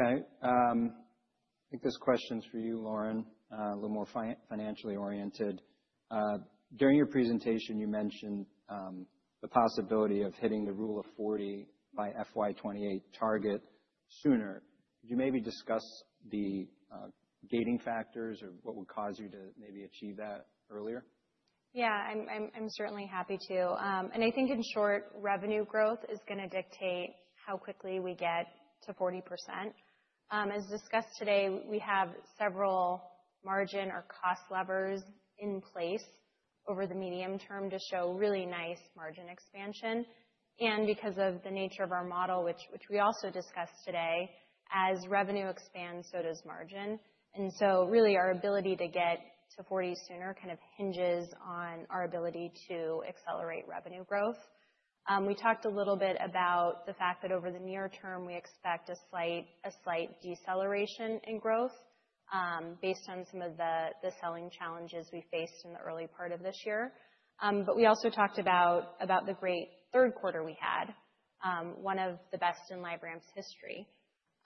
Okay. I think this question's for you, Lauren, a little more financially oriented. During your presentation, you mentioned the possibility of hitting the Rule of 40 by FY28 target sooner. Could you maybe discuss the gating factors or what would cause you to maybe achieve that earlier? Yeah, I'm certainly happy to. And I think in short, revenue growth is going to dictate how quickly we get to 40%. As discussed today, we have several margin or cost levers in place over the medium term to show really nice margin expansion. And because of the nature of our model, which we also discussed today, as revenue expands, so does margin. And so really our ability to get to 40 sooner kind of hinges on our ability to accelerate revenue growth. We talked a little bit about the fact that over the near term, we expect a slight deceleration in growth based on some of the selling challenges we faced in the early part of this year. But we also talked about the great third quarter we had, one of the best in LiveRamp's history,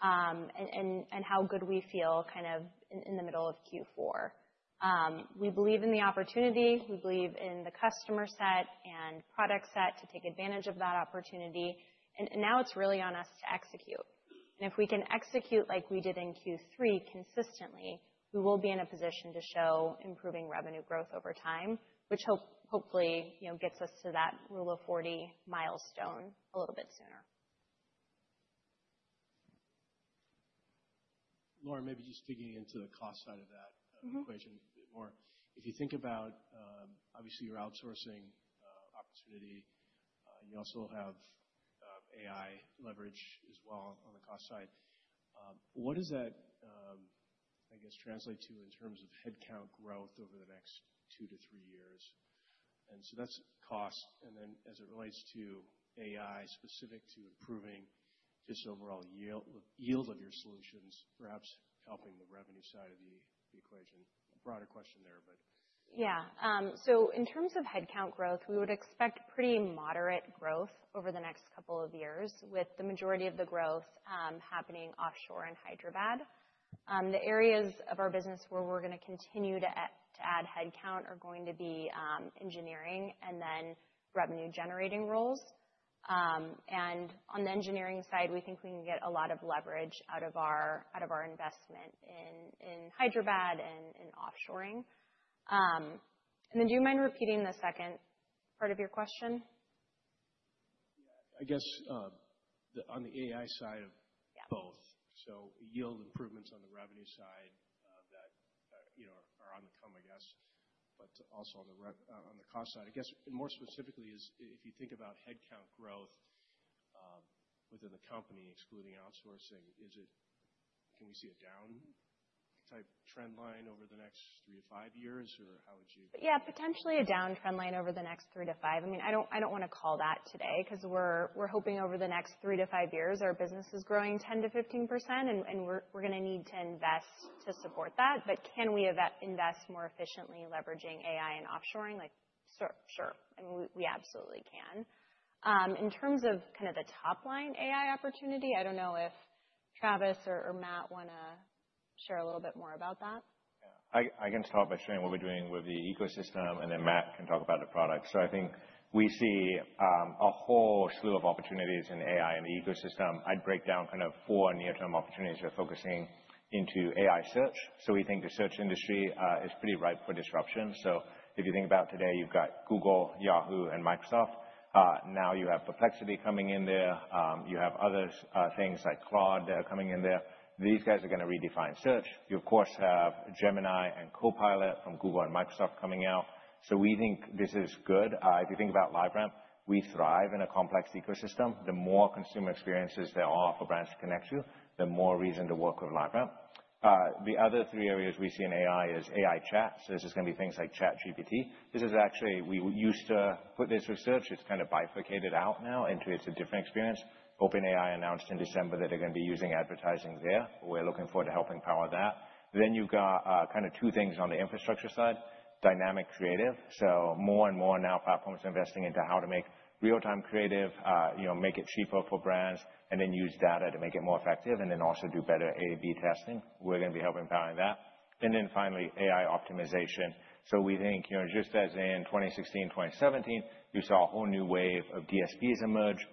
and how good we feel kind of in the middle of Q4. We believe in the opportunity. We believe in the customer set and product set to take advantage of that opportunity. And now it's really on us to execute. And if we can execute like we did in Q3 consistently, we will be in a position to show improving revenue growth over time, which hopefully gets us to that Rule of 40 milestone a little bit sooner. Lauren, maybe just digging into the cost side of that equation a bit more. If you think about, obviously, your outsourcing opportunity, you also have AI leverage as well on the cost side. What does that, I guess, translate to in terms of headcount growth over the next two to three years, and so that's cost, and then as it relates to AI specific to improving just overall yield of your solutions, perhaps helping the revenue side of the equation, a broader question there, but. Yeah. So in terms of headcount growth, we would expect pretty moderate growth over the next couple of years, with the majority of the growth happening offshore in Hyderabad. The areas of our business where we're going to continue to add headcount are going to be engineering and then revenue-generating roles. And on the engineering side, we think we can get a lot of leverage out of our investment in Hyderabad and in offshoring. And then do you mind repeating the second part of your question? Yeah. I guess on the AI side of both. So yield improvements on the revenue side that are on the come, I guess, but also on the cost side. I guess more specifically, if you think about headcount growth within the company, excluding outsourcing, can we see a down-type trend line over the next three to five years, or how would you? Yeah, potentially a down trend line over the next three to five. I mean, I don't want to call that today because we're hoping over the next three to five years, our business is growing 10%-15%, and we're going to need to invest to support that. But can we invest more efficiently leveraging AI and offshoring? Sure. I mean, we absolutely can. In terms of kind of the top-line AI opportunity, I don't know if Travis or Matt want to share a little bit more about that. Yeah. I can start by sharing what we're doing with the ecosystem, and then Matt can talk about the product. So I think we see a whole slew of opportunities in AI and the ecosystem. I'd break down kind of four near-term opportunities we're focusing into AI search. So we think the search industry is pretty ripe for disruption. So if you think about today, you've got Google, Yahoo, and Microsoft. Now you have Perplexity coming in there. You have other things like Claude that are coming in there. These guys are going to redefine search. You, of course, have Gemini and Copilot from Google and Microsoft coming out. So we think this is good. If you think about LiveRamp, we thrive in a complex ecosystem. The more consumer experiences there are for brands to connect to, the more reason to work with LiveRamp. The other three areas we see in AI is AI chat, so this is going to be things like ChatGPT. This is actually we used to put this research. It's kind of bifurcated out now into. It's a different experience. OpenAI announced in December that they're going to be using advertising there. We're looking forward to helping power that, then you've got kind of two things on the infrastructure side: dynamic creative. So more and more now platforms are investing into how to make real-time creative, make it cheaper for brands, and then use data to make it more effective, and then also do better A/B testing. We're going to be helping power that, and then finally, AI optimization, so we think just as in 2016, 2017, you saw a whole new wave of DSPs emerge.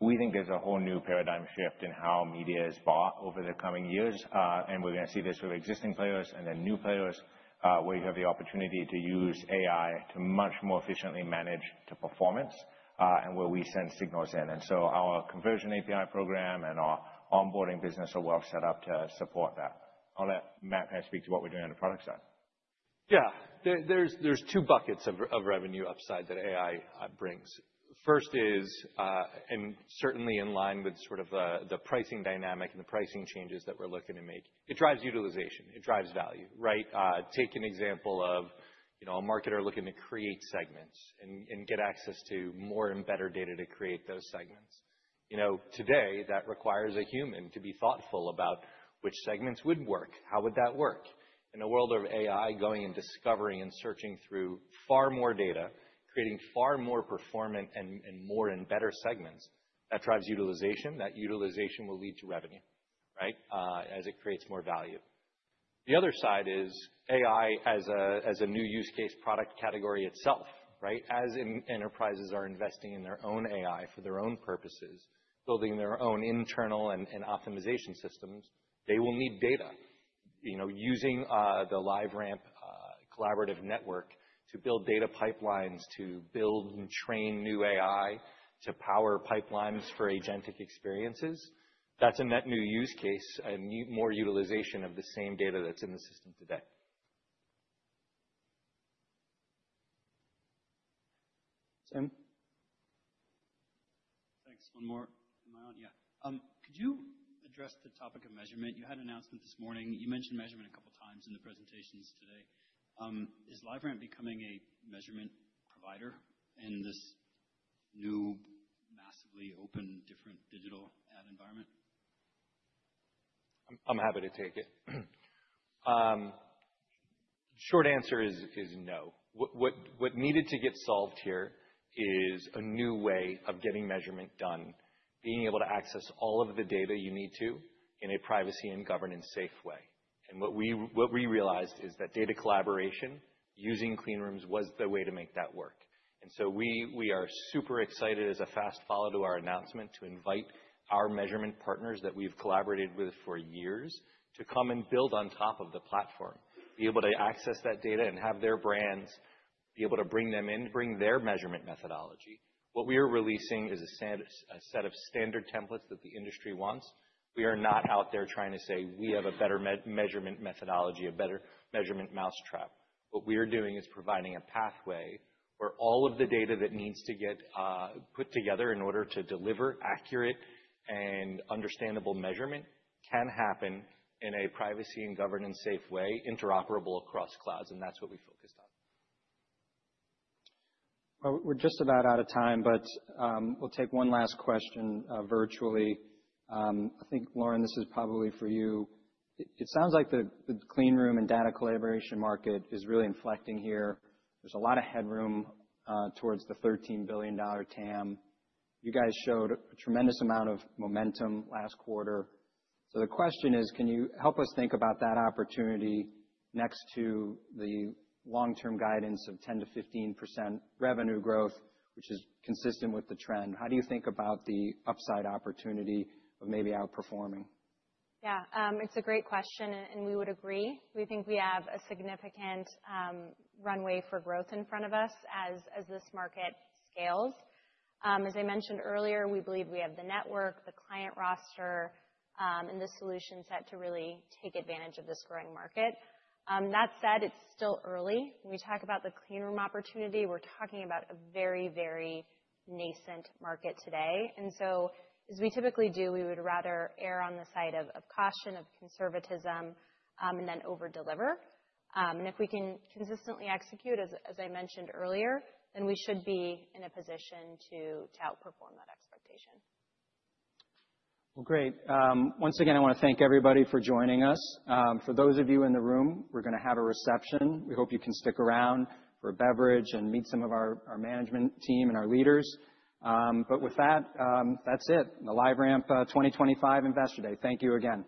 We think there's a whole new paradigm shift in how media is bought over the coming years, and we're going to see this with existing players and then new players where you have the opportunity to use AI to much more efficiently manage the performance and where we send signals in, and so our conversion API program and our onboarding business are well set up to support that. I'll let Matt kind of speak to what we're doing on the product side. Yeah. There's two buckets of revenue upside that AI brings. First is, and certainly in line with sort of the pricing dynamic and the pricing changes that we're looking to make, it drives utilization. It drives value, right? Take an example of a marketer looking to create segments and get access to more and better data to create those segments. Today, that requires a human to be thoughtful about which segments would work. How would that work? In a world of AI going and discovering and searching through far more data, creating far more performant and more and better segments, that drives utilization. That utilization will lead to revenue, right, as it creates more value. The other side is AI as a new use case product category itself, right? As enterprises are investing in their own AI for their own purposes, building their own internal and optimization systems, they will need data. Using the LiveRamp collaborative network to build data pipelines, to build and train new AI, to power pipelines for agentic experiences, that's a net new use case and more utilization of the same data that's in the system today. Tim? Thanks. One more in my own. Yeah. Could you address the topic of measurement? You had an announcement this morning. You mentioned measurement a couple of times in the presentations today. Is LiveRamp becoming a measurement provider in this new massively open different digital ad environment? I'm happy to take it. Short answer is no. What needed to get solved here is a new way of getting measurement done, being able to access all of the data you need to in a privacy and governance-safe way, and what we realized is that data collaboration using clean rooms was the way to make that work, and so we are super excited as a fast follow to our announcement to invite our measurement partners that we've collaborated with for years to come and build on top of the platform, be able to access that data and have their brands, be able to bring them in, bring their measurement methodology. What we are releasing is a set of standard templates that the industry wants. We are not out there trying to say we have a better measurement methodology, a better measurement mousetrap. What we are doing is providing a pathway where all of the data that needs to get put together in order to deliver accurate and understandable measurement can happen in a privacy and governance-safe way, interoperable across clouds, and that's what we focused on. We're just about out of time, but we'll take one last question virtually. I think, Lauren, this is probably for you. It sounds like the clean room and data collaboration market is really inflecting here. There's a lot of headroom towards the $13 billion TAM. You guys showed a tremendous amount of momentum last quarter. So the question is, can you help us think about that opportunity next to the long-term guidance of 10%-15% revenue growth, which is consistent with the trend? How do you think about the upside opportunity of maybe outperforming? Yeah. It's a great question, and we would agree. We think we have a significant runway for growth in front of us as this market scales. As I mentioned earlier, we believe we have the network, the client roster, and the solution set to really take advantage of this growing market. That said, it's still early. When we talk about the clean room opportunity, we're talking about a very, very nascent market today. And so, as we typically do, we would rather err on the side of caution, of conservatism, and then overdeliver. And if we can consistently execute, as I mentioned earlier, then we should be in a position to outperform that expectation. Great. Once again, I want to thank everybody for joining us. For those of you in the room, we're going to have a reception. We hope you can stick around for a beverage and meet some of our management team and our leaders, but with that, that's it. The LiveRamp 2025 Investor Day. Thank you again.